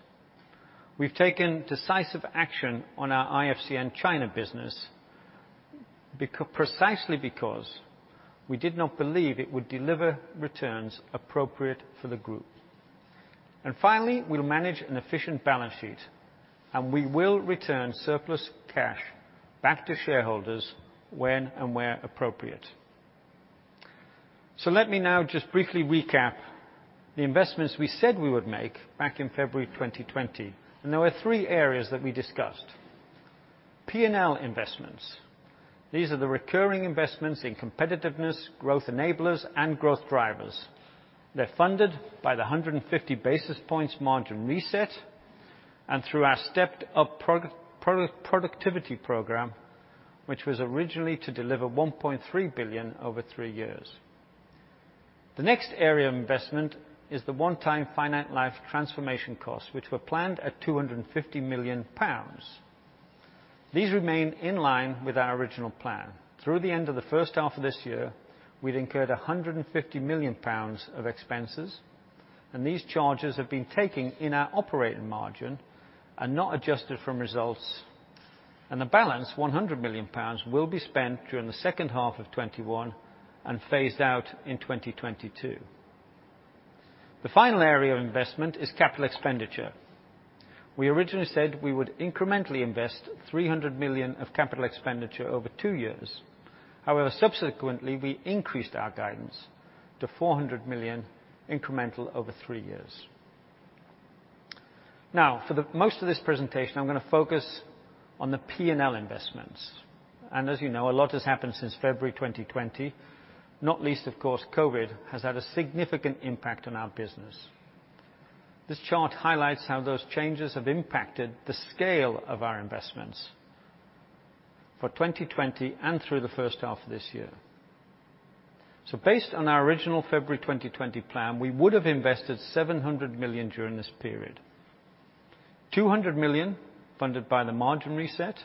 We've taken decisive action on our IFCN and China business precisely because we did not believe it would deliver returns appropriate for the group. Finally, we'll manage an efficient balance sheet, and we will return surplus cash back to shareholders when and where appropriate. Let me now just briefly recap the investments we said we would make back in February 2020. There were three areas that we discussed. P&L investments. These are the recurring investments in competitiveness, growth enablers, and growth drivers. They're funded by the 150 basis points margin reset and through our stepped-up productivity program, which was originally to deliver 1.3 billion over three years. The next area of investment is the one-time Finite-life transformation costs, which were planned at 250 million pounds. These remain in line with our original plan. Through the end of the first half of this year, we'd incurred 150 million pounds of expenses, and these charges have been taken in our operating margin and not adjusted from results. The balance, 100 million pounds, will be spent during the second half of 2021 and phased out in 2022. The final area of investment is capital expenditure. We originally said we would incrementally invest 300 million of capital expenditure over two years. Subsequently, we increased our guidance to 400 million incremental over three years. For the most of this presentation, I'm gonna focus on the P&L investments, and as you know, a lot has happened since February 2020. Not least, of course, COVID has had a significant impact on our business. This chart highlights how those changes have impacted the scale of our investments for 2020 and through the first half of this year. So based on our original February 2020 plan, we would have invested 700 million during this period. 200 million funded by the margin reset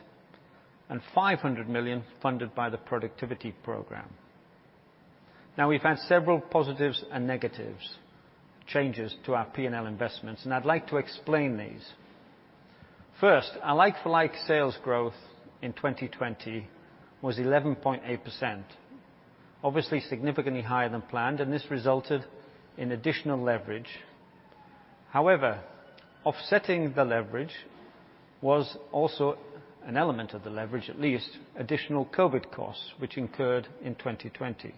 and 500 million funded by the productivity program. We've had several positives and negatives, changes to our P&L investments, and I'd like to explain these. First, our like-for-like sales growth in 2020 was 11.8%, obviously significantly higher than planned, and this resulted in additional leverage. However, offsetting the leverage was also an element of the leverage, at least additional COVID costs, which incurred in 2020.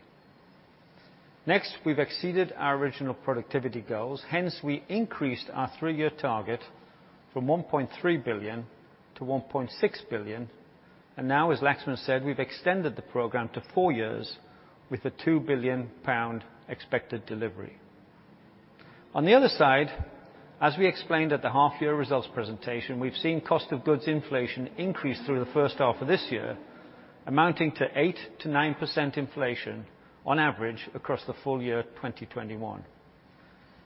Next, we've exceeded our original productivity goals. Hence, we increased our three-year target from 1.3 billion-1.6 billion. Now, as Laxman said, we've extended the program to four years with a 2 billion pound expected delivery. On the other side, as we explained at the half year results presentation, we've seen cost of goods inflation increase through the first half of this year, amounting to 8%-9% inflation on average across the full year 2021.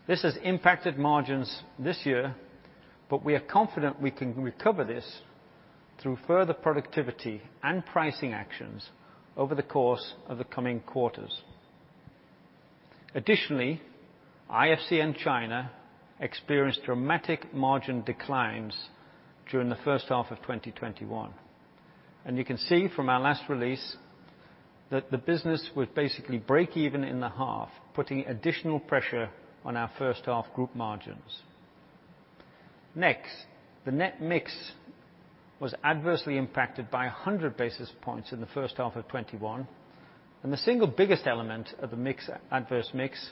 This has impacted margins this year. We are confident we can recover this through further productivity and pricing actions over the course of the coming quarters. Additionally, IFCN China experienced dramatic margin declines during the first half of 2021. You can see from our last release that the business would basically break even in the half, putting additional pressure on our first half group margins. The net mix was adversely impacted by 100 basis points in the first half of 2021. The single biggest element of the mix, adverse mix,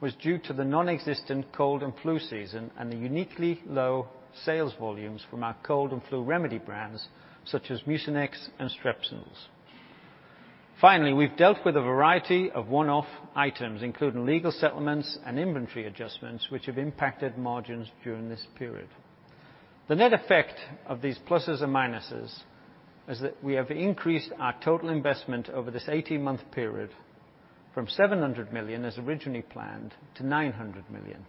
was due to the nonexistent cold and flu season and the uniquely low sales volumes from our cold and flu remedy brands such as Mucinex and Strepsils. We've dealt with a variety of one-off items, including legal settlements and inventory adjustments, which have impacted margins during this period. The net effect of these pluses and minuses is that we have increased our total investment over this 18-month period from 700 million as originally planned to 900 million.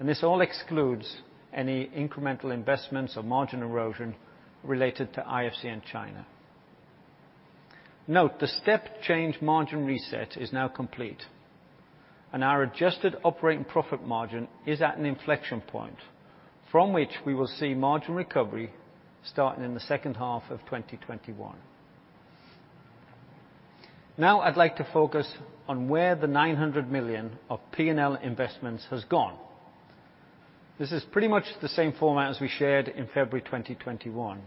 This all excludes any incremental investments or margin erosion related to IFCN and China. Note, the step change margin reset is now complete, and our adjusted operating profit margin is at an inflection point from which we will see margin recovery starting in the second half of 2021. I'd like to focus on where the 900 million of P&L investments has gone. This is pretty much the same format as we shared in February 2021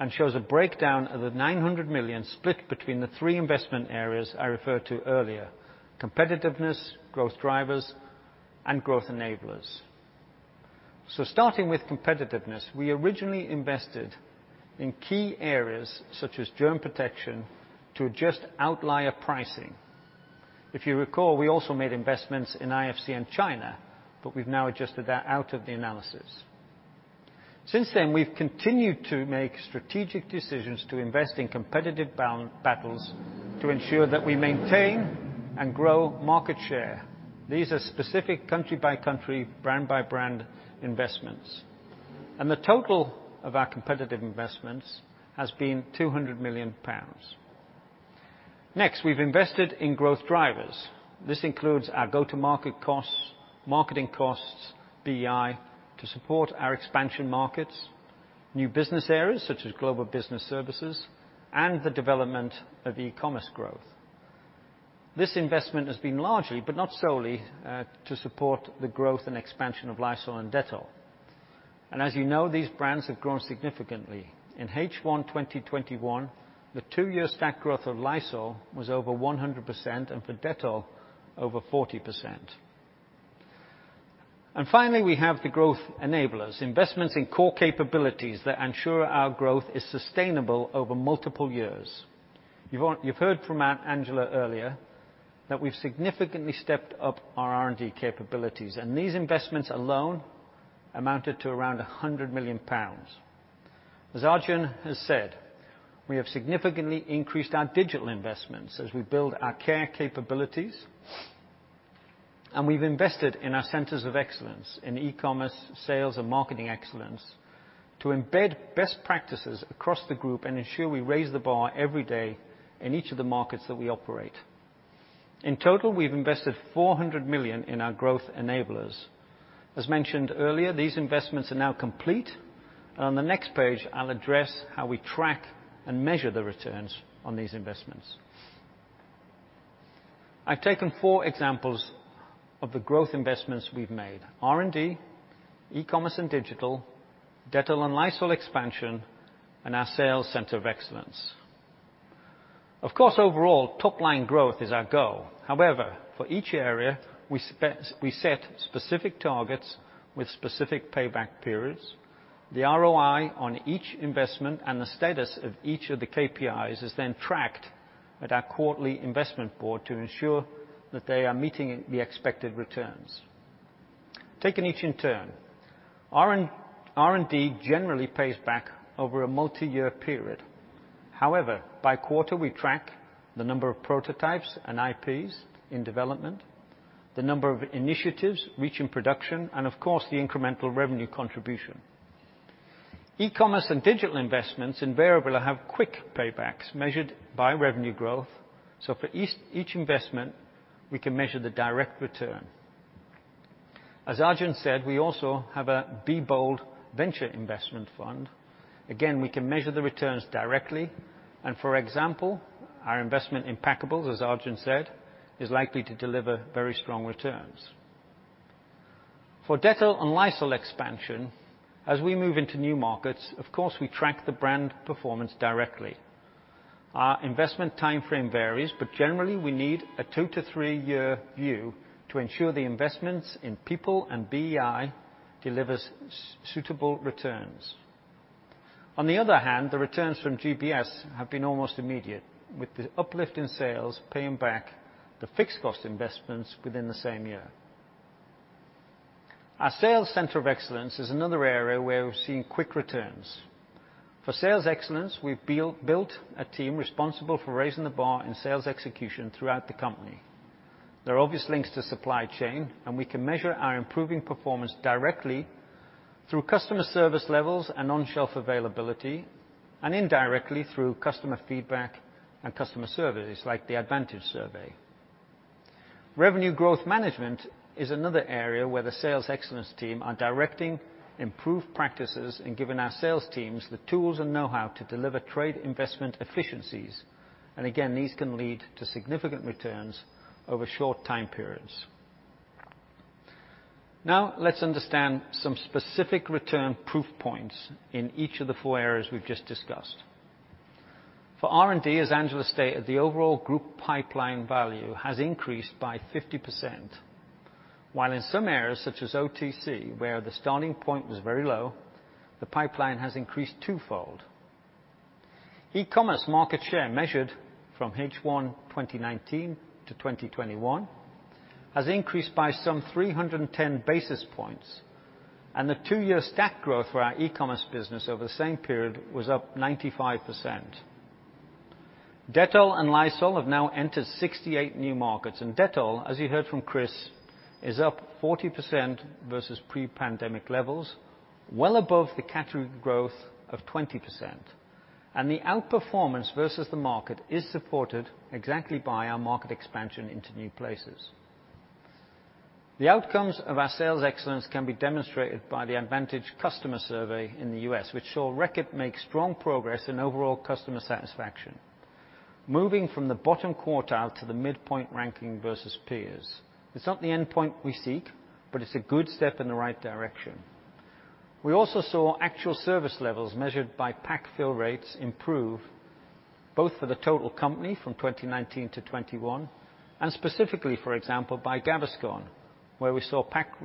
and shows a breakdown of the 900 million split between the three investment areas I referred to earlier: competitiveness, growth drivers, and growth enablers. Starting with competitiveness, we originally invested in key areas such as germ protection to adjust outlier pricing. If you recall, we also made investments in IFCN and China, but we've now adjusted that out of the analysis. Since then, we've continued to make strategic decisions to invest in competitive battles to ensure that we maintain and grow market share. These are specific country by country, brand by brand investments, and the total of our competitive investments has been 200 million pounds. Next, we've invested in growth drivers. This includes our go-to-market costs, marketing costs, BEI to support our expansion markets, new business areas such as global business services, and the development of e-commerce growth. This investment has been largely, but not solely, to support the growth and expansion of Lysol and Dettol. As you know, these brands have grown significantly. In H1 2021, the two-year stack growth of Lysol was over 100%, and for Dettol over 40%. Finally, we have the growth enablers, investments in core capabilities that ensure our growth is sustainable over multiple years. You've heard from Angela earlier that we've significantly stepped up our R&D capabilities, and these investments alone amounted to around 100 million pounds. As Arjun has said, we have significantly increased our digital investments as we build our CARE capabilities, and we've invested in our centers of excellence in e-commerce, sales and marketing excellence to embed best practices across the group and ensure we raise the bar every day in each of the markets that we operate. In total, we've invested 400 million in our growth enablers. As mentioned earlier, these investments are now complete. On the next page, I'll address how we track and measure the returns on these investments. I've taken four examples of the growth investments we've made: R&D, e-commerce and digital, Dettol and Lysol expansion, and our sales center of excellence. Of course, overall top-line growth is our goal. However, for each area, we set specific targets with specific payback periods. The ROI on each investment and the status of each of the KPIs is tracked at our quarterly investment board to ensure that they are meeting the expected returns. Taking each in turn. R&D generally pays back over a multi-year period. By quarter, we track the number of prototypes and IPs in development, the number of initiatives reaching production, and of course, the incremental revenue contribution. E-commerce and digital investments invariably have quick paybacks measured by revenue growth. For each investment, we can measure the direct return. As Arjun said, we also have a Be Bold venture investment fund. We can measure the returns directly, and for example, our investment in Packable, as Arjun said, is likely to deliver very strong returns. For Dettol and Lysol expansion, as we move into new markets, of course, we track the brand performance directly. Our investment timeframe varies, generally, we need a two to three-year view to ensure the investments in people and BEI delivers suitable returns. On the other hand, the returns from GBS have been almost immediate, with the uplift in sales paying back the fixed cost investments within the same year. Our sales center of excellence is another area where we're seeing quick returns. For sales excellence, we've built a team responsible for raising the bar in sales execution throughout the company. There are obvious links to supply chain, we can measure our improving performance directly through customer service levels and on-shelf availability, and indirectly through customer feedback and customer surveys, like the Advantage survey. Revenue growth management is another area where the sales excellence team are directing improved practices and giving our sales teams the tools and know-how to deliver trade investment efficiencies. Again, these can lead to significant returns over short time periods. Let's understand some specific return proof points in each of the four areas we've just discussed. For R&D, as Angela stated, the overall group pipeline value has increased by 50%, while in some areas, such as OTC, where the starting point was very low, the pipeline has increased twofold. E-commerce market share measured from H1 2019 to 2021 has increased by some 310 basis points, and the two-year stack growth for our e-commerce business over the same period was up 95%. Dettol and Lysol have now entered 68 new markets, and Dettol, as you heard from Kris, is up 40% versus pre-pandemic levels, well above the category growth of 20%. The outperformance versus the market is supported exactly by our market expansion into new places. The outcomes of our sales excellence can be demonstrated by the Advantage customer survey in the U.S., which saw Reckitt make strong progress in overall customer satisfaction, moving from the bottom quartile to the midpoint ranking versus peers. It's not the endpoint we seek, it's a good step in the right direction. We also saw actual service levels measured by pack fill rates improve, both for the total company from 2019 to 2021, and specifically, for example, by Gaviscon, where we saw pack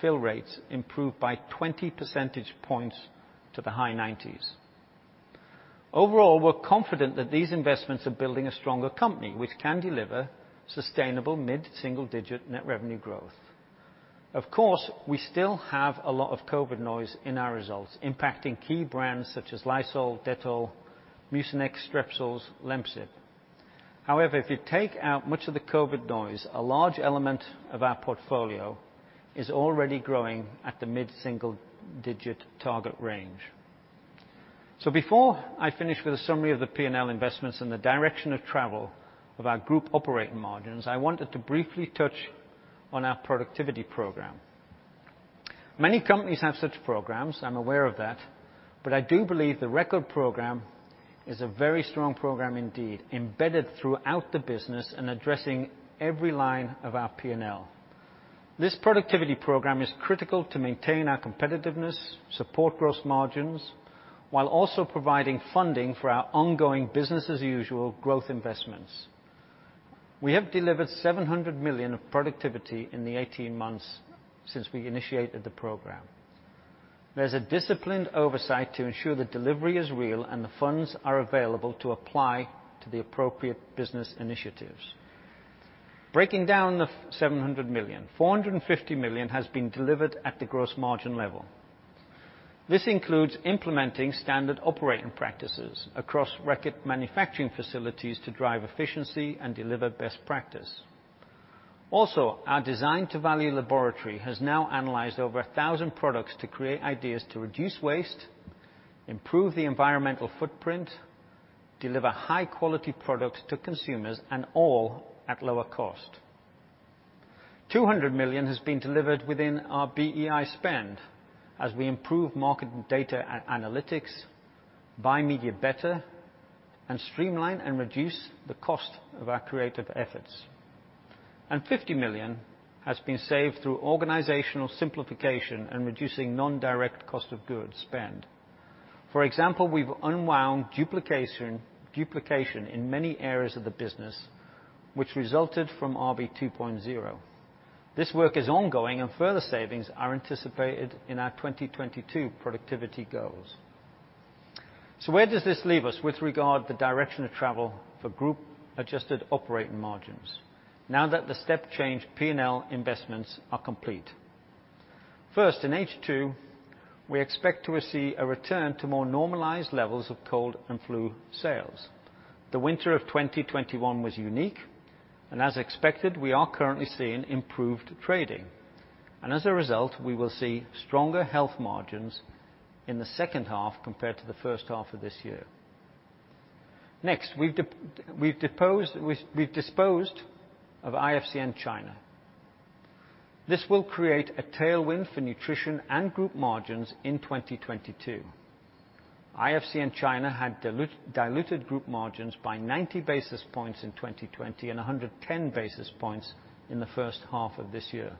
fill rates improve by 20 percentage points to the high 90s. Overall, we're confident that these investments are building a stronger company, which can deliver sustainable mid-single-digit net revenue growth. Of course, we still have a lot of COVID noise in our results, impacting key brands such as Lysol, Dettol, Mucinex, Strepsils, Lemsip. However, if you take out much of the COVID noise, a large element of our portfolio is already growing at the mid-single-digit target range. Before I finish with a summary of the P&L investments and the direction of travel of our group operating margins, I wanted to briefly touch on our productivity program. Many companies have such programs, I'm aware of that, I do believe the Reckitt program is a very strong program indeed, embedded throughout the business and addressing every line of our P&L. This productivity program is critical to maintain our competitiveness, support gross margins, while also providing funding for our ongoing business as usual growth investments. We have delivered 700 million of productivity in the 18 months since we initiated the program. There's a disciplined oversight to ensure the delivery is real and the funds are available to apply to the appropriate business initiatives. Breaking down the 700 million, 450 million has been delivered at the gross margin level. This includes implementing standard operating practices across Reckitt manufacturing facilities to drive efficiency and deliver best practice. Our Design to Value laboratory has now analyzed over 1,000 products to create ideas to reduce waste, improve the environmental footprint, deliver high-quality products to consumers, and all at lower cost. 200 million has been delivered within our BEI spend as we improve market data analytics, buy media better, and streamline and reduce the cost of our creative efforts. 50 million has been saved through organizational simplification and reducing non-direct cost of goods spend. For example, we've unwound duplication in many areas of the business, which resulted from RB 2.0. This work is ongoing, and further savings are anticipated in our 2022 productivity goals. Where does this leave us with regard the direction of travel for group adjusted operating margins now that the step change P&L investments are complete? First, in H2, we expect to receive a return to more normalized levels of cold and flu sales. The winter of 2021 was unique, and as expected, we are currently seeing improved trading. As a result, we will see stronger health margins in the second half compared to the first half of this year. Next, we've disposed of IFCN China. This will create a tailwind for nutrition and group margins in 2022. IFCN China had diluted group margins by 90 basis points in 2020 and 110 basis points in the first half of this year.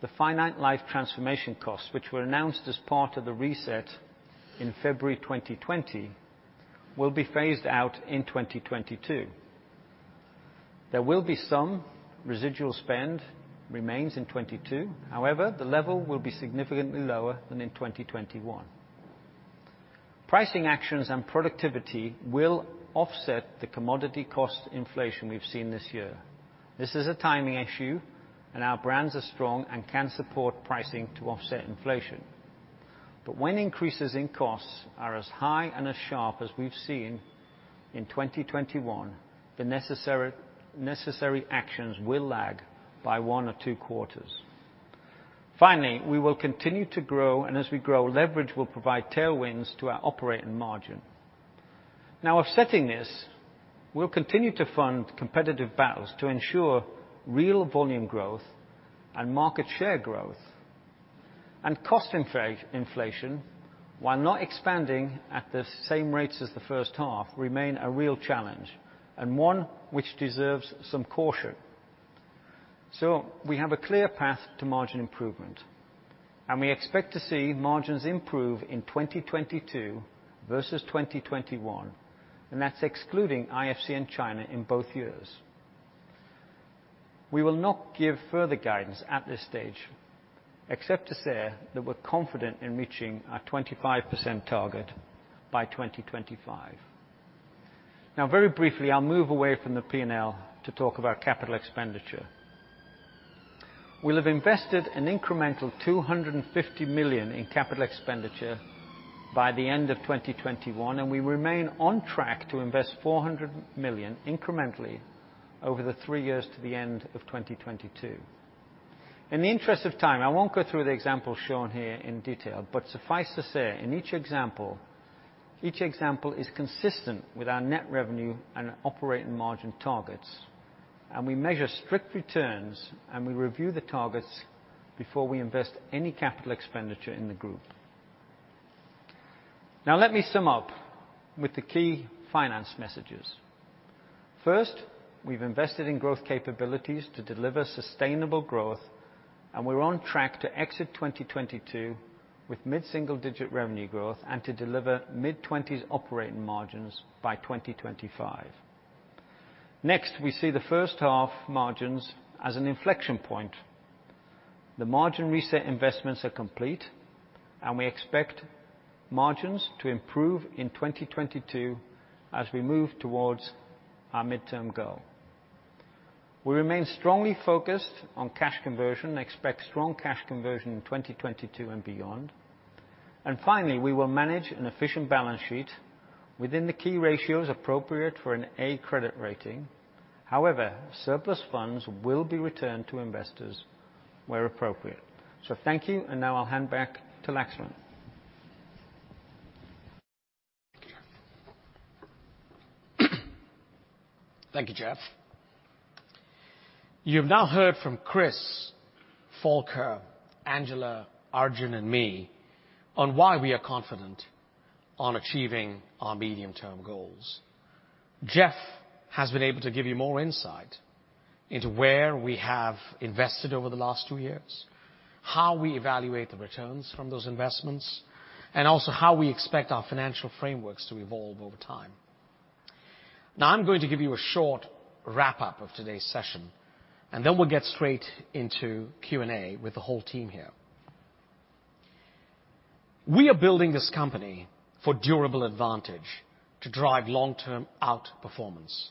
The Finite-life transformation costs, which were announced as part of the reset in February 2020, will be phased out in 2022. There will be some residual spend remains in 22. The level will be significantly lower than in 2021. Pricing actions and productivity will offset the commodity cost inflation we've seen this year. This is a timing issue. Our brands are strong and can support pricing to offset inflation. When increases in costs are as high and as sharp as we've seen in 2021, the necessary actions will lag by one or two quarters. We will continue to grow, and as we grow, leverage will provide tailwinds to our operating margin. Offsetting this, we'll continue to fund competitive battles to ensure real volume growth and market share growth. Cost inflation, while not expanding at the same rates as the first half, remain a real challenge, and one which deserves some caution. We have a clear path to margin improvement, and we expect to see margins improve in 2022 versus 2021, and that's excluding IFCN China in both years. We will not give further guidance at this stage, except to say that we're confident in reaching our 25% target by 2025. Very briefly, I'll move away from the P&L to talk about capital expenditure. We'll have invested an incremental 250 million in capital expenditure by the end of 2021, and we remain on track to invest 400 million incrementally over the three years to the end of 2022. In the interest of time, I won't go through the example shown here in detail, but suffice to say, in each example, each example is consistent with our net revenue and operating margin targets, and we measure strict returns, and we review the targets before we invest any capital expenditure in the group. Let me sum up with the key finance messages. First, we've invested in growth capabilities to deliver sustainable growth, and we're on track to exit 2022 with mid-single-digit revenue growth and to deliver mid-20s operating margins by 2025. Next, we see the first half margins as an inflection point. The margin reset investments are complete, and we expect margins to improve in 2022 as we move towards our midterm goal. We remain strongly focused on cash conversion, expect strong cash conversion in 2022 and beyond. Finally, we will manage an efficient balance sheet within the key ratios appropriate for an A credit rating. However, surplus funds will be returned to investors where appropriate. Thank you, and now I'll hand back to Laxman. Thank you, Jeff. You've now heard from Kris, Volker, Angela, Arjun, and me on why we are confident on achieving our medium-term goals. Jeff has been able to give you more insight into where we have invested over the last two years, how we evaluate the returns from those investments, and also how we expect our financial frameworks to evolve over time. Now I'm going to give you a short wrap-up of today's session, and then we'll get straight into Q&A with the whole team here. We are building this company for durable advantage to drive long-term outperformance.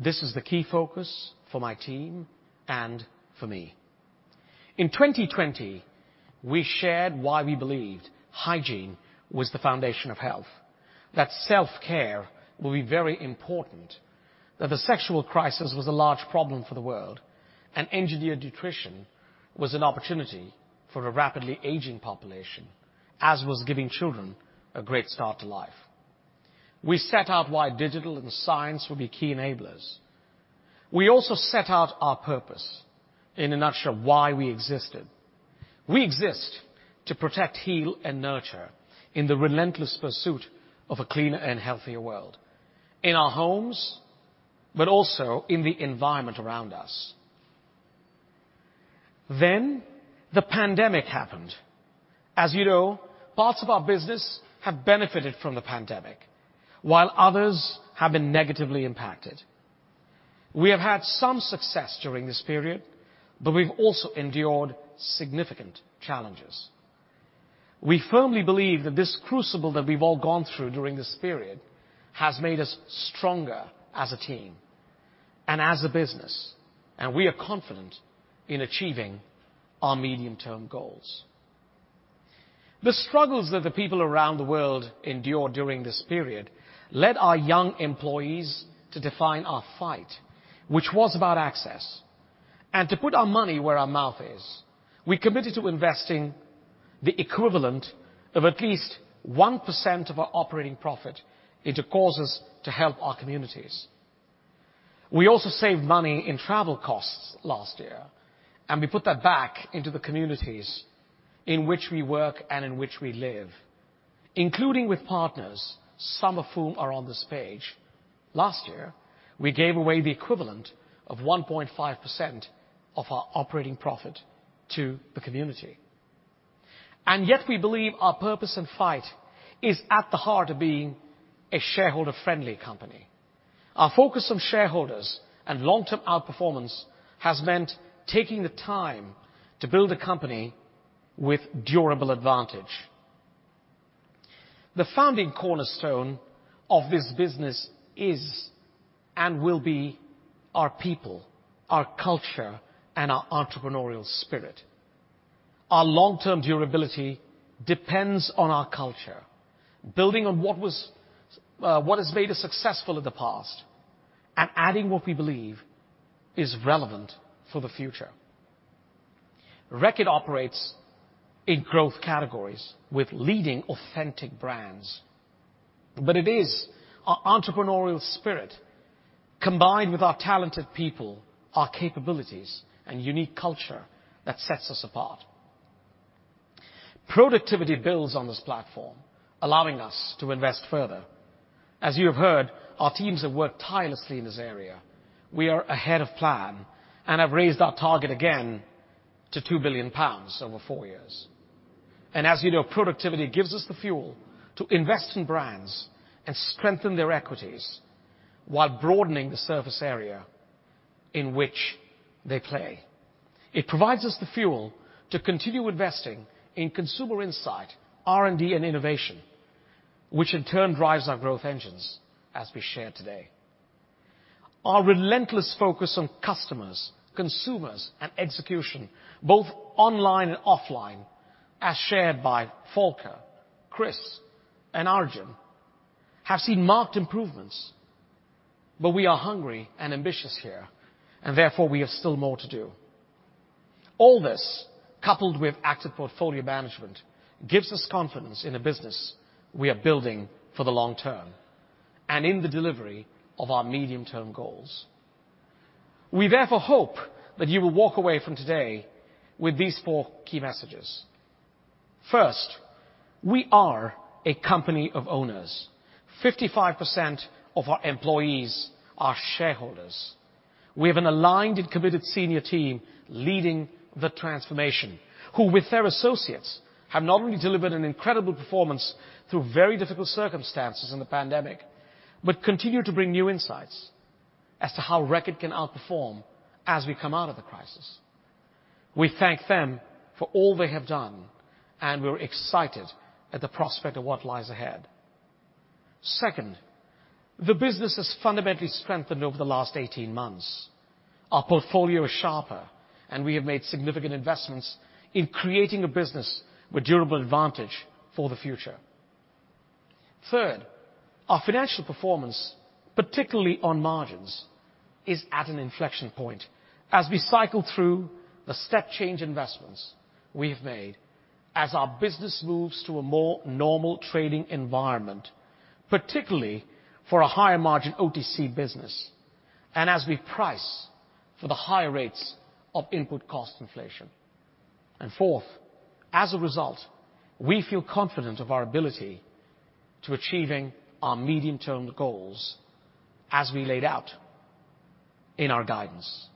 This is the key focus for my team and for me. In 2020, we shared why we believed hygiene was the foundation of health, that self-care will be very important, that the sexual crisis was a large problem for the world, and engineered nutrition was an opportunity for a rapidly aging population, as was giving children a great start to life. We set out why digital and science will be key enablers. We also set out our purpose, in a nutshell, why we existed. We exist to protect, heal, and nurture in the relentless pursuit of a cleaner and healthier world, in our homes, but also in the environment around us. The pandemic happened. As you know, parts of our business have benefited from the pandemic, while others have been negatively impacted. We have had some success during this period, but we've also endured significant challenges. We firmly believe that this crucible that we've all gone through during this period has made us stronger as a team and as a business, and we are confident in achieving our medium-term goals. The struggles that the people around the world endured during this period led our young employees to define our fight, which was about access. To put our money where our mouth is, we committed to investing the equivalent of at least 1% of our operating profit into causes to help our communities. We also saved money in travel costs last year, and we put that back into the communities in which we work and in which we live, including with partners, some of whom are on this page. Last year, we gave away the equivalent of 1.5% of our operating profit to the community. Yet we believe our purpose and fight is at the heart of being a shareholder-friendly company. Our focus on shareholders and long-term outperformance has meant taking the time to build a company with durable advantage. The founding cornerstone of this business is and will be our people, our culture, and our entrepreneurial spirit. Our long-term durability depends on our culture, building on what was, what has made us successful in the past and adding what we believe is relevant for the future. Reckitt operates in growth categories with leading authentic brands, it is our entrepreneurial spirit, combined with our talented people, our capabilities, and unique culture that sets us apart. Productivity builds on this platform, allowing us to invest further. As you have heard, our teams have worked tirelessly in this area. We are ahead of plan and have raised our target again to 2 billion pounds over four years. As you know, productivity gives us the fuel to invest in brands and strengthen their equities while broadening the surface area in which they play. It provides us the fuel to continue investing in consumer insight, R&D, and innovation, which in turn drives our growth engines as we shared today. Our relentless focus on customers, consumers, and execution, both online and offline, as shared by Volker, Kris, and Arjun, have seen marked improvements. We are hungry and ambitious here, and therefore, we have still more to do. All this, coupled with active portfolio management, gives us confidence in the business we are building for the long term and in the delivery of our medium-term goals. We therefore hope that you will walk away from today with these four key messages. First, we are a company of owners. 55% of our employees are shareholders. We have an aligned and committed senior team leading the transformation, who, with their associates, have not only delivered an incredible performance through very difficult circumstances in the pandemic, but continue to bring new insights as to how Reckitt can outperform as we come out of the crisis. We thank them for all they have done, and we're excited at the prospect of what lies ahead. Second, the business has fundamentally strengthened over the last 18 months. Our portfolio is sharper, and we have made significant investments in creating a business with durable advantage for the future. Third, our financial performance, particularly on margins, is at an an inflection point. As we cycle through the step change investments we have made, as our business moves to a more normal trading environment, particularly for a higher margin OTC business, and as we price for the higher rates of input cost inflation. Fourth, as a result, we feel confident of our ability to achieving our medium-term goals as we laid out in our guidance.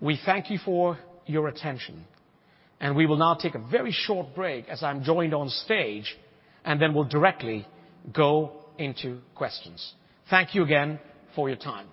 We thank you for your attention, and we will now take a very short break as I'm joined on stage, then we'll directly go into questions. Thank you again for your time.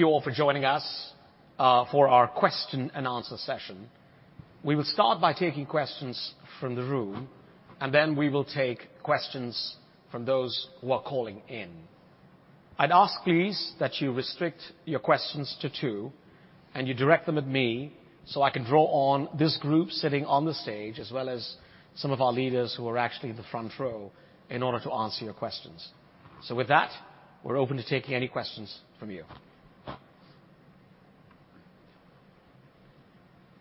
Thank you all for joining us for our question and answer session. We will start by taking questions from the room, then we will take questions from those who are calling in. I'd ask please that you restrict your questions to two, and you direct them at me, so I can draw on this group sitting on the stage, as well as some of our leaders who are actually in the front row, in order to answer your questions. With that, we're open to taking any questions from you.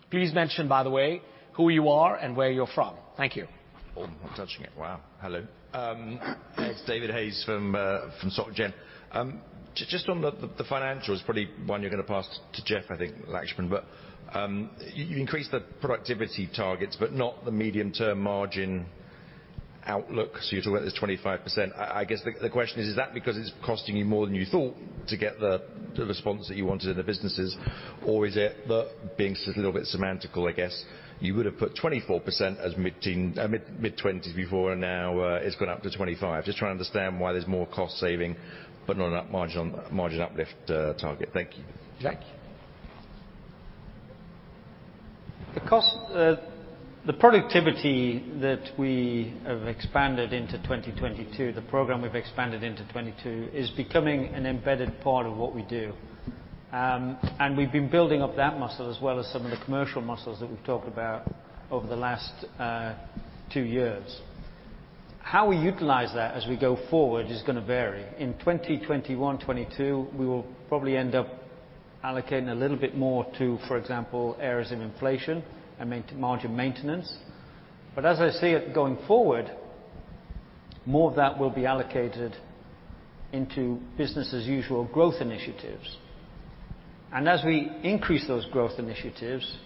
Please mention, by the way, who you are and where you're from. Thank you. Oh, I'm touching it. Wow. Hello. It's David Hayes from Société Générale. Just on the financials, probably one you're gonna pass to Jeff, I think, Laxman, but you increased the productivity targets but not the medium-term margin outlook. You talk about this 25%. I guess the question is that because it's costing you more than you thought to get the response that you wanted in the businesses? Or is it that, being a little bit semantical, I guess, you would've put 24% as midteen, mid-20s before and now it's gone up to 25? Just trying to understand why there's more cost saving but not margin uplift target. Thank you. Thank you. The cost, the productivity that we have expanded into 2022, the program we've expanded into 2022, is becoming an embedded part of what we do. We've been building up that muscle as well as some of the commercial muscles that we've talked about over the last two years. How we utilize that as we go forward is gonna vary. In 2021, 2022, we will probably end up allocating a little bit more to, for example, areas of inflation and margin maintenance. As I see it going forward, more of that will be allocated into business as usual growth initiatives. As we increase those growth initiatives,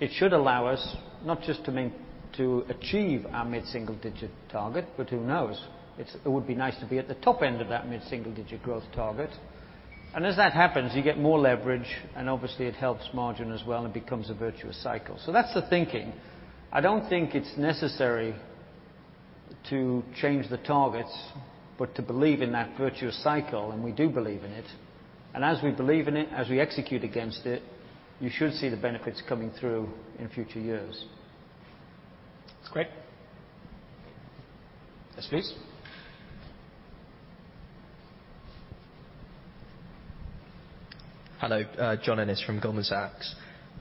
it should allow us not just to achieve our mid-single digit target, but who knows, it would be nice to be at the top end of that mid-single digit growth target. As that happens, you get more leverage, and obviously it helps margin as well and becomes a virtuous cycle. That's the thinking. I don't think it's necessary to change the targets, but to believe in that virtuous cycle, and we do believe in it. As we believe in it, as we execute against it, you should see the benefits coming through in future years. That's great. Yes, please. Hello, John Ennis from Goldman Sachs.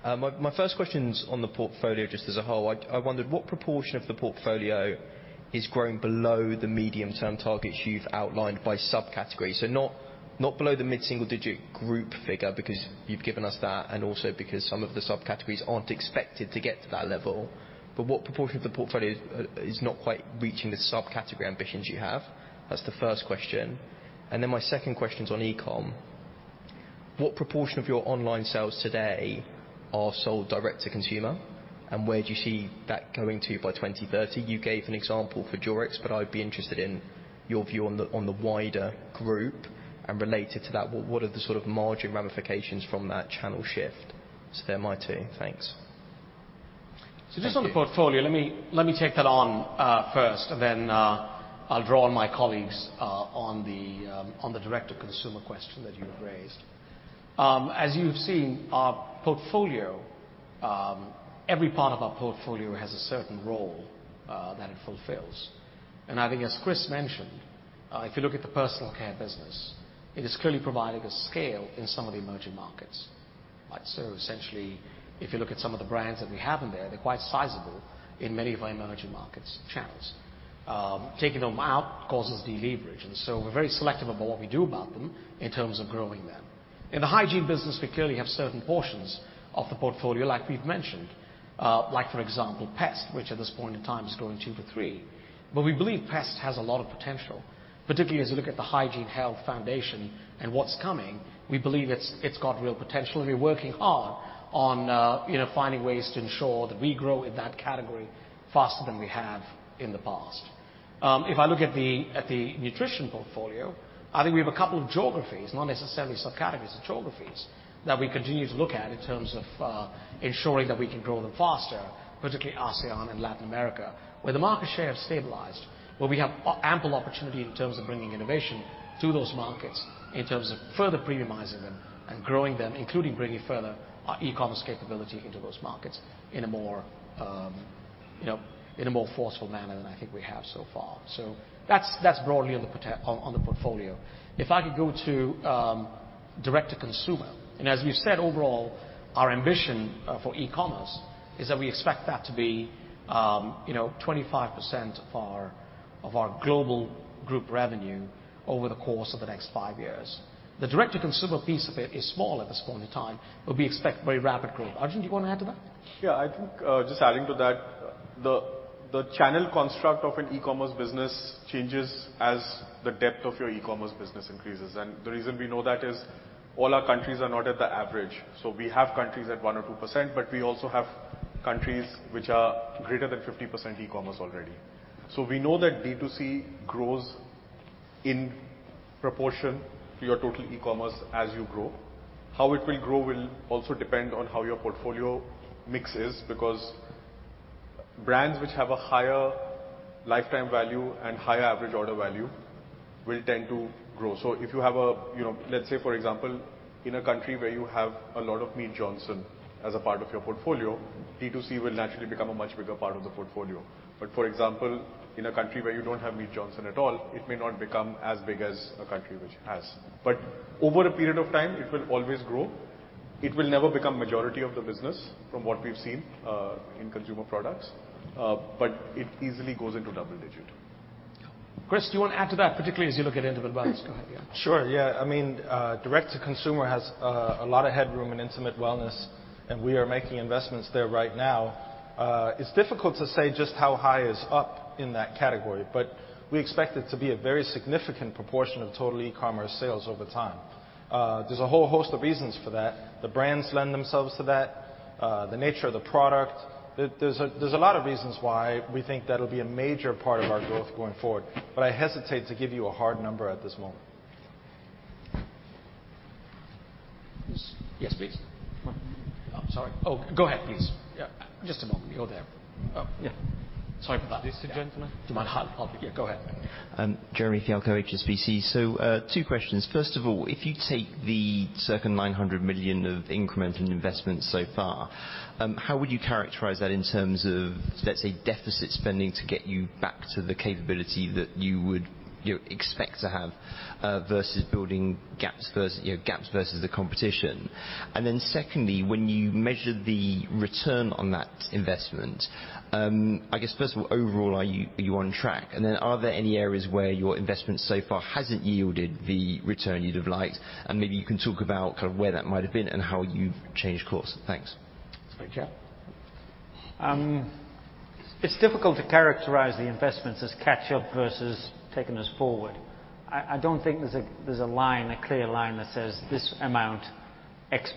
My first question's on the portfolio just as a whole. I wondered what proportion of the portfolio is growing below the medium-term targets you've outlined by subcategory. Not below the mid-single digit group figure, because you've given us that, and also because some of the subcategories aren't expected to get to that level. What proportion of the portfolio is not quite reaching the subcategory ambitions you have? That's the first question. My second question's on e-com. What proportion of your online sales today are sold direct to consumer, and where do you see that going to by 2030? You gave an example for Durex, but I'd be interested in your view on the wider group, and related to that, what are the sort of margin ramifications from that channel shift? They're my two. Thanks. Just on the portfolio, let me take that on first. Then I'll draw on my colleagues on the direct to consumer question that you've raised. As you've seen, our portfolio, every part of our portfolio has a certain role that it fulfills. I think as Kris mentioned, if you look at the personal care business, it is clearly providing a scale in some of the emerging markets, right? Essentially, if you look at some of the brands that we have in there, they're quite sizable in many of our emerging markets channels. Taking them out causes de-leverage, so we're very selective about what we do about them in terms of growing them. In the hygiene business, we clearly have certain portions of the portfolio, like we've mentioned, like for example, Pest, which at this point in time is growing 2%-3%. We believe Pest has a lot of potential, particularly as we look at the Hygiene Health Foundation and what's coming, we believe it's got real potential, and we're working hard on, you know, finding ways to ensure that we grow in that category faster than we have in the past. If I look at the nutrition portfolio, I think we have a couple of geographies, not necessarily subcategories, but geographies that we continue to look at in terms of ensuring that we can grow them faster, particularly ASEAN and Latin America, where the market share has stabilized, where we have ample opportunity in terms of bringing innovation to those markets, in terms of further premiumizing them and growing them, including bringing further our e-commerce capability into those markets in a more, you know, in a more forceful manner than I think we have so far. That's broadly on the portfolio. If I could go to direct-to-consumer, and as we've said overall, our ambition for e-commerce is that we expect that to be 25% of our global group revenue over the course of the next five years. The direct-to-consumer piece of it is small at this point in time, but we expect very rapid growth. Arjun, do you want to add to that? I think, just adding to that, the channel construct of an e-commerce business changes as the depth of your e-commerce business increases. The reason we know that is all our countries are not at the average. We have countries at 1% or 2%, but we also have countries which are greater than 50% e-commerce already. We know that D2C grows in proportion to your total e-commerce as you grow. How it will grow will also depend on how your portfolio mix is, because brands which have a higher lifetime value and higher average order value will tend to grow. If you have a, you know, let's say for example, in a country where you have a lot of Mead Johnson as a part of your portfolio, D2C will naturally become a much bigger part of the portfolio. For example, in a country where you don't have Mead Johnson at all, it may not become as big as a country which has. Over a period of time, it will always grow. It will never become majority of the business from what we've seen in consumer products, but it easily goes into double digit. Kris, do you want to add to that, particularly as you look at intimate wellness? Go ahead, yeah. Sure, yeah. I mean, direct to consumer has a lot of headroom in intimate wellness, and we are making investments there right now. It's difficult to say just how high is up in that category, but we expect it to be a very significant proportion of total e-commerce sales over time. There's a whole host of reasons for that. The brands lend themselves to that, the nature of the product. There's a lot of reasons why we think that'll be a major part of our growth going forward, but I hesitate to give you a hard number at this moment. Yes, please. I'm sorry. Oh, go ahead, please. Yeah, just a moment. You're there. Oh, yeah. Sorry about that. This gentleman. Do you mind? I'll Yeah, go ahead. Jeremy Fialko, HSBC. Two questions. First of all, if you take the circa 900 million of incremental investment so far, how would you characterize that in terms of, let's say, deficit spending to get you back to the capability that you expect to have versus building gaps versus, you know, gaps versus the competition? Secondly, when you measure the return on that investment, I guess first of all, overall, are you on track? Are there any areas where your investment so far hasn't yielded the return you'd have liked? Maybe you can talk about kind of where that might have been and how you've changed course. Thanks. Thank you. It's difficult to characterize the investments as catch-up versus taking us forward. I don't think there's a line, a clear line that says, "This amount, X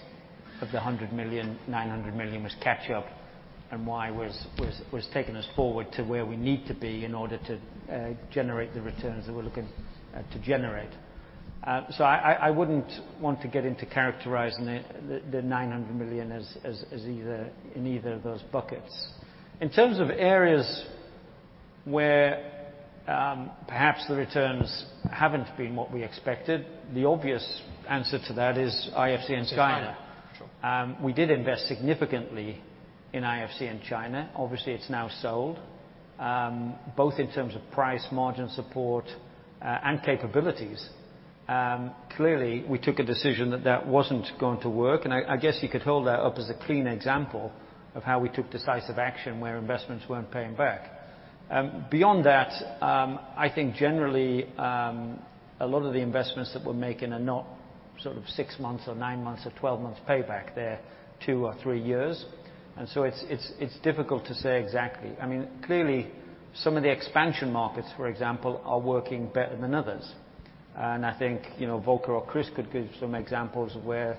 of the 100 million, 900 million was catch-up, and Y was taking us forward to where we need to be in order to generate the returns that we're looking to generate." I wouldn't want to get into characterizing the 900 million as either, in either of those buckets. In terms of areas where perhaps the returns haven't been what we expected, the obvious answer to that is IFCN in China. China. Sure. We did invest significantly in IFCN in China. Obviously, it's now sold, both in terms of price margin support, and capabilities. Clearly, we took a decision that that wasn't going to work, and I guess you could hold that up as a clean example of how we took decisive action where investments weren't paying back. Beyond that, I think generally, a lot of the investments that we're making are not sort of six months or nine months or 12 months payback. They're two or three years, it's, it's difficult to say exactly. I mean, clearly, some of the expansion markets, for example, are working better than others. I think, you know, Volker or Kris could give some examples of where,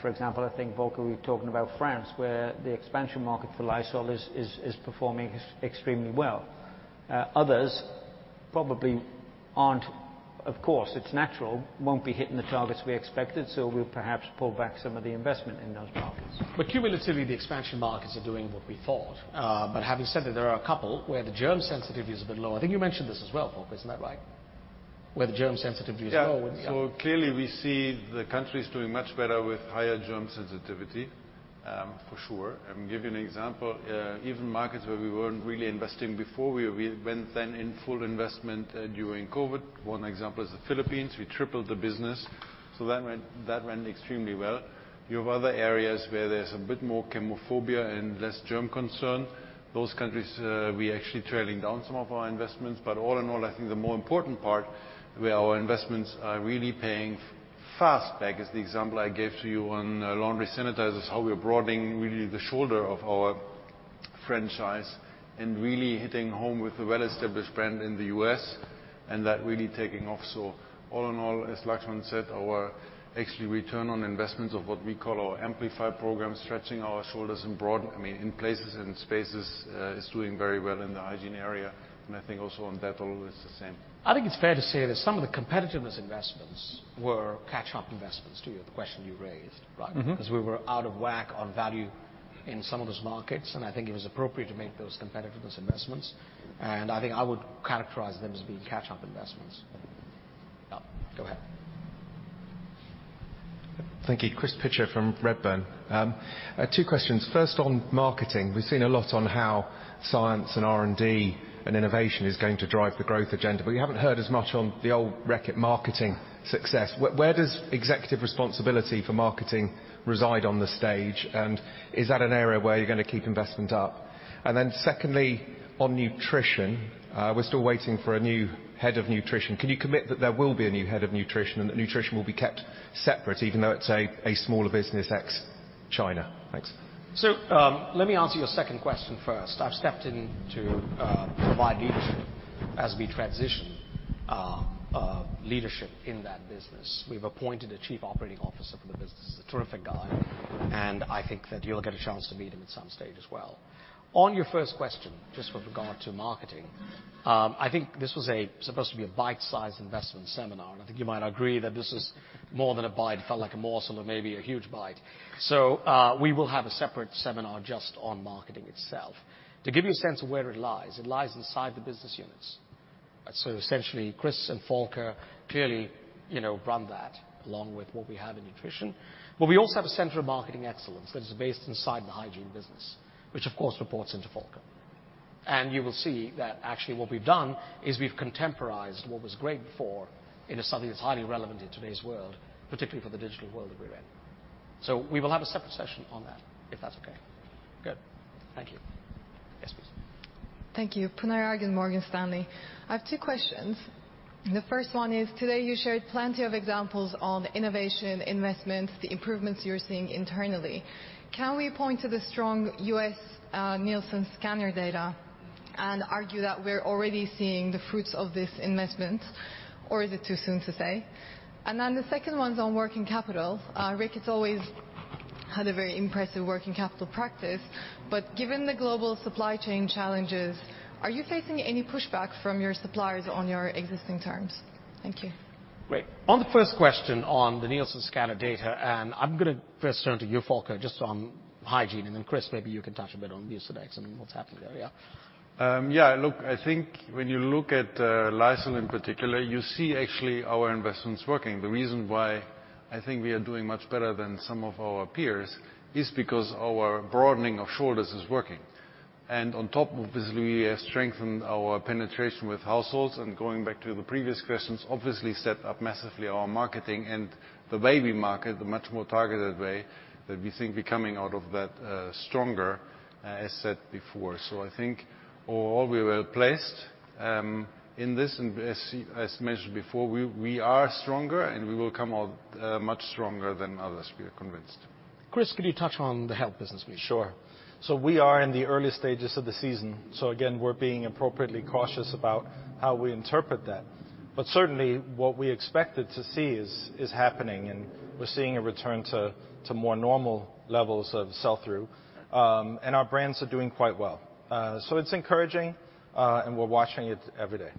for example, I think Volker, we're talking about France, where the expansion market for Lysol is performing extremely well. Others probably aren't. Of course, it's natural, won't be hitting the targets we expected, so we'll perhaps pull back some of the investment in those markets. Cumulatively, the expansion markets are doing what we thought. Having said that, there are a couple where the germ sensitivity is a bit lower. I think you mentioned this as well, Volker, isn't that right? Where the germ sensitivity is low. Yeah. Yeah. Clearly, we see the countries doing much better with higher germ sensitivity, for sure. Give you an example, even markets where we weren't really investing before, we went then in full investment during COVID. One example is the Philippines. We tripled the business. That went extremely well. You have other areas where there's a bit more chemophobia and less germ concern. Those countries, we're actually trailing down some of our investments. All in all, I think the more important part where our investments are really paying fast back is the example I gave to you on laundry sanitizers, how we are broadening really the shoulder of our franchise and really hitting home with a well-established brand in the U.S. and that really taking off. All in all, as Laxman said, our actually return on investments of what we call our Amplify Program, stretching our shoulders and broaden, I mean, in places and spaces, is doing very well in the hygiene area, and I think also on Dettol it's the same. I think it's fair to say that some of the competitiveness investments were catch-up investments to the question you raised, right? 'Cause we were out of whack on value in some of those markets, and I think it was appropriate to make those competitiveness investments, and I think I would characterize them as being catch-up investments. Go ahead. Thank you. Chris Pitcher from Redburn. Two questions. First, on marketing, we've seen a lot on how science and R&D and innovation is going to drive the growth agenda, but you haven't heard as much on the old Reckitt marketing success. Where does executive responsibility for marketing reside on the stage, and is that an area where you're gonna keep investment up? Then secondly, on nutrition, we're still waiting for a new head of nutrition. Can you commit that there will be a new head of nutrition and that nutrition will be kept separate even though it's a smaller business? China. Thanks. Let me answer your second question first. I've stepped in to provide leadership as we transition leadership in that business. We've appointed a chief operating officer for the business. He's a terrific guy, and I think that you'll get a chance to meet him at some stage as well. On your first question, just with regard to marketing, I think this was supposed to be a bite-sized investment seminar, and I think you might agree that this is more than a bite. It felt like a morsel or maybe a huge bite. We will have a separate seminar just on marketing itself. To give you a sense of where it lies, it lies inside the business units. Essentially Kris and Volker clearly, you know, run that along with what we have in nutrition. We also have a center of marketing excellence that is based inside the hygiene business, which of course reports into Volker. You will see that actually what we've done, is we've contemporized what was great before into something that's highly relevant in today's world, particularly for the digital world that we're in. We will have a separate session on that, if that's okay. Good. Thank you. Yes, please. Thank you. Pinar Ergun, Morgan Stanley. I have two questions. The first one is, today you shared plenty of examples on innovation, investments, the improvements you're seeing internally. Can we point to the strong U.S. Nielsen scanner data and argue that we're already seeing the fruits of this investment, or is it too soon to say? The second one's on working capital. Reckitt's always had a very impressive working capital practice, but given the global supply chain challenges, are you facing any pushback from your suppliers on your existing terms? Thank you. Great. On the first question on the Nielsen scanner data, and I'm gonna first turn to you, Volker, just on hygiene, and then Kris, maybe you can touch a bit on Durex and what's happening there. Yeah. Yeah, look, I think when you look at Lysol in particular, you see actually our investments working. The reason why I think we are doing much better than some of our peers is because our broadening of shoulders is working. On top of this, we have strengthened our penetration with households, and going back to the previous questions, obviously stepped up massively our marketing and the way we market, the much more targeted way that we think be coming out of that stronger, as said before. I think all we were placed in this, and as mentioned before, we are stronger and we will come out much stronger than others, we are convinced. Kris, could you touch on the health business please? Sure. We are in the early stages of the season, again, we're being appropriately cautious about how we interpret that. Certainly what we expected to see is happening, and we're seeing a return to more normal levels of sell-through, and our brands are doing quite well. It's encouraging, and we're watching it every day.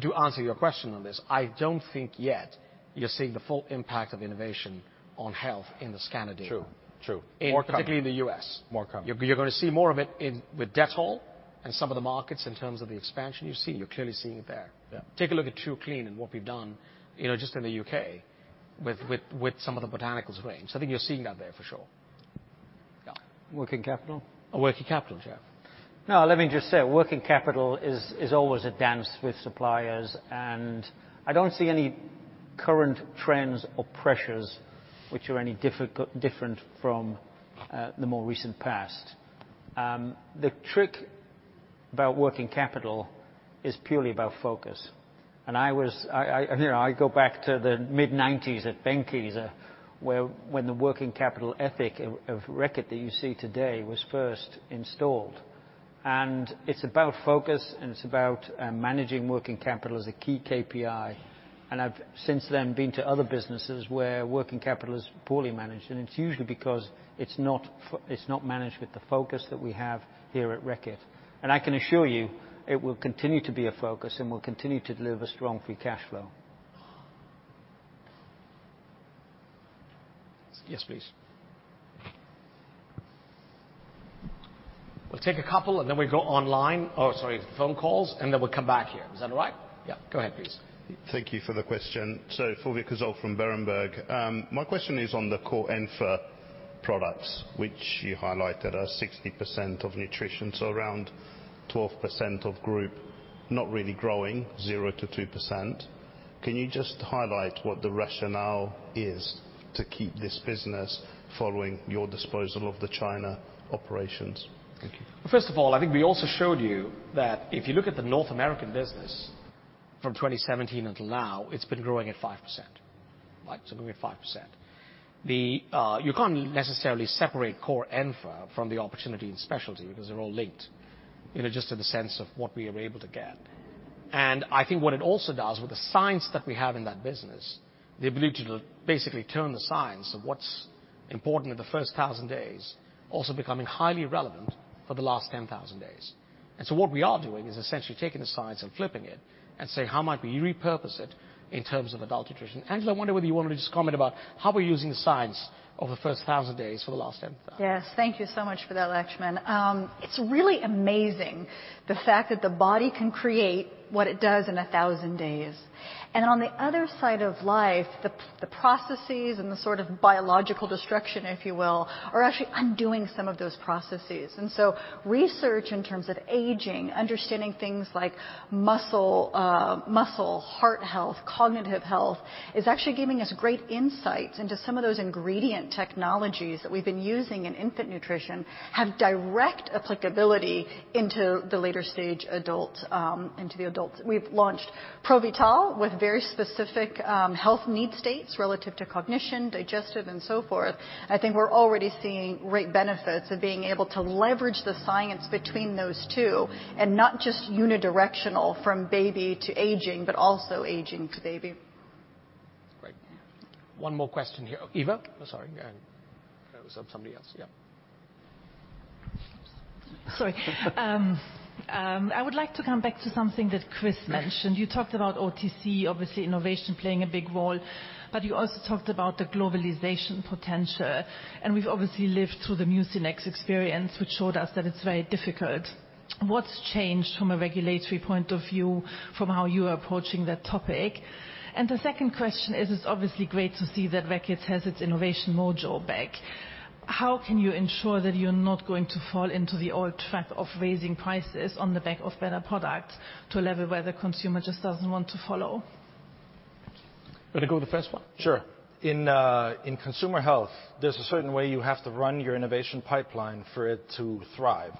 To answer your question on this, I don't think yet you're seeing the full impact of innovation on health in the scanner data. True. True. More coming. Particularly in the U.S. More coming. You're gonna see more of it in, with Dettol and some of the markets in terms of the expansion you're seeing. You're clearly seeing it there. Yeah. Take a look at TruClean and what we've done, you know, just in the U.K. with some of the botanicals range. I think you're seeing that there for sure. Yeah. Working capital? Working capital, Jeff. Let me just say, working capital is always a dance with suppliers, and I don't see any current trends or pressures which are any difficult, different from the more recent past. The trick about working capital is purely about focus. I, you know, I go back to the mid-1990s at Benckiser where, when the working capital ethic of Reckitt that you see today was first installed. It's about focus and it's about managing working capital as a key KPI. I've since then been to other businesses where working capital is poorly managed, and it's usually because it's not managed with the focus that we have here at Reckitt. I can assure you it will continue to be a focus and will continue to deliver strong free cash flow. Yes, please. We'll take a couple and then we go online. Oh, sorry, phone calls, and then we'll come back here. Is that all right? Yeah. Go ahead, please. Thank you for the question. Fulvio Cazzol from Berenberg. My question is on the core Enfa products, which you highlighted are 60% of nutrition, so around 12% of group not really growing, 0%-2%. Can you just highlight what the rationale is to keep this business following your disposal of the China operations? Thank you. First of all, I think we also showed you that if you look at the North American business from 2017 until now, it's been growing at 5%. Right? Growing at 5%. The, you can't necessarily separate core Enfa from the opportunity in specialty because they're all linked, you know, just in the sense of what we are able to get. I think what it also does with the science that we have in that business, the ability to basically turn the science of what's important in the first 1,000 days also becoming highly relevant for the last 10,000 days. What we are doing is essentially taking the science and flipping it and say, "How might we repurpose it in terms of adult nutrition?" Angela, I wonder whether you wanted to just comment about how we're using the science of the first 1,000 days for the last 10,000? Yes. Thank you so much for that, Laxman. It's really amazing the fact that the body can create what it does in 1,000 days. On the other side of life, the processes and the sort of biological destruction, if you will, are actually undoing some of those processes. Research in terms of aging, understanding things like muscle, heart health, cognitive health, is actually giving us great insights into some of those ingredient technologies that we've been using in infant nutrition have direct applicability into the later stage adult, into the adults. We've launched ProVital with very specific health need states relative to cognition, digestive and so forth. I think we're already seeing great benefits of being able to leverage the science between those two and not just unidirectional from baby to aging, but also aging to baby. One more question here. Eva? Oh, sorry. There was somebody else. Yeah. Sorry. I would like to come back to something that Kris Licht mentioned. You talked about OTC, obviously innovation playing a big role, but you also talked about the globalization potential, and we've obviously lived through the Mucinex experience, which showed us that it's very difficult. What's changed from a regulatory point of view from how you are approaching that topic? The second question is, it's obviously great to see that Reckitt has its innovation mojo back. How can you ensure that you're not going to fall into the old trap of raising prices on the back of better products to a level where the consumer just doesn't want to follow? You wanna go with the first one? Sure. In consumer health, there's a certain way you have to run your innovation pipeline for it to thrive.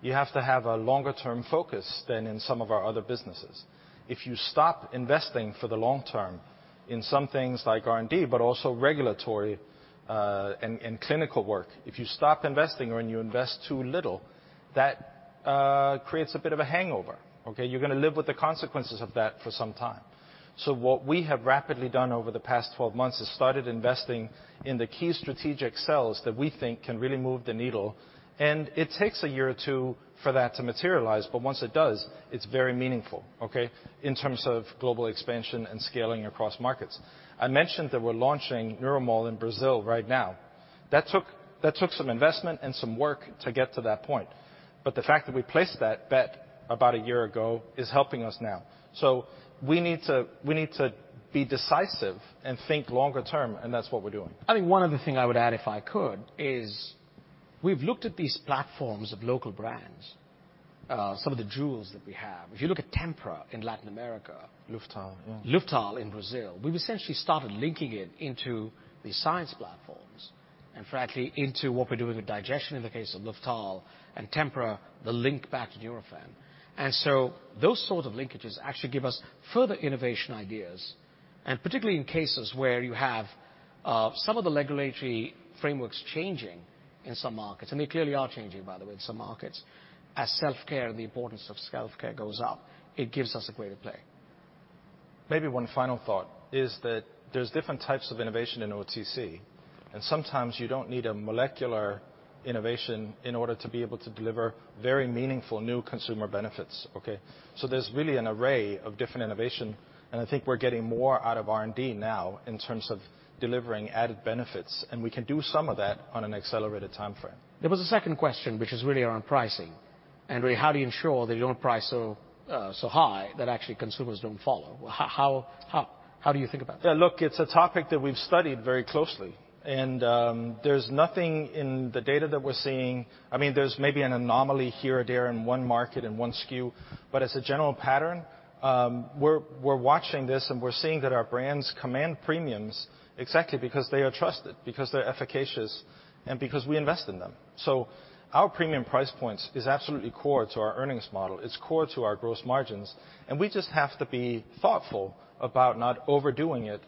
You have to have a longer term focus than in some of our other businesses. If you stop investing for the long term in some things like R&D, but also regulatory and clinical work, if you stop investing or when you invest too little, that creates a bit of a hangover, okay? You're gonna live with the consequences of that for some time. What we have rapidly done over the past 12 months is started investing in the key strategic cells that we think can really move the needle, and it takes a year or two for that to materialize, but once it does, it's very meaningful, okay? In terms of global expansion and scaling across markets. I mentioned that we're launching Nuromol in Brazil right now. That took some investment and some work to get to that point. The fact that we placed that bet about a year ago is helping us now. We need to be decisive and think longer term, and that's what we're doing. I think one other thing I would add, if I could, is we've looked at these platforms of local brands, some of the jewels that we have. If you look at Tempra in Latin America. Luftal, yeah. Luftal in Brazil, we've essentially started linking it into the science platforms and frankly into what we're doing with digestion in the case of Luftal, and Tempra, the link back to Nurofen. Those sort of linkages actually give us further innovation ideas, and particularly in cases where you have some of the regulatory frameworks changing in some markets, and they clearly are changing, by the way, in some markets. As self-care and the importance of self-care goes up, it gives us a greater play. Maybe one final thought is that there's different types of innovation in OTC, and sometimes you don't need a molecular innovation in order to be able to deliver very meaningful new consumer benefits, okay? There's really an array of different innovation, and I think we're getting more out of R&D now in terms of delivering added benefits, and we can do some of that on an accelerated timeframe. There was a second question, which is really around pricing. And really, how do you ensure that you don't price so high that actually consumers don't follow? How do you think about that? Yeah, look, it's a topic that we've studied very closely. There's nothing in the data that we're seeing. I mean, there's maybe an anomaly here or there in one market, in one SKU, but as a general pattern, we're watching this, and we're seeing that our brands command premiums exactly because they are trusted, because they're efficacious, and because we invest in them. Our premium price points is absolutely core to our earnings model. It's core to our gross margins, and we just have to be thoughtful about not overdoing it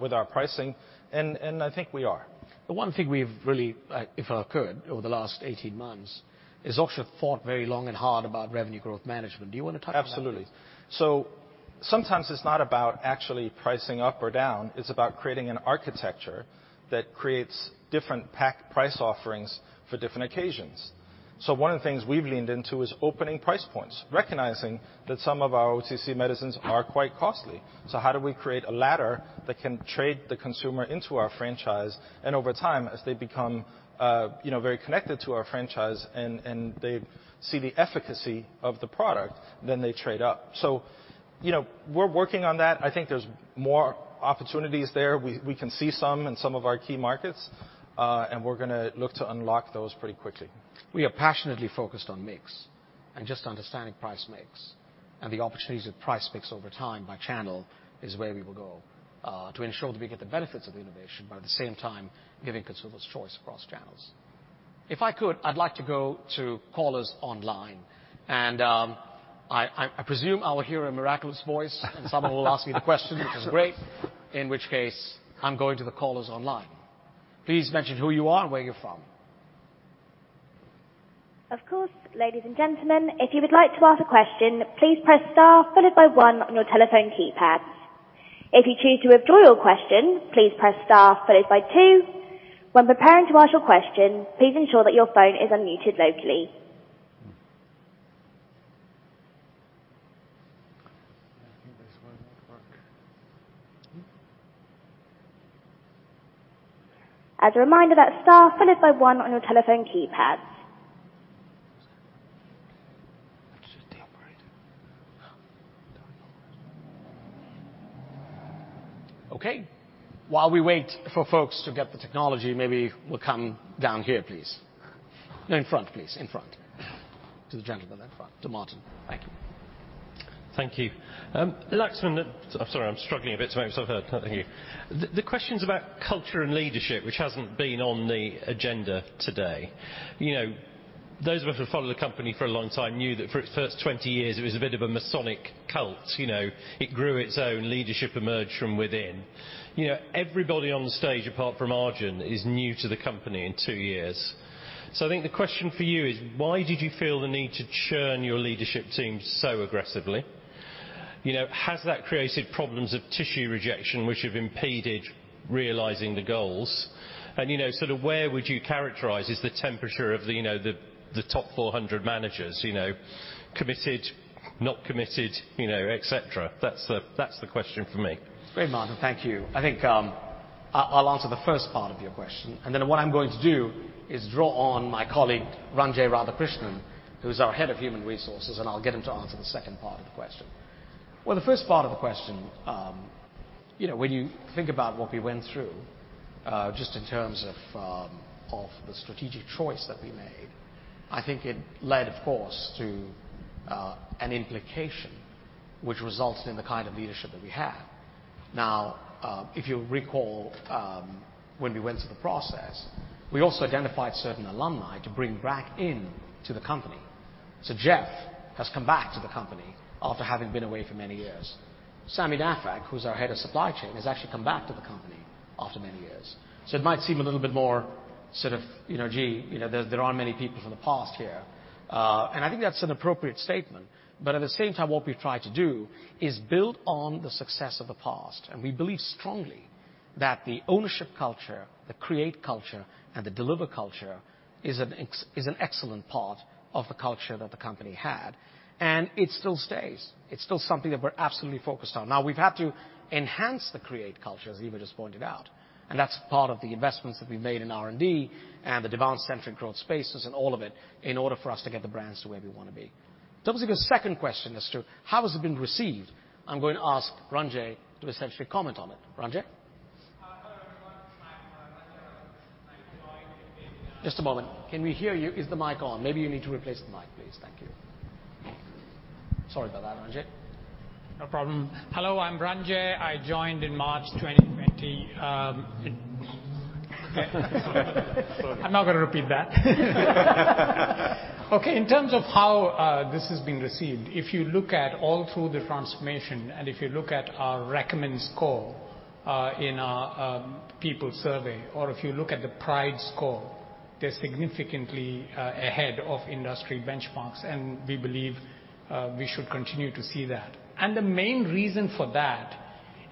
with our pricing, and I think we are. The one thing we've really, if I could, over the last 18 months, is also fought very long and hard about revenue growth management. Do you wanna talk about that? Absolutely. Sometimes it is not about actually pricing up or down, it is about creating an architecture that creates different pack price offerings for different occasions. One of the things we have leaned into is opening price points, recognizing that some of our OTC medicines are quite costly. How do we create a ladder that can trade the consumer into our franchise, and over time, as they become, you know, very connected to our franchise and they see the efficacy of the product, then they trade up. You know, we are working on that. I think there is more opportunities there. We can see some in some of our key markets, and we are gonna look to unlock those pretty quickly. We are passionately focused on mix and just understanding price mix and the opportunities with price mix over time by channel is where we will go to ensure that we get the benefits of the innovation, but at the same time, giving consumers choice across channels. If I could, I'd like to go to callers online and I presume I will hear a miraculous voice and someone will ask me the question, which is great. In which case I'm going to the callers online. Please mention who you are and where you're from. Of course. Ladies and gentlemen, if you would like to ask a question, please press star followed by one on your telephone keypad. If you choose to withdraw your question, please press star followed by two. When preparing to ask your question, please ensure that your phone is unmuted locally. I think this one won't work. As a reminder, that's star followed by one on your telephone keypad. Let's just deal with it. Oh. Dial. Okay. While we wait for folks to get the technology, maybe we'll come down here, please. No, in front, please, in front. To the gentleman in front. To Martin. Thank you. Thank you. Laxman, I'm sorry, I'm struggling a bit to make myself heard. Thank you. The question's about culture and leadership, which hasn't been on the agenda today. You know, those of us who followed the company for a long time knew that for its first 20 years it was a bit of a Masonic cult, you know. It grew its own, leadership emerged from within. You know, everybody on stage apart from Arjun is new to the company in two years. I think the question for you is, why did you feel the need to churn your leadership team so aggressively? You know, has that created problems of tissue rejection which have impeded realizing the goals? You know, sort of where would you characterize is the temperature of the, you know, the top 400 managers, you know, committed, not committed, you know, et cetera? That's the question from me. Great, Martin. Thank you. I think I'll answer the first part of your question, and then what I'm going to do is draw on my colleague, Ranjay Radhakrishnan, who's our head of human resources, and I'll get him to answer the second part of the question. Well, the first part of the question, you know, when you think about what we went through, just in terms of the strategic choice that we made, I think it led, of course, to an implication which resulted in the kind of leadership that we have. Now, if you recall, when we went through the process, we also identified certain alumni to bring back into the company. Jeff has come back to the company after having been away for many years. Sami Naffakh, who's our head of supply chain, has actually come back to the company after many years. It might seem a little bit more sort of, you know, gee, you know, there aren't many people from the past here. I think that's an appropriate statement. At the same time, what we've tried to do is build on the success of the past. We believe strongly that the ownership culture, the create culture, and the deliver culture is an excellent part of the culture that the company had, and it still stays. It's still something that we're absolutely focused on. We've had to enhance the create culture, as Eva just pointed out, and that's part of the investments that we made in R&D and the Demand-Centric Growth spaces and all of it, in order for us to get the brands to where we wanna be. To answer your second question as to how has it been received, I'm going to ask Ranjay to essentially comment on it. Ranjay? Just a moment. Can we hear you? Is the mic on? Maybe you need to replace the mic, please. Thank you. Sorry about that, Ranjay. No problem. Hello, I'm Ranjay. I joined in March 2020. Sorry. I'm not gonna repeat that. Okay. In terms of how this has been received, if you look at all through the transformation and if you look at our recommend score, in our people survey, or if you look at the pride score, they're significantly ahead of industry benchmarks, and we believe we should continue to see that. The main reason for that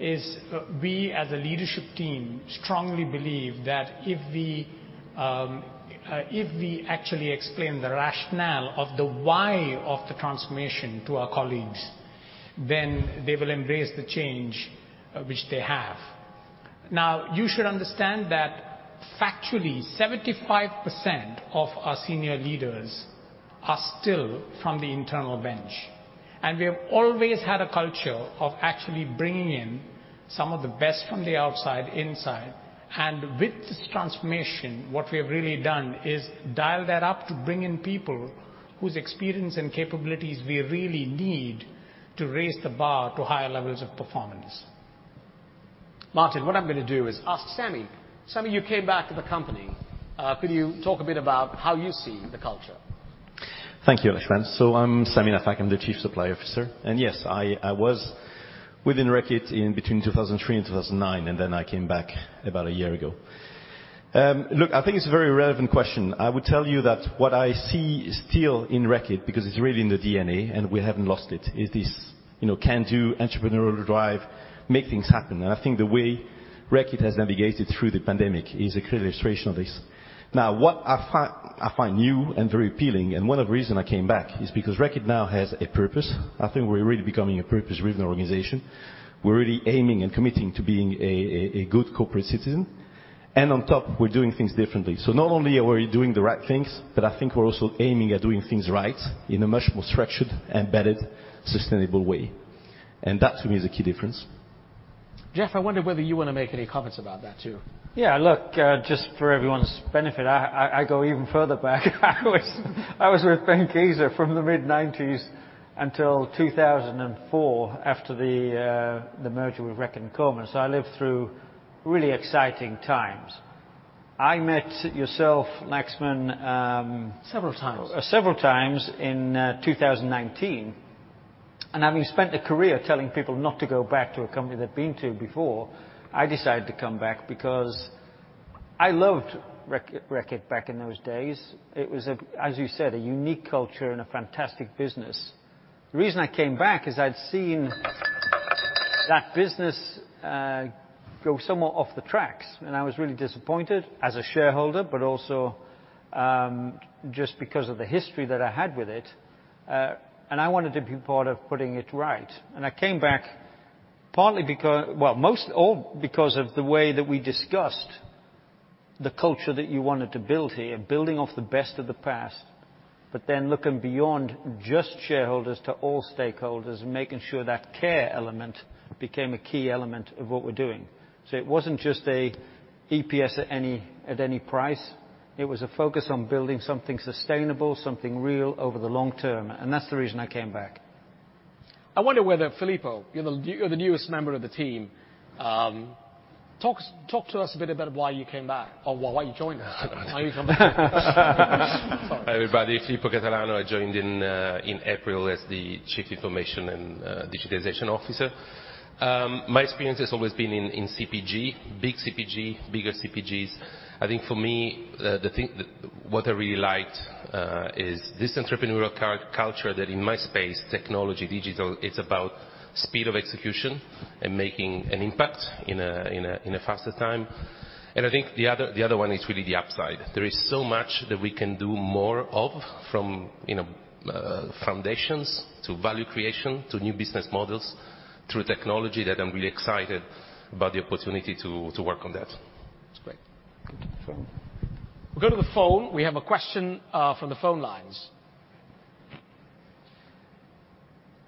is we as a leadership team strongly believe that if we, if we actually explain the rationale of the why of the transformation to our colleagues, then they will embrace the change, which they have. Now, you should understand that factually 75% of our senior leaders are still from the internal bench, and we have always had a culture of actually bringing in some of the best from the outside inside. With this transformation, what we have really done is dial that up to bring in people whose experience and capabilities we really need to raise the bar to higher levels of performance. Martin, what I'm gonna do is ask Sami. Sami, you came back to the company. Could you talk a bit about how you see the culture? Thank you, Laxman. I'm Sami Naffakh. I'm the Chief Supply Officer. Yes, I was within Reckitt in between 2003 and 2009, then I came back about a year ago. Look, I think it's a very relevant question. I would tell you that what I see still in Reckitt, because it's really in the DNA and we haven't lost it, is this, you know, can-do entrepreneurial drive, make things happen. I think the way Reckitt has navigated through the pandemic is a clear illustration of this. Now, what I find, I find new and very appealing, and one of the reason I came back, is because Reckitt now has a purpose. I think we're really becoming a purpose-driven organization. We're really aiming and committing to being a, a good corporate citizen. On top, we're doing things differently. Not only are we doing the right things, but I think we're also aiming at doing things right in a much more structured, embedded, sustainable way. To me is a key difference. Jeff, I wonder whether you wanna make any comments about that too? Yeah, look, just for everyone's benefit, I go even further back. I was with Benckiser from the mid-1990s. Until 2004 after the merger with Reckitt and Benckiser. I lived through really exciting times. I met yourself, Laxman. Several times Several times in 2019. Having spent a career telling people not to go back to a company they've been to before, I decided to come back because I loved Reckitt back in those days. It was, as you said, a unique culture and a fantastic business. The reason I came back is I'd seen that business go somewhat off the tracks, and I was really disappointed as a shareholder, but also just because of the history that I had with it. I wanted to be part of putting it right. I came back partly because, most all because of the way that we discussed the culture that you wanted to build here, building off the best of the past, but then looking beyond just shareholders to all stakeholders and making sure that care element became a key element of what we're doing. It wasn't just an EPS at any price. It was a focus on building something sustainable, something real over the long term, and that's the reason I came back. I wonder whether, Filippo, you're the newest member of the team. Talk to us a bit about why you came back or why you joined us. Why you come back to us. Sorry. Hi, everybody. Filippo Catalano. I joined in April as the Chief Information and Digitization Officer. My experience has always been in CPG, big CPG, bigger CPGs. I think for me, the thing what I really liked is this entrepreneurial culture that in my space, technology, digital, it's about speed of execution and making an impact in a faster time. I think the other one is really the upside. There is so much that we can do more of from, you know, foundations to value creation, to new business models through technology that I'm really excited about the opportunity to work on that. That's great. Thank you. We'll go to the phone. We have a question from the phone lines.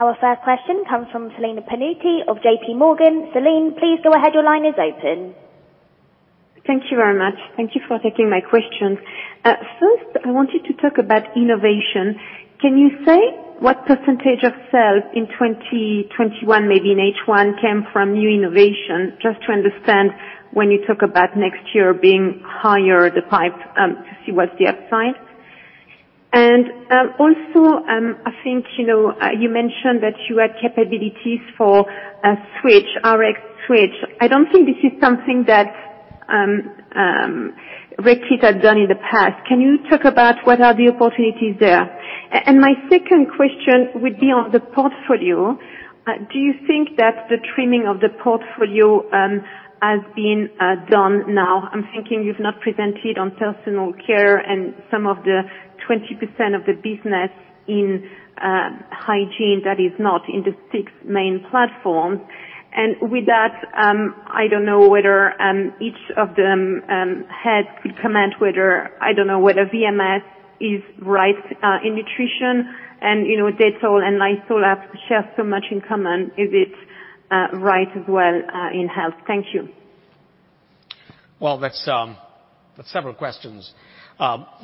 Our first question comes from Celine Pannuti of JPMorgan. Celine, please go ahead, your line is open. Thank you very much. Thank you for taking my questions. First, I wanted to talk about innovation. Can you say what percentage of sales in 2021, maybe in H1, came from new innovation, just to understand when you talk about next year being higher, the pipe, to see what's the upside? Also, you mentioned that you had capabilities for a switch, Rx switch. I don't think this is something that Reckitt had done in the past. Can you talk about what are the opportunities there? My second question would be on the portfolio. Do you think that the trimming of the portfolio has been done now? I'm thinking you've not presented on personal care and some of the 20% of the business in hygiene that is not in the six main platforms. With that, I don't know whether each of them had come out whether I don't know whether VMS is right in nutrition, you know, Dettol and Lysol share so much in common. Is it right as well in health? Thank you. Well, that's several questions.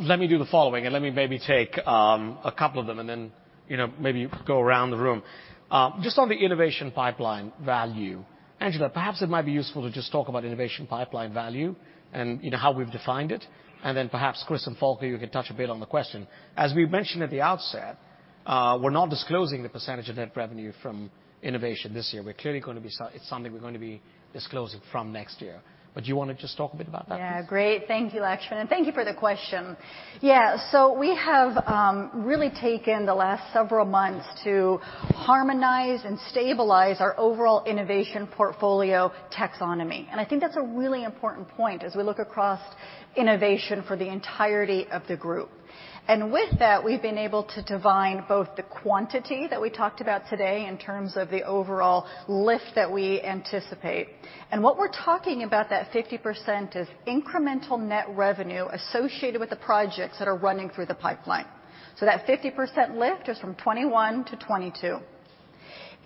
Let me do the following and let me maybe take, a couple of them and then, you know, maybe go around the room. Just on the innovation pipeline value, Angela, perhaps it might be useful to just talk about innovation pipeline value and, you know, how we've defined it, and then perhaps Kris and Volker, you can touch a bit on the question. As we've mentioned at the outset, we're not disclosing the percentage of net revenue from innovation this year. It's something we're gonna be disclosing from next year. Do you wanna just talk a bit about that please? Great. Thank you, Laxman, and thank you for the question. We have really taken the last several months to harmonize and stabilize our overall innovation portfolio taxonomy. I think that's a really important point as we look across innovation for the entirety of the group. With that, we've been able to divine both the quantity that we talked about today in terms of the overall lift that we anticipate. What we're talking about that 50% is incremental net revenue associated with the projects that are running through the pipeline. That 50% lift is from 2021 to 2022.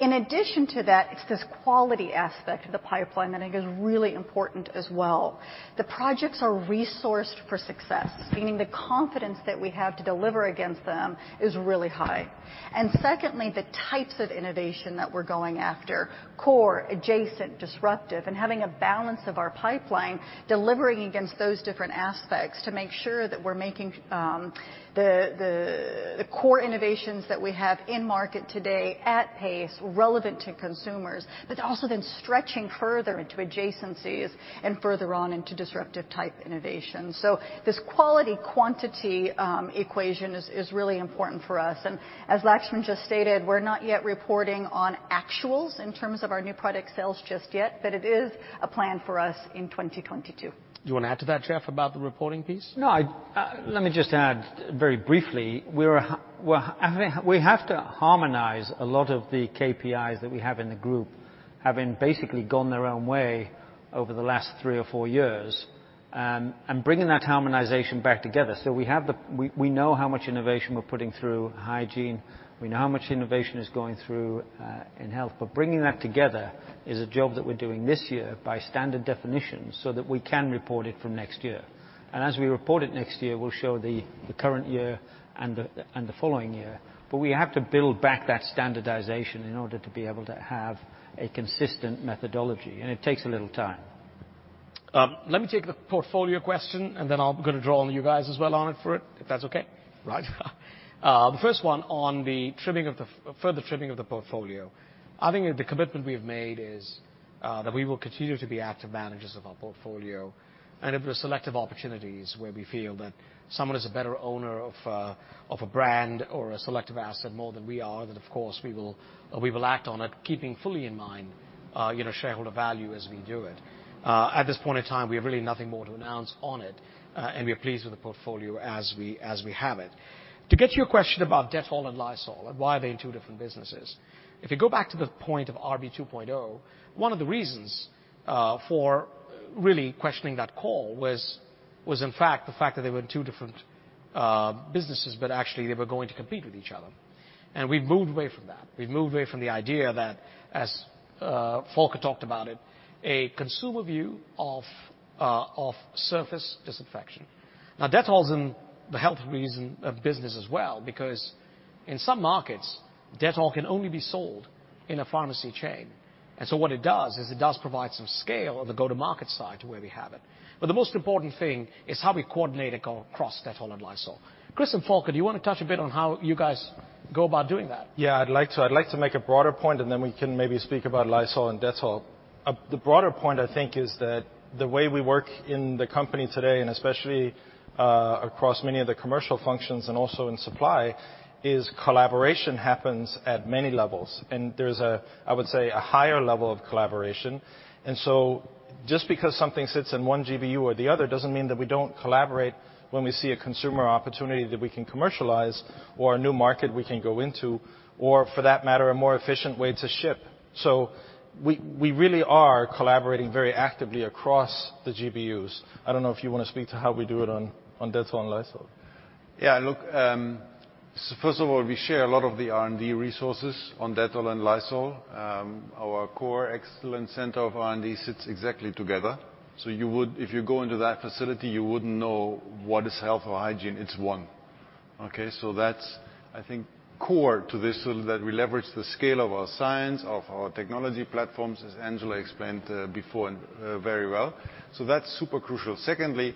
In addition to that, it's this quality aspect of the pipeline that I think is really important as well. The projects are resourced for success, meaning the confidence that we have to deliver against them is really high. Secondly, the types of innovation that we're going after, core, adjacent, disruptive, and having a balance of our pipeline delivering against those different aspects to make sure that we're making the core innovations that we have in market today at pace relevant to consumers, but also then stretching further into adjacencies and further on into disruptive type innovations. This quality, quantity equation is really important for us. As Laxman just stated, we're not yet reporting on actuals in terms of our new product sales just yet, but it is a plan for us in 2022. Do you want to add to that, Jeff, about the reporting piece? No, I let me just add very briefly, we're, I think we have to harmonize a lot of the KPIs that we have in the group, having basically gone their own way over the last three or four years, and bringing that harmonization back together. We have the, we know how much innovation we're putting through Hygiene, we know how much innovation is going through in Health, but bringing that together is a job that we're doing this year by standard definition so that we can report it from next year. As we report it next year, we'll show the current year and the following year, but we have to build back that standardization in order to be able to have a consistent methodology, and it takes a little time. Let me take the portfolio question, and then I'm gonna draw on you guys as well on it for it, if that's okay. Right. The first one on the trimming of the further trimming of the portfolio. I think the commitment we have made is that we will continue to be active managers of our portfolio and if there are selective opportunities where we feel that someone is a better owner of a brand or a selective asset more than we are, then of course we will act on it, keeping fully in mind, you know, shareholder value as we do it. At this point in time, we have really nothing more to announce on it, and we are pleased with the portfolio as we have it. To get to your question about Dettol and Lysol and why are they in two different businesses, if you go back to the point of RB 2.0, one of the reasons for really questioning that call was in fact the fact that they were in two different businesses, but actually they were going to compete with each other. We've moved away from that. We've moved away from the idea that, as Volker talked about it, a consumer view of surface disinfection. Now, Dettol's in the health reason of business as well because in some markets, Dettol can only be sold in a pharmacy chain, and so what it does is it does provide some scale on the go-to-market side where we have it. The most important thing is how we coordinate across Dettol and Lysol. Kris and Volker, do you want to touch a bit on how you guys go about doing that? Yeah, I'd like to. I'd like to make a broader point and then we can maybe speak about Lysol and Dettol. The broader point, I think, is that the way we work in the company today, and especially, across many of the commercial functions and also in supply, is collaboration happens at many levels, and there's, I would say, a higher level of collaboration. Just because something sits in one GBU or the other doesn't mean that we don't collaborate when we see a consumer opportunity that we can commercialize or a new market we can go into, or for that matter, a more efficient way to ship. We really are collaborating very actively across the GBUs. I don't know if you want to speak to how we do it on Dettol and Lysol. First of all, we share a lot of the R&D resources on Dettol and Lysol. Our core excellence center of R&D sits exactly together. If you go into that facility, you wouldn't know what is health or hygiene. It's one. Okay. That's, I think, core to this so that we leverage the scale of our science, of our technology platforms, as Angela explained before and very well. That's super crucial. Secondly,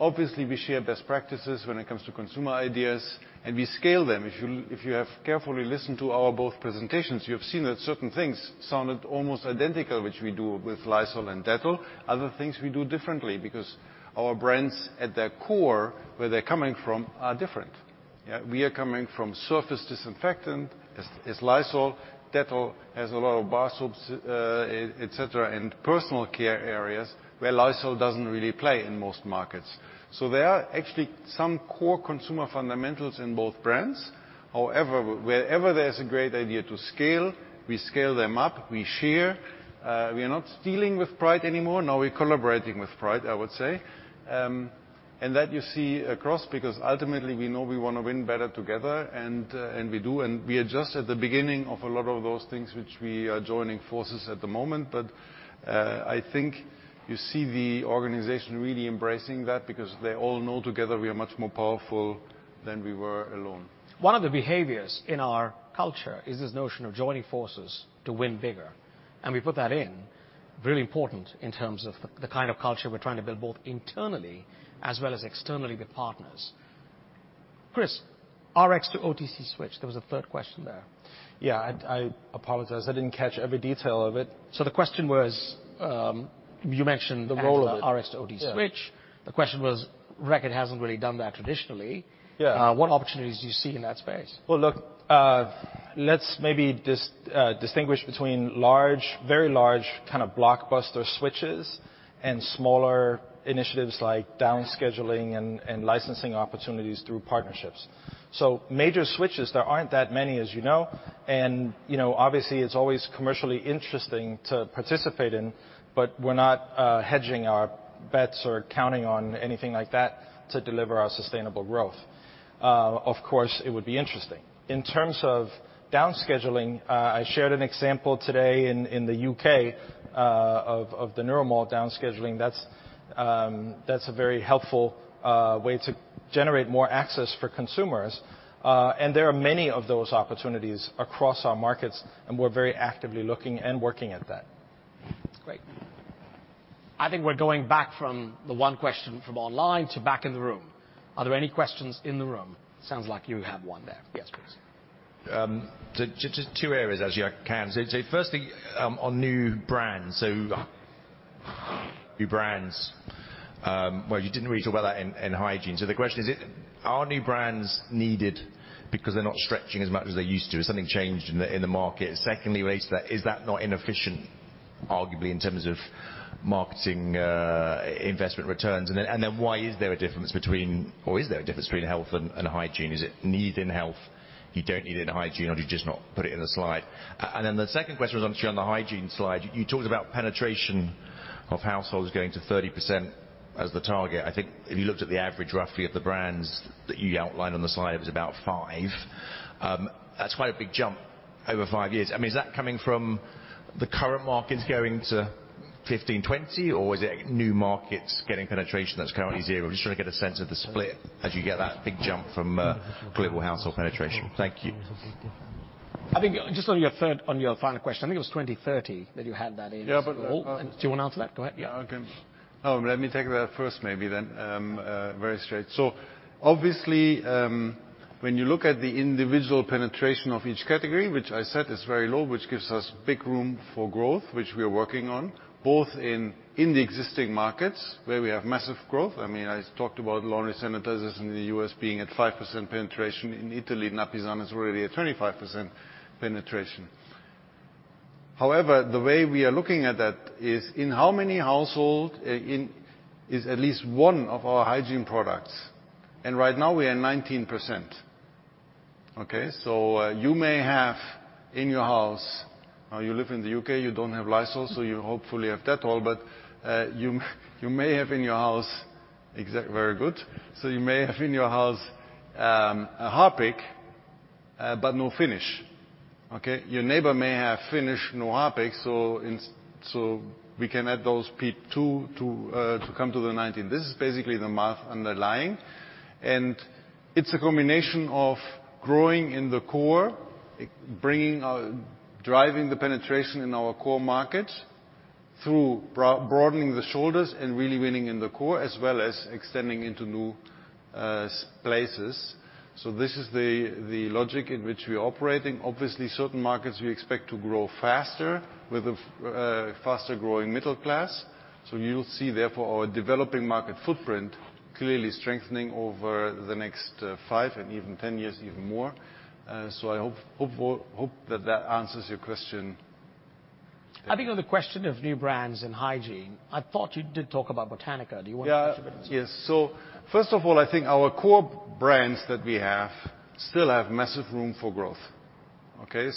obviously, we share best practices when it comes to consumer ideas, and we scale them. If you have carefully listened to our both presentations, you have seen that certain things sounded almost identical, which we do with Lysol and Dettol. Other things we do differently because our brands at their core, where they're coming from are different. Yeah. We are coming from surface disinfectant as Lysol. Dettol has a lot of bar soaps, et cetera, and personal care areas where Lysol doesn't really play in most markets. There are actually some core consumer fundamentals in both brands. However, wherever there's a great idea to scale, we scale them up, we share. We are not stealing with pride anymore. Now we're collaborating with pride, I would say. That you see across because ultimately we know we wanna win better together, and we do. We are just at the beginning of a lot of those things which we are joining forces at the moment. I think you see the organization really embracing that because they all know together we are much more powerful than we were alone. One of the behaviors in our culture is this notion of joining forces to win bigger, and we put that in very important in terms of the kind of culture we're trying to build both internally as well as externally with partners. Kris, Rx-to-OTC switch. There was a third question there. Yeah. I apologize. I didn't catch every detail of it. The question was. The role of it Rx-to-OTC switch. Yeah. The question was Reckitt hasn't really done that traditionally. Yeah. What opportunities do you see in that space? Well, look, let's maybe distinguish between large, very large kind of blockbuster switches and smaller initiatives like down scheduling and licensing opportunities through partnerships. Major switches there aren't that many, as you know. You know, obviously, it's always commercially interesting to participate in, but we're not hedging our bets or counting on anything like that to deliver our sustainable growth. Of course, it would be interesting. In terms of down scheduling, I shared an example today in the U.K. of the Nuromol down scheduling. That's a very helpful way to generate more access for consumers. There are many of those opportunities across our markets, and we're very actively looking and working at that. Great. I think we're going back from the one question from online to back in the room. Are there any questions in the room? Sounds like you have one there. Yes, please. Just two areas as you can. Firstly, on new brands. New brands, well, you didn't really talk about that in hygiene. The question is, are new brands needed because they're not stretching as much as they used to? Has something changed in the market? Secondly, related to that, is that not inefficient, arguably, in terms of marketing investment returns? Why is there a difference between, or is there a difference between health and hygiene? Is it needed in health, you don't need it in hygiene, or do you just not put it in the slide? The second question was actually on the hygiene slide. You talked about penetration of households going to 30% as the target. I think if you looked at the average, roughly, of the brands that you outlined on the slide, it was about five. That's quite a big jump over five years. I mean, is that coming from the current markets going to 15, 20, or is it new markets getting penetration that's currently zero? I'm just trying to get a sense of the split as you get that big jump from global household penetration. Thank you. I think just on your third, on your final question, I think it was 2030 that you had that in. Yeah. Do you wanna answer that? Go ahead. Let me take that first maybe then, very straight. Obviously, when you look at the individual penetration of each category, which I said is very low, which gives us big room for growth, which we are working on, both in the existing markets where we have massive growth. I mean, I talked about laundry sanitizers in the U.S. being at 5% penetration. In Italy, Napisan is already at 25% penetration. However, the way we are looking at that is in how many household, in is at least one of our hygiene products, and right now we are 19%. Okay? You may have in your house, you live in the U.K., you don't have Lysol, so you hopefully have Dettol, but you may have in your house. Very good. You may have in your house a Harpic, but no Finish. Okay. Your neighbor may have Finish, no Harpic, we can add those two to come to the 19. This is basically the math underlying, it's a combination of growing in the core, bringing our driving the penetration in our core markets through broadening the shoulders and really winning in the core, as well as extending into new places. This is the logic in which we are operating. Obviously, certain markets we expect to grow faster with a faster growing middle class. You'll see therefore our developing market footprint clearly strengthening over the next five and even 10 years even more. I hope, hope that that answers your question. I think on the question of new brands and hygiene, I thought you did talk about Botanica. Do you want to touch a bit on that? Yeah. Yes. First of all, I think our core brands that we have still have massive room for growth, okay?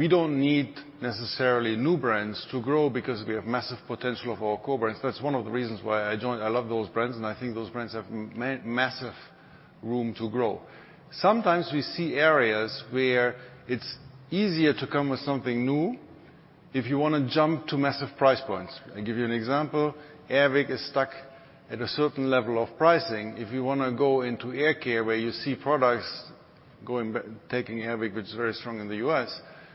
We don't need necessarily new brands to grow because we have massive potential of our core brands. That's one of the reasons why I joined I love those brands, and I think those brands have massive room to grow. Sometimes we see areas where it's easier to come with something new if you wanna jump to massive price points. I'll give you an example. Air Wick is stuck at a certain level of pricing. If you wanna go into air care, where you see products going, taking Air Wick, which is very strong in the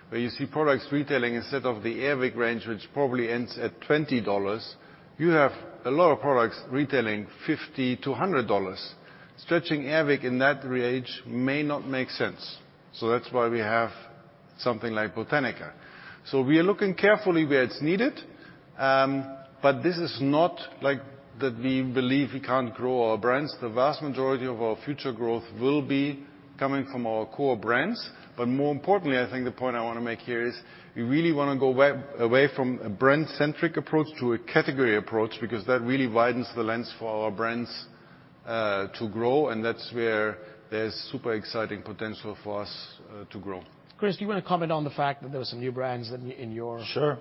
U.S., where you see products retailing instead of the Air Wick range, which probably ends at GBP 20, you have a lot of products retailing GBP 50-GBP 100. Stretching Air Wick in that range may not make sense. That's why we have something like Botanica. We are looking carefully where it's needed, this is not like that we believe we can't grow our brands. The vast majority of our future growth will be coming from our core brands. More importantly, I think the point I wanna make here is we really wanna go away from a brand-centric approach to a category approach because that really widens the lens for our brands to grow, and that's where there's super exciting potential for us to grow. Kris, do you wanna comment on the fact that there are some new brands in your? Sure.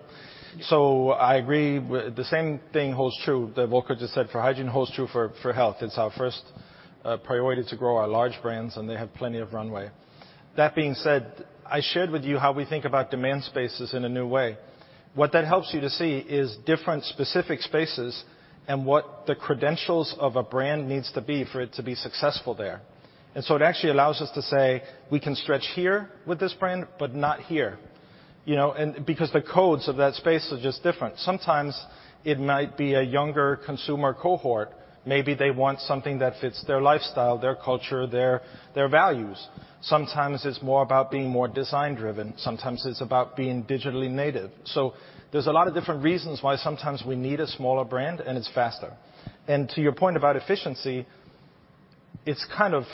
The same thing holds true that Volker just said for hygiene holds true for health. It's our first priority to grow our large brands, and they have plenty of runway. That being said, I shared with you how we think about demand spaces in a new way. What that helps you to see is different specific spaces and what the credentials of a brand needs to be for it to be successful there. It actually allows us to say, "We can stretch here with this brand, but not here." You know? Because the codes of that space are just different. Sometimes it might be a younger consumer cohort. Maybe they want something that fits their lifestyle, their culture, their values. Sometimes it's more about being more design-driven. Sometimes it's about being digitally native. There's a lot of different reasons why sometimes we need a smaller brand, and it's faster. To your point about efficiency, it's kind of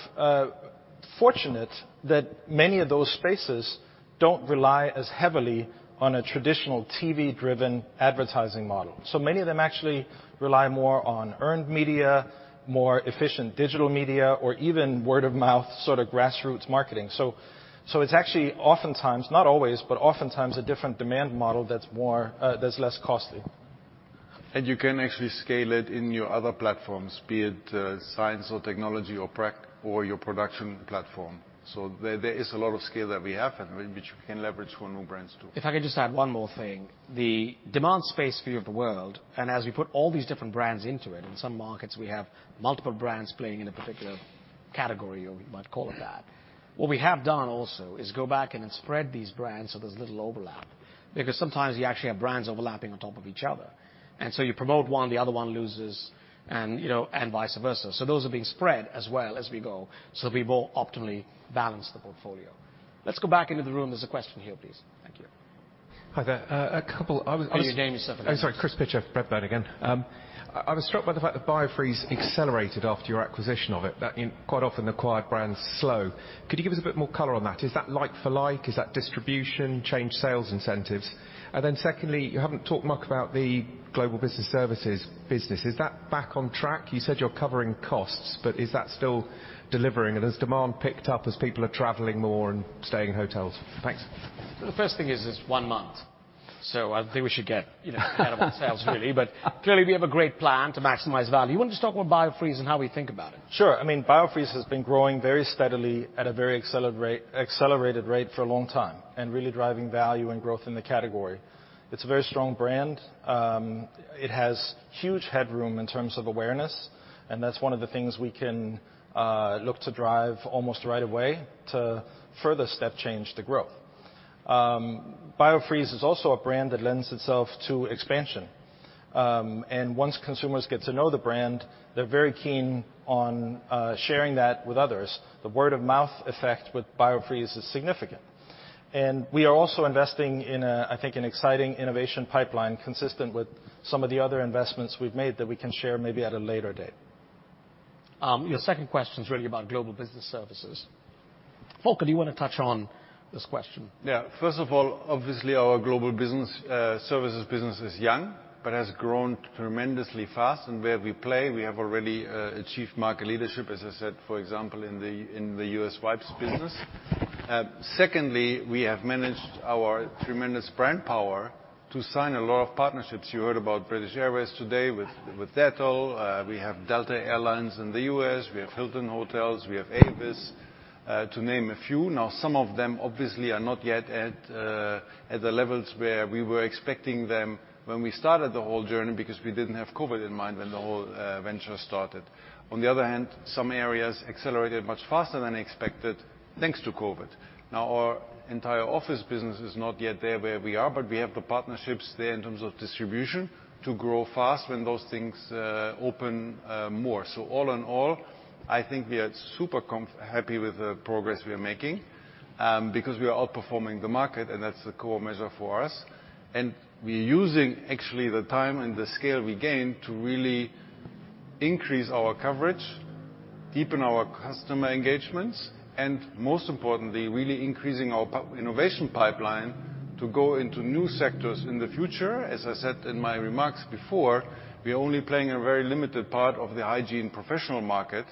fortunate that many of those spaces don't rely as heavily on a traditional TV-driven advertising model. Many of them actually rely more on earned media, more efficient digital media or even word of mouth sort of grassroots marketing. It's actually oftentimes, not always, but oftentimes a different demand model that's more, that's less costly. You can actually scale it in your other platforms, be it science or technology or your production platform. There is a lot of scale that we have and which we can leverage for new brands too. If I could just add one more thing. The demand space view of the world. As we put all these different brands into it, in some markets we have multiple brands playing in a particular category or we might call it that. What we have done also is go back in and spread these brands so there's little overlap. Sometimes you actually have brands overlapping on top of each other. You promote one, the other one loses and, you know, and vice versa. Those are being spread as well as we go, so we more optimally balance the portfolio. Let's go back into the room. There's a question here, please. Thank you. Hi there. a couple Oh, name yourself. Sorry. Chris Pitcher, Redburn again. I was struck by the fact that Biofreeze accelerated after your acquisition of it, that quite often acquired brands slow. Could you give us a bit more color on that? Is that like for like? Is that distribution, changed sales incentives? Secondly, you haven't talked much about the global business services business. Is that back on track? You said you're covering costs, but is that still delivering and has demand picked up as people are traveling more and staying in hotels? Thanks. The first thing is it is one month, so I think we should get, you know out of our sales really. Clearly, we have a great plan to maximize value. You want to just talk about Biofreeze and how we think about it? Sure. I mean, Biofreeze has been growing very steadily at a very accelerated rate for a long time and really driving value and growth in the category. It's a very strong brand. It has huge headroom in terms of awareness, that's one of the things we can look to drive almost right away to further step change the growth. Biofreeze is also a brand that lends itself to expansion. Once consumers get to know the brand, they're very keen on sharing that with others. The word of mouth effect with Biofreeze is significant. We are also investing in a, I think, an exciting innovation pipeline consistent with some of the other investments we've made that we can share maybe at a later date. Your second question's really about global business services. Volker, do you wanna touch on this question? First of all, obviously our global business services business is young but has grown tremendously fast. Where we play, we have already achieved market leadership, as I said, for example, in the U.S. wipes business. Secondly, we have managed our tremendous brand power to sign a lot of partnerships. You heard about British Airways today with Dettol. We have Delta Air Lines in the U.S. We have Hilton Hotels. We have Avis to name a few. Now, some of them obviously are not yet at the levels where we were expecting them when we started the whole journey because we didn't have COVID in mind when the whole venture started. On the other hand, some areas accelerated much faster than expected thanks to COVID. Our entire office business is not yet there where we are, but we have the partnerships there in terms of distribution to grow fast when those things open more. All in all, I think we are super happy with the progress we are making, because we are outperforming the market, and that's the core measure for us. We're using actually the time and the scale we gain to really increase our coverage, deepen our customer engagements, and most importantly, really increasing our innovation pipeline to go into new sectors in the future. As I said in my remarks before, we're only playing a very limited part of the hygiene professional market.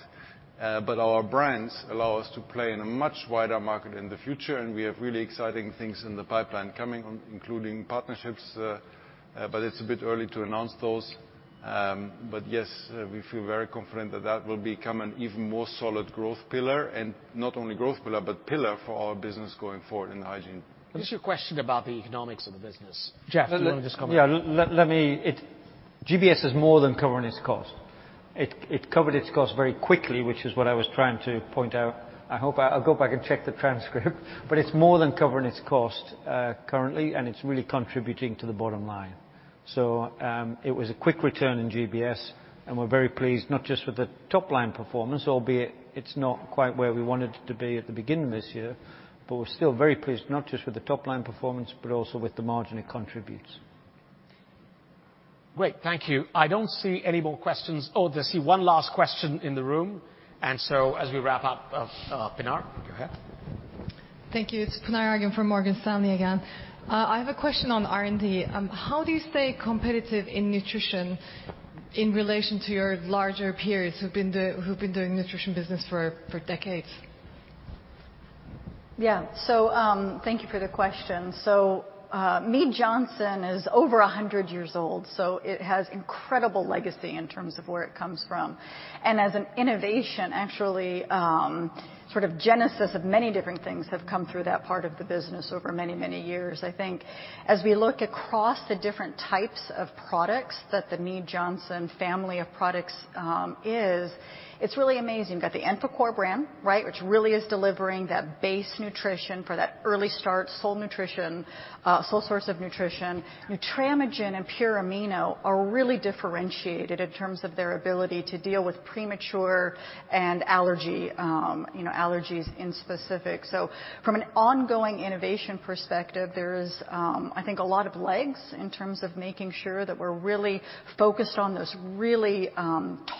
Our brands allow us to play in a much wider market in the future, and we have really exciting things in the pipeline coming on, including partnerships. It's a bit early to announce those. Yes, we feel very confident that that will become an even more solid growth pillar, and not only growth pillar, but pillar for our business going forward in hygiene. It's your question about the economics of the business. Jeff, do you wanna just comment? Let me, GBS is more than covering its cost. It covered its cost very quickly, which is what I was trying to point out. I hope I'll go back and check the transcript. It's more than covering its cost currently, and it's really contributing to the bottom line. It was a quick return in GBS, and we're very pleased, not just with the top line performance, albeit it's not quite where we wanted it to be at the beginning of this year. We're still very pleased, not just with the top line performance, but also with the margin it contributes. Great. Thank you. I don't see any more questions. Oh, I see one last question in the room. As we wrap up, Pinar, go ahead. Thank you. It's Pinar Ergun from Morgan Stanley again. I have a question on R&D. How do you stay competitive in nutrition in relation to your larger peers who've been doing nutrition business for decades? Yeah. Thank you for the question. Mead Johnson is over 100 years old, so it has incredible legacy in terms of where it comes from. As an innovation, actually, sort of genesis of many different things have come through that part of the business over many, many years. I think as we look across the different types of products that the Mead Johnson family of products is, it's really amazing. We've got the EnfaCare brand, right? Which really is delivering that base nutrition for that early start, sole nutrition, sole source of nutrition. Nutramigen and PurAmino are really differentiated in terms of their ability to deal with premature and allergy, you know, allergies in specific. From an ongoing innovation perspective, there's, I think a lot of legs in terms of making sure that we're really focused on those really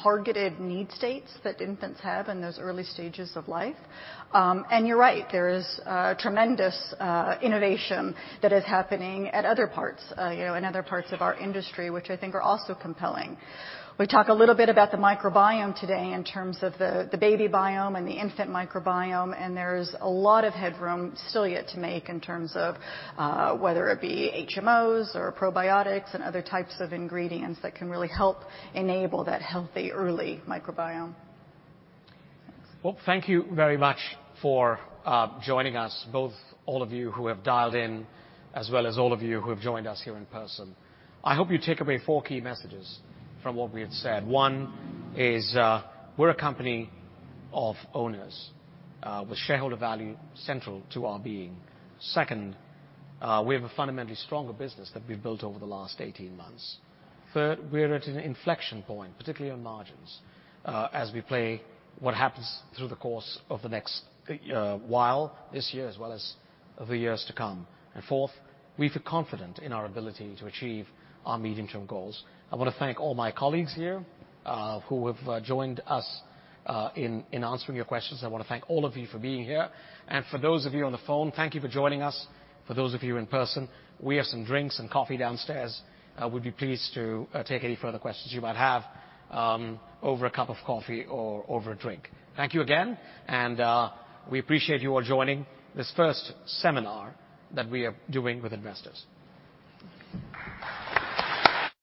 targeted need states that infants have in those early stages of life. You're right, there is tremendous innovation that is happening at other parts, you know, in other parts of our industry, which I think are also compelling. We talk a little bit about the microbiome today in terms of the baby biome and the infant microbiome, and there's a lot of headroom still yet to make in terms of whether it be HMOs or probiotics and other types of ingredients that can really help enable that healthy early microbiome. Thank you very much for joining us, both all of you who have dialed in, as well as all of you who have joined us here in person. I hope you take away four key messages from what we have said. One is, we're a company of owners, with shareholder value central to our being. Second, we have a fundamentally stronger business that we've built over the last 18 months. Third, we're at an inflection point, particularly on margins, as we play what happens through the course of the next, while this year as well as the years to come. Fourth, we feel confident in our ability to achieve our medium-term goals. I wanna thank all my colleagues here, who have joined us, in answering your questions. I wanna thank all of you for being here. For those of you on the phone, thank you for joining us. For those of you in person, we have some drinks and coffee downstairs, we'd be pleased to take any further questions you might have over a cup of coffee or over a drink. Thank you again, we appreciate you all joining this first seminar that we are doing with investors.